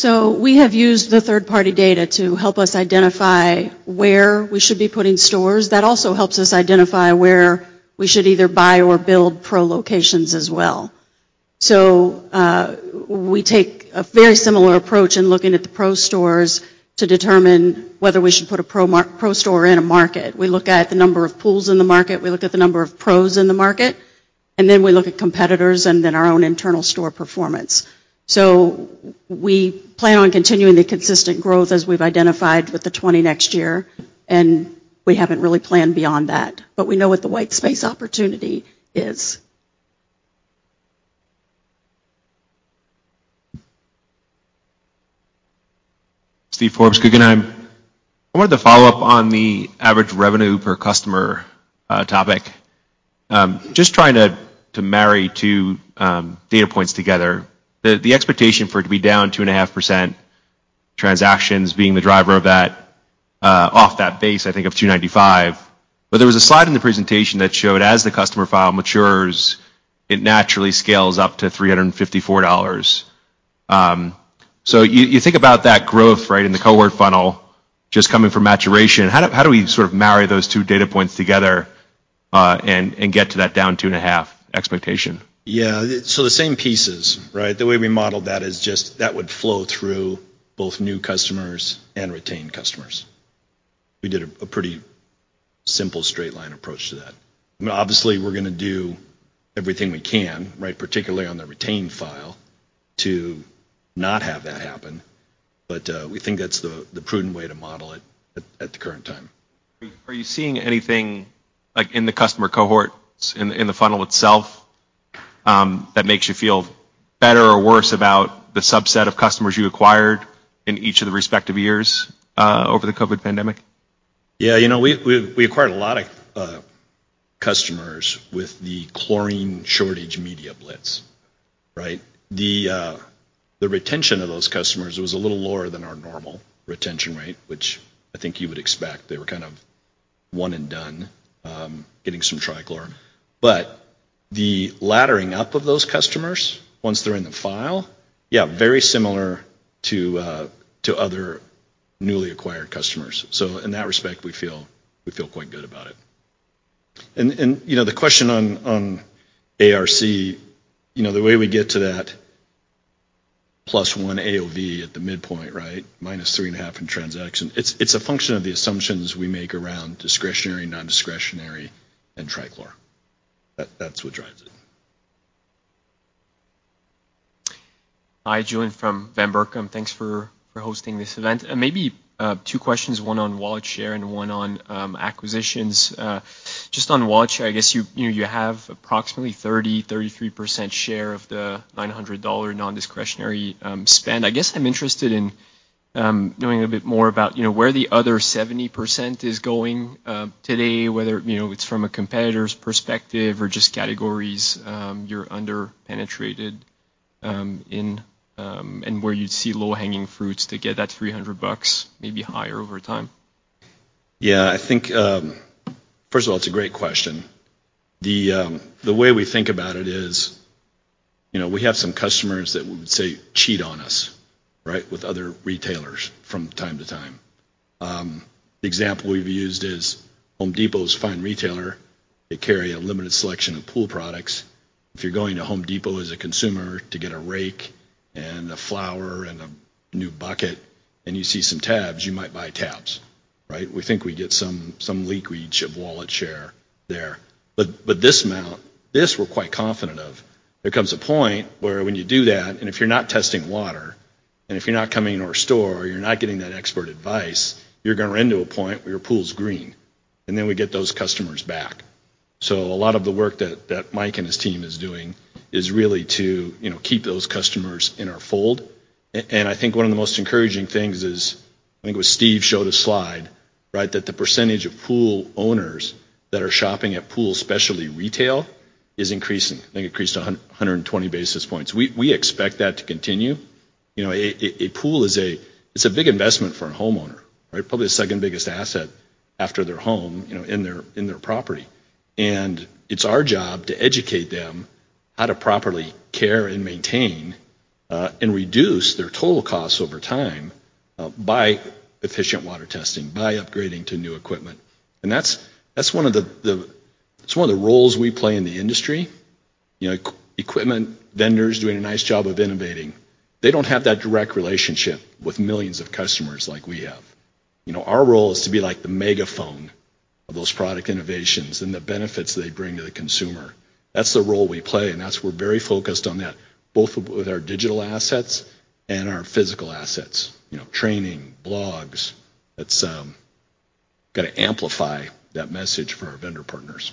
We have used the third-party data to help us identify where we should be putting stores. That also helps us identify where we should either buy or build Pro locations as well. We take a very similar approach in looking at the Pro stores to determine whether we should put a Pro store in a market. We look at the number of pools in the market, we look at the number of Pros in the market, and then we look at competitors and then our own internal store performance. We plan on continuing the consistent growth as we've identified with the 20 next year, and we haven't really planned beyond that, but we know what the white space opportunity is. Steven Forbes, Guggenheim. I wanted to follow up on the average revenue per customer topic. Just trying to marry two data points together. The expectation for it to be down 2.5%, transactions being the driver of that, off that base I think of $295. There was a slide in the presentation that showed as the customer file matures, it naturally scales up to $354. You think about that growth, right, in the cohort funnel just coming from maturation. How do we sort of marry those two data points together and get to that down 2.5% expectation? Yeah. The same pieces, right? The way we modeled that is just that would flow through both new customers and retained customers. We did a pretty simple straight line approach to that. I mean, obviously, we're gonna do everything we can, right? Particularly on the retained file, to not have that happen. We think that's the prudent way to model it at the current time. Are you seeing anything like in the customer cohorts in the funnel itself, that makes you feel better or worse about the subset of customers you acquired in each of the respective years, over the COVID pandemic? Yeah. You know, we acquired a lot of customers with the chlorine shortage media blitz, right? The retention of those customers was a little lower than our normal retention rate, which I think you would expect. They were kind of one and done, getting some trichlor. The laddering up of those customers once they're in the file, yeah, very similar to other newly acquired customers. In that respect, we feel, we feel quite good about it. You know, the question on ARC, you know, the way we get to that +1 AOV at the midpoint, right, -3.5 in transaction, it's a function of the assumptions we make around discretionary, non-discretionary, and trichlor. That's what drives it. Hi, Julien from Van Berkom. Thanks for hosting this event. Maybe two questions, one on wallet share and one on acquisitions. Just on wallet share, I guess you know, you have approximately 33% share of the $900 non-discretionary spend. I guess I'm interested in knowing a bit more about, you know, where the other 70% is going today, whether, you know, it's from a competitor's perspective or just categories you're under-penetrated in, and where you'd see low-hanging fruits to get that $300, maybe higher over time. Yeah. I think, first of all, it's a great question. The way we think about it is, you know, we have some customers that we would say cheat on us, right, with other retailers from time to time. The example we've used is The Home Depot's fine retailer. They carry a limited selection of pool products. If you're going to The Home Depot as a consumer to get a rake and a flower and a new bucket, and you see some tabs, you might buy tabs, right? We think we get some leakage of wallet share there. This amount, this we're quite confident of. There comes a point where when you do that, and if you're not testing water, and if you're not coming in our store, or you're not getting that expert advice, you're gonna run to a point where your pool's green. We get those customers back. A lot of the work that Mike and his team is doing is really to, you know, keep those customers in our fold. And I think one of the most encouraging things is, I think it was Steve showed a slide, right, that the percentage of pool owners that are shopping at pool specialty retail is increasing. I think it increased 120 basis points. We expect that to continue. You know, a pool is, it's a big investment for a homeowner, right? Probably the second biggest asset after their home, you know, in their, in their property. It's our job to educate them how to properly care and maintain and reduce their total costs over time by efficient water testing, by upgrading to new equipment. That's one of the roles we play in the industry. You know, equipment vendors doing a nice job of innovating. They don't have that direct relationship with millions of customers like we have. You know, our role is to be like the megaphone of those product innovations and the benefits they bring to the consumer. That's the role we play, and that's we're very focused on that, both with our digital assets and our physical assets, you know, training, blogs. That's gonna amplify that message for our vendor partners.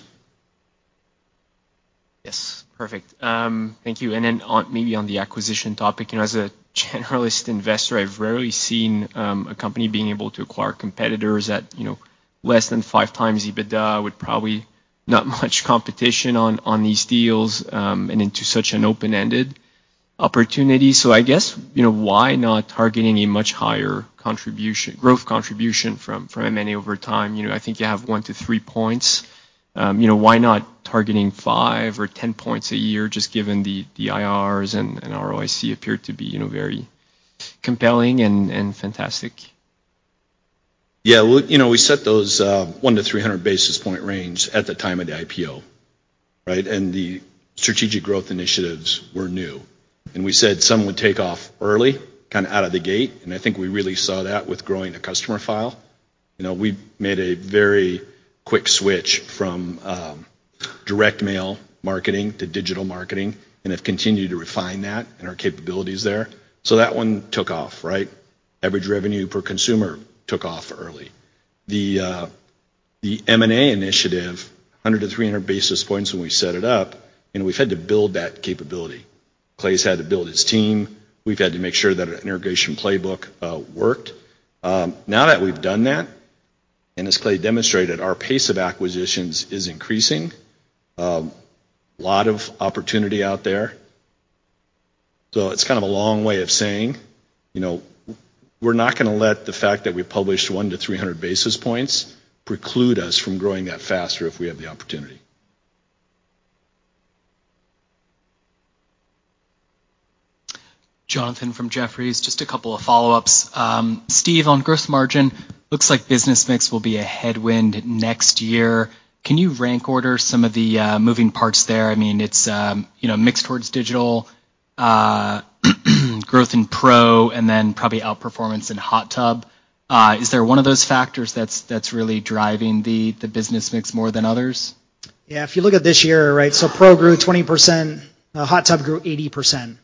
Yes. Perfect. Thank you. Then on, maybe on the acquisition topic, you know, as a generalist investor, I've rarely seen a company being able to acquire competitors at, you know, less than 5x EBITDA, with probably not much competition on these deals, and into such an open-ended opportunity. I guess, you know, why not targeting a much higher contribution, growth contribution from M&A over time? You know, I think you have 1-3 points. You know, why not targeting five or 10 points a year just given the IRs and ROIC appear to be, you know, very compelling and fantastic? Yeah. Look, you know, we set those 100-300 basis point range at the time of the IPO, right? The strategic growth initiatives were new. We said some would take off early, kinda out of the gate, and I think we really saw that with growing a customer file. You know, we made a very quick switch from direct mail marketing to digital marketing and have continued to refine that and our capabilities there. That one took off, right? Average revenue per consumer took off early. The M&A initiative, 100-300 basis points when we set it up, and we've had to build that capability. Clay's had to build his team. We've had to make sure that our integration playbook worked. Now that we've done that, and as Clay demonstrated, our pace of acquisitions is increasing. Lot of opportunity out there. It's kind of a long way of saying, you know, we're not gonna let the fact that we published 1 to 300 basis points preclude us from growing that faster if we have the opportunity. Jonathan from Jefferies, just a couple of follow-ups. Steve, on gross margin, looks like business mix will be a headwind next year. Can you rank order some of the moving parts there? I mean, it's mixed towards digital, growth in Pro, and then probably outperformance in hot tub. Is there one of those factors that's really driving the business mix more than others? Yeah. If you look at this year, right, Pro grew 20%, hot tub grew 80%.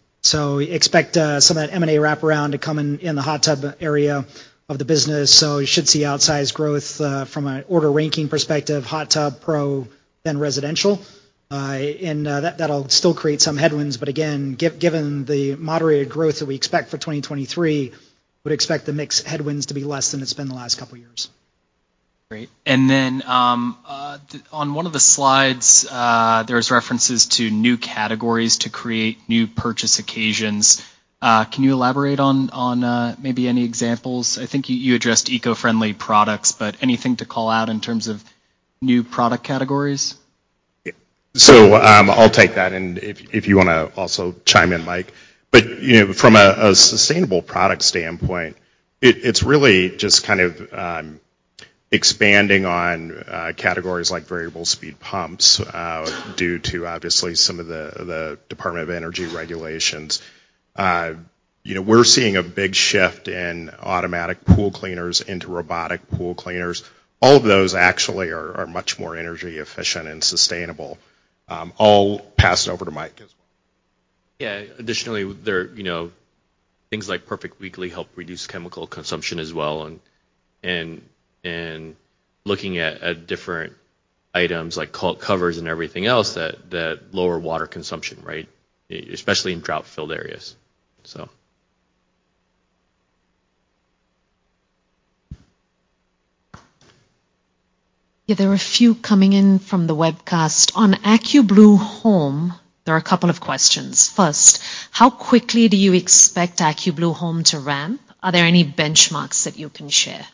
We expect some of that M&A wraparound to come in the hot tub area of the business. You should see outsized growth from an order ranking perspective, hot tub, Pro, then residential. That'll still create some headwinds, but again, given the moderated growth that we expect for 2023, would expect the mix headwinds to be less than it's been the last couple years. Great. Then, on one of the slides, there's references to new categories to create new purchase occasions. Can you elaborate on, maybe any examples? I think you addressed eco-friendly products, but anything to call out in terms of new product categories? I'll take that and if you wanna also chime in, Mike. You know, from a sustainable product standpoint, it's really just kind of expanding on categories like variable speed pumps, due to obviously some of the Department of Energy regulations. You know, we're seeing a big shift in automatic pool cleaners into robotic pool cleaners. All of those actually are much more energy efficient and sustainable. I'll pass it over to Mike as well. Yeah. Additionally, there, you know, things like Perfect Weekly help reduce chemical consumption as well, and looking at different items like covers and everything else that lower water consumption, right. Especially in drought-filled areas. Yeah, there are a few coming in from the webcast. On AccuBlue Home, there are a couple of questions. First, how quickly do you expect AccuBlue Home to ramp? Are there any benchmarks that you can share?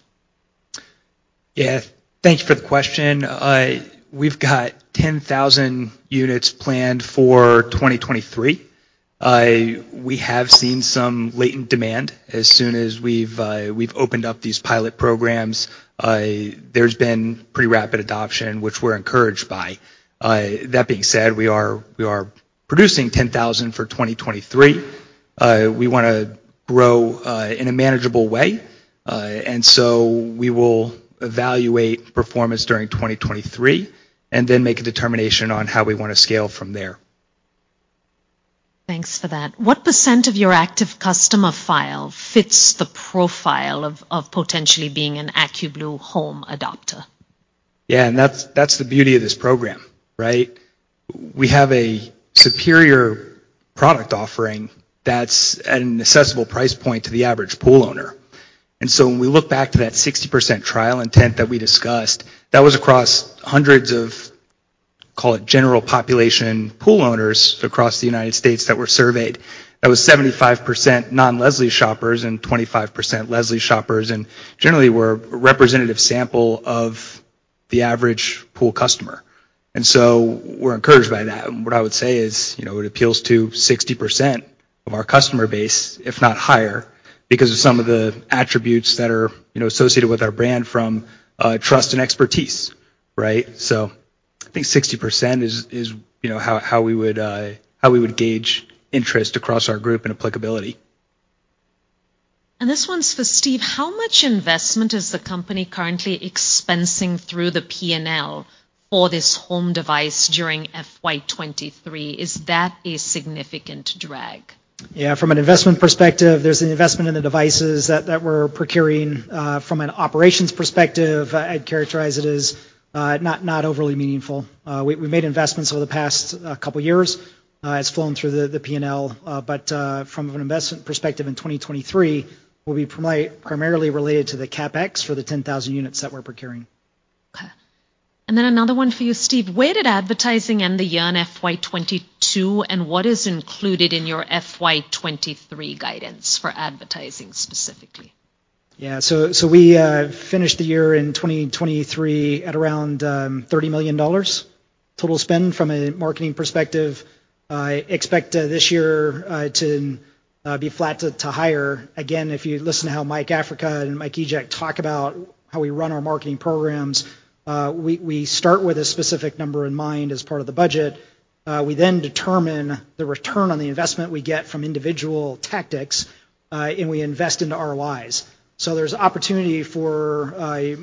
Yeah. Thank you for the question. We've got 10,000 units planned for 2023. We have seen some latent demand as soon as we've opened up these pilot programs. There's been pretty rapid adoption, which we're encouraged by. That being said, we are producing 10,000 for 2023. We wanna grow in a manageable way, and so we will evaluate performance during 2023, and then make a determination on how we wanna scale from there. Thanks for that. What percent of your active customer file fits the profile of potentially being an AccuBlue Home adopter? Yeah, that's the beauty of this program, right? We have a superior product offering that's at an accessible price point to the average pool owner. When we look back to that 60% trial intent that we discussed, that was across hundreds of, call it general population pool owners across the United States that were surveyed. That was 75% non-Leslie's shoppers and 25% Leslie's shoppers, and generally were a representative sample of the average pool customer. We're encouraged by that, and what I would say is, you know, it appeals to 60% of our customer base, if not higher, because of some of the attributes that are, you know, associated with our brand from trust and expertise, right? I think 60% is, you know, how we would gauge interest across our group and applicability. This one's for Steve. How much investment is the company currently expensing through the P&L for this home device during FY 2023? Is that a significant drag? Yeah. From an investment perspective, there's an investment in the devices that we're procuring. From an operations perspective, I'd characterize it as not overly meaningful. We made investments over the past couple years, has flown through the P&L, but from an investment perspective in 2023, will be primarily related to the CapEx for the 10,000 units that we're procuring. Okay. Then another one for you, Steve. Where did advertising end the year in FY 2022, and what is included in your FY 2023 guidance for advertising specifically? We finished the year in 2023 at around $30 million total spend from a marketing perspective. I expect this year to be flat to higher. Again, if you listen to how Mike Africa and Mike Egeck talk about how we run our marketing programs, we start with a specific number in mind as part of the budget. We then determine the return on the investment we get from individual tactics, and we invest into ROIs. There's opportunity for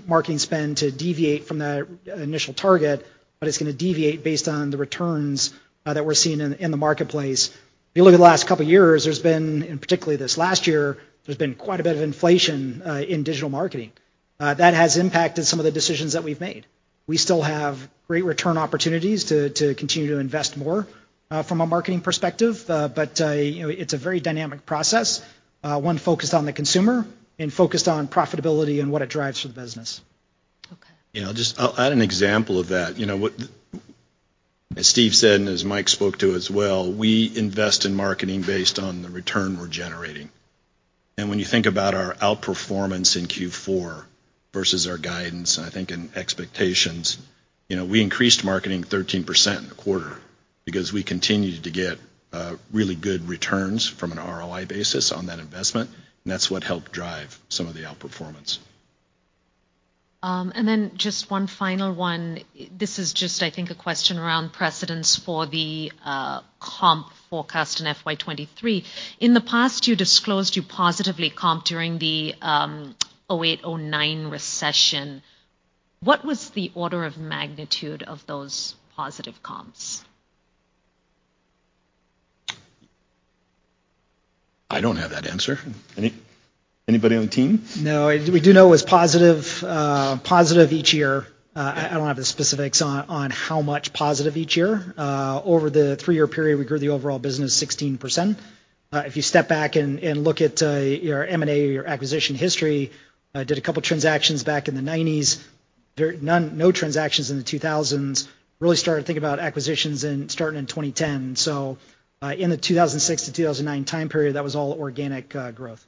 marketing spend to deviate from the initial target, but it's gonna deviate based on the returns that we're seeing in the marketplace. If you look at the last couple years, there's been, and particularly this last year, there's been quite a bit of inflation in digital marketing. That has impacted some of the decisions that we've made. We still have great return opportunities to continue to invest more from a marketing perspective. You know, it's a very dynamic process, one focused on the consumer and focused on profitability and what it drives for the business. Okay. You know, I'll add an example of that. You know, as Steve said, and as Mike spoke to as well, we invest in marketing based on the return we're generating. When you think about our outperformance in Q4 versus our guidance, and I think in expectations, you know, we increased marketing 13% in the quarter because we continued to get really good returns from an ROI basis on that investment, and that's what helped drive some of the outperformance. Just one final one. This is just, I think, a question around precedence for the comp forecast in FY 2023. In the past, you disclosed you positively comped during the 2008, 2009 recession. What was the order of magnitude of those positive comps? I don't have that answer. Anybody on the team? No. We do know it was positive each year. I don't have the specifics on how much positive each year. Over the three-year period, we grew the overall business 16%. If you step back and look at your M&A or your acquisition history, did a couple transactions back in the 90s. There no transactions in the 2000s. Really started to think about acquisitions starting in 2010. In the 2006-2009 time period, that was all organic, growth.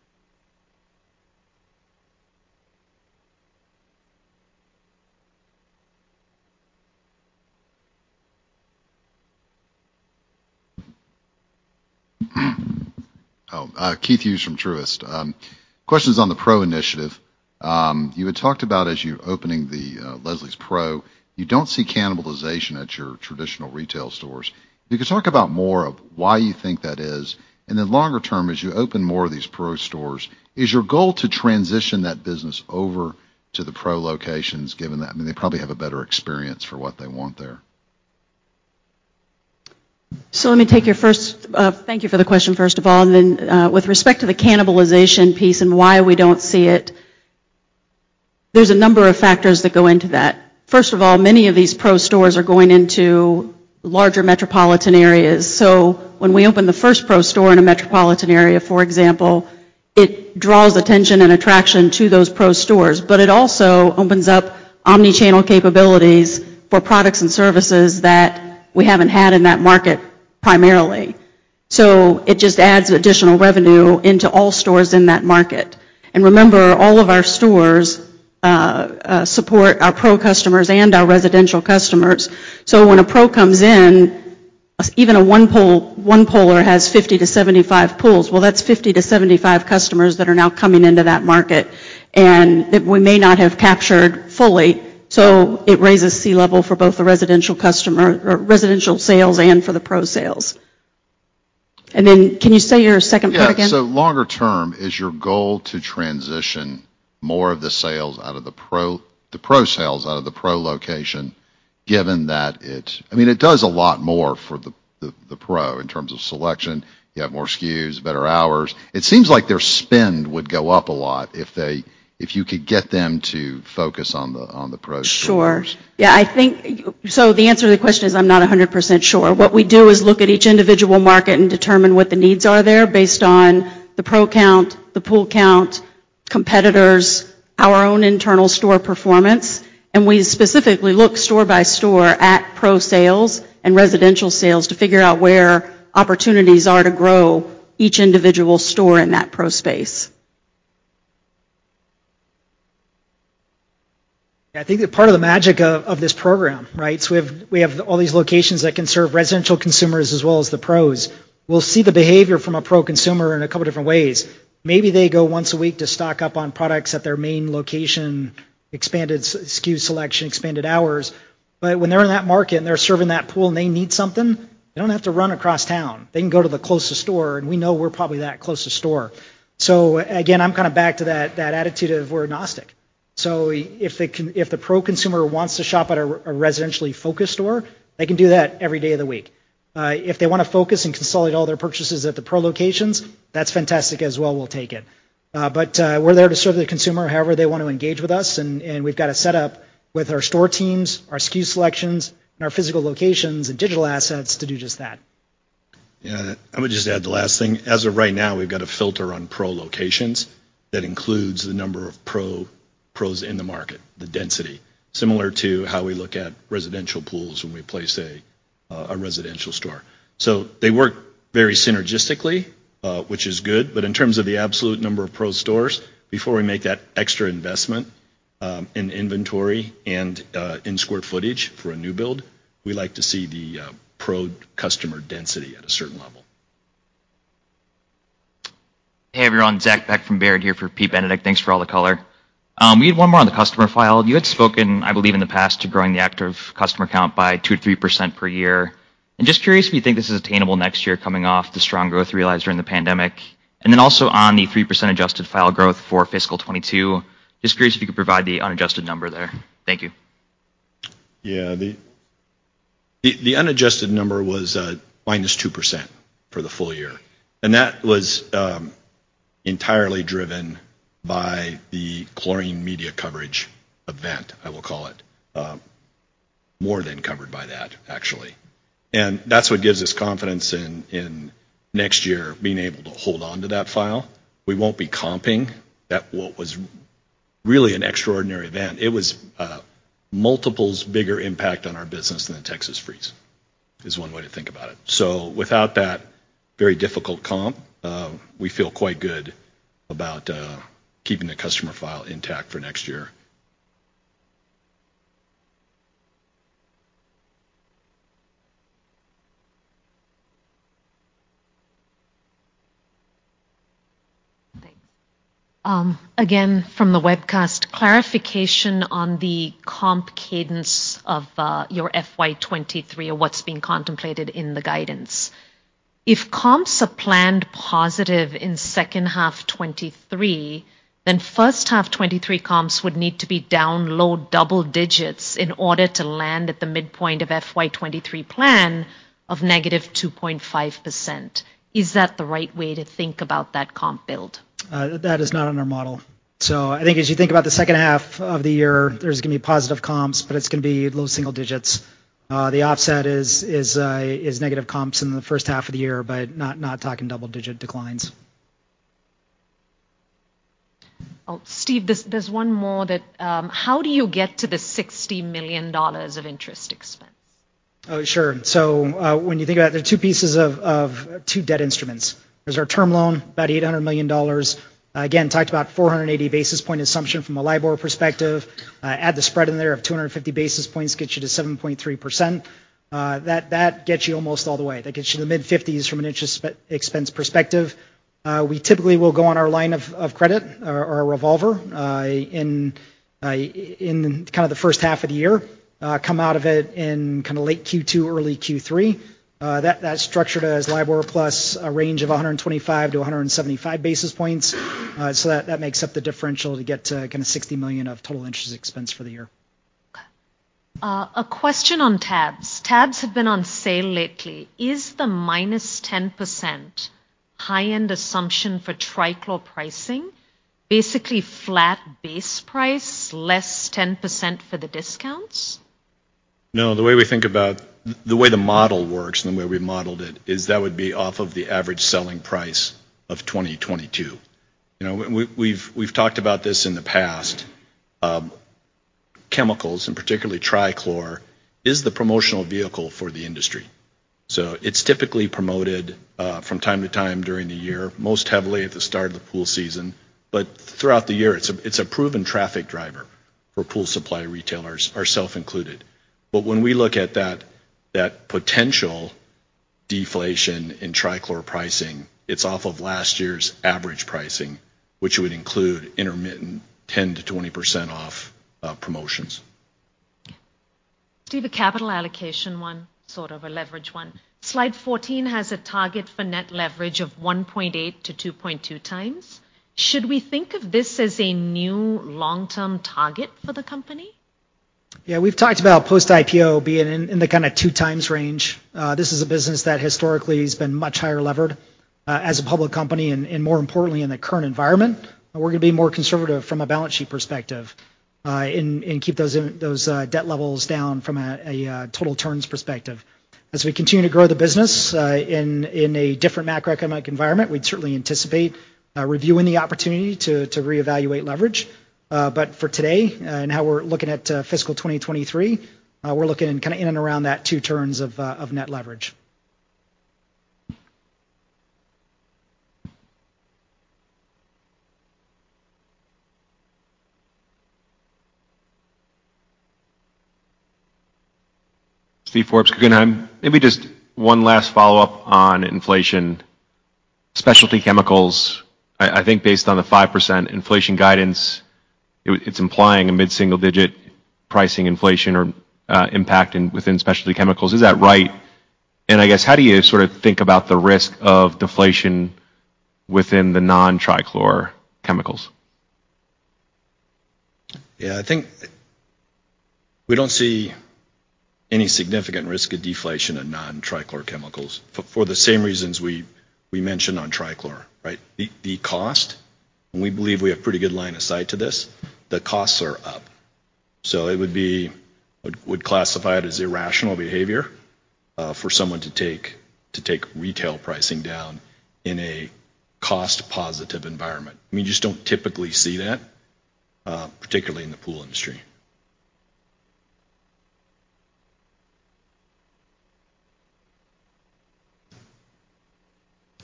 Keith Hughes from Truist. Questions on the Pro initiative. You had talked about as you're opening the Leslie's Pro, you don't see cannibalization at your traditional retail stores. If you could talk about more of why you think that is? Longer term, as you open more of these Pro stores, is your goal to transition that business over to the Pro locations, given that I mean, they probably have a better experience for what they want there? Let me take your first. Thank you for the question, first of all, and then, with respect to the cannibalization piece and why we don't see it, there's a number of factors that go into that. First of all, many of these Pro stores are going into larger metropolitan areas. When we open the first Pro store in a metropolitan area, for example, it draws attention and attraction to those Pro stores. It also opens up omni-channel capabilities for products and services that we haven't had in that market primarily. It just adds additional revenue into all stores in that market. Remember, all of our stores support our Pro customers and our residential customers. When a Pro comes in, even a one pooler has 50-75 pools. That's 50-75 customers that are now coming into that market, and that we may not have captured fully. So it raises C level for both the residential customer or residential sales and for the Pro sales. Can you say your second part again? Yeah. Longer term, is your goal to transition more of the sales out of the Pro sales out of the Pro location? Given that I mean, it does a lot more for the Pro in terms of selection. You have more SKUs, better hours. It seems like their spend would go up a lot if you could get them to focus on the Pro stores. Sure. Yeah, I think the answer to the question is, I'm not 100% sure. What we do is look at each individual market and determine what the needs are there based on the Pro count, the pool count, competitors, our own internal store performance. We specifically look store by store at Pro sales and residential sales to figure out where opportunities are to grow each individual store in that Pro space. Yeah, I think that part of the magic of this program, right? We have all these locations that can serve residential consumers as well as the Pros. We'll see the behavior from a Pro consumer in a couple different ways. Maybe they go once a week to stock up on products at their main location, expanded SKU selection, expanded hours. When they're in that market, and they're serving that pool, and they need something, they don't have to run across town. They can go to the closest store, and we know we're probably that closest store. Again, I'm kind of back to that attitude of we're agnostic. If the Pro consumer wants to shop at a residentially focused store, they can do that every day of the week. If they wanna focus and consolidate all their purchases at the Pro locations, that's fantastic as well, we'll take it. We're there to serve the consumer however they want to engage with us, and we've got a setup with our store teams, our SKU selections, and our physical locations and digital assets to do just that. Yeah. I would just add the last thing. As of right now, we've got a filter on Pro locations that includes the number of Pros in the market, the density. Similar to how we look at residential pools when we place a residential store. They work very synergistically, which is good. In terms of the absolute number of Pro stores, before we make that extra investment, in inventory and in square footage for a new build, we like to see the Pro customer density at a certain level. Hey, everyone. Zach Beeck from Baird, here for Peter Benedict. Thanks for all the color. We had one more on the customer file. You had spoken, I believe, in the past to growing the active customer count by 2%-3% per year. Just curious if you think this is attainable next year coming off the strong growth realized during the pandemic. Also on the 3% adjusted file growth for fiscal 2022, just curious if you could provide the unadjusted number there. Thank you. Yeah. The unadjusted number was -2% for the full year, and that was entirely driven by the chlorine media coverage event, I will call it. More than covered by that, actually. That's what gives us confidence in next year being able to hold onto that file. We won't be comping at what was really an extraordinary event. It was a multiples bigger impact on our business than the Texas freeze, is one way to think about it. Without that very difficult comp, we feel quite good about keeping the customer file intact for next year. Thanks. Again from the webcast, clarification on the comp cadence of your FY 2023 or what's being contemplated in the guidance. If comps are planned positive in second half 2023, first half 2023 comps would need to be down low double digits in order to land at the midpoint of FY 2023 plan of -2.5%. Is that the right way to think about that comp build? That is not in our model. I think as you think about the second half of the year, there's gonna be positive comps, but it's gonna be low single digits. The offset is negative comps in the first half of the year, but not talking double-digit declines. Steve, there's one more that, how do you get to the $60 million of interest expense? Sure. When you think about it, there are two pieces of two debt instruments. There's our term loan, about $800 million. Again, talked about 480 basis point assumption from a LIBOR perspective. Add the spread in there of 250 basis points, gets you to 7.3%. That gets you almost all the way. That gets you to the mid-fifties from an interest expense perspective. We typically will go on our line of credit or revolver, in kind of the first half of the year, come out of it in kinda late Q2, early Q3. That's structured as LIBOR plus a range of 125 to 175 basis points. That, that makes up the differential to get to kinda $60 million of total interest expense for the year. Okay. A question on tabs. Tabs have been on sale lately. Is the -10% high-end assumption for trichlor pricing basically flat base price less 10% for the discounts? No. The way the model works and the way we modeled it is that would be off of the average selling price of 2022. You know, we've talked about this in the past. Chemicals, particularly trichlor, is the promotional vehicle for the industry. It's typically promoted from time to time during the year, most heavily at the start of the pool season. Throughout the year, it's a proven traffic driver for pool supply retailers, ourself included. When we look at that potential deflation in trichlor pricing, it's off of last year's average pricing, which would include intermittent 10%-20% off promotions. Steve, a capital allocation one, sort of a leverage one. Slide 14 has a target for net leverage of 1.8x-2.2x. Should we think of this as a new long-term target for the company? Yeah. We've talked about post-IPO being in the kind of 2x range. This is a business that historically has been much higher levered, as a public company, and more importantly in the current environment. We're gonna be more conservative from a balance sheet perspective, and keep those debt levels down from a total turns perspective. As we continue to grow the business, in a different macroeconomic environment, we'd certainly anticipate reviewing the opportunity to reevaluate leverage. But for today and how we're looking at fiscal 2023, we're looking kind of in and around that 2 turns of net leverage. Maybe just one last follow-up on inflation. Specialty chemicals, I think based on the 5% inflation guidance, it's implying a mid-single digit pricing inflation or impact in, within specialty chemicals. Is that right? I guess, how do you sort of think about the risk of deflation within the non-trichlor chemicals? Yeah. I think we don't see any significant risk of deflation in non-trichlor chemicals for the same reasons we mentioned on trichlor, right? The cost, and we believe we have pretty good line of sight to this, the costs are up. It would classify it as irrational behavior for someone to take retail pricing down in a cost positive environment. I mean, you just don't typically see that, particularly in the pool industry.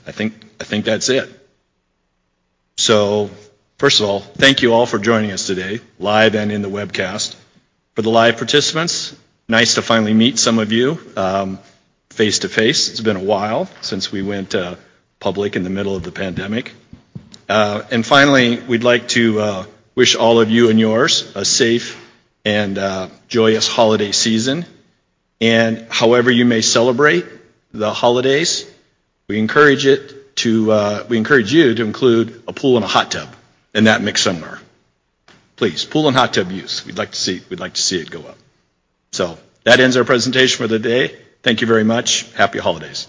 I think that's it. First of all, thank you all for joining us today live and in the webcast. For the live participants, nice to finally meet some of you face-to-face. It's been a while since we went public in the middle of the pandemic. Finally, we'd like to wish all of you and yours a safe and joyous holiday season. However you may celebrate the holidays, we encourage you to include a pool and a hot tub in that mix somewhere. Please, pool and hot tub use, we'd like to see it go up. That ends our presentation for the day. Thank you very much. Happy holidays.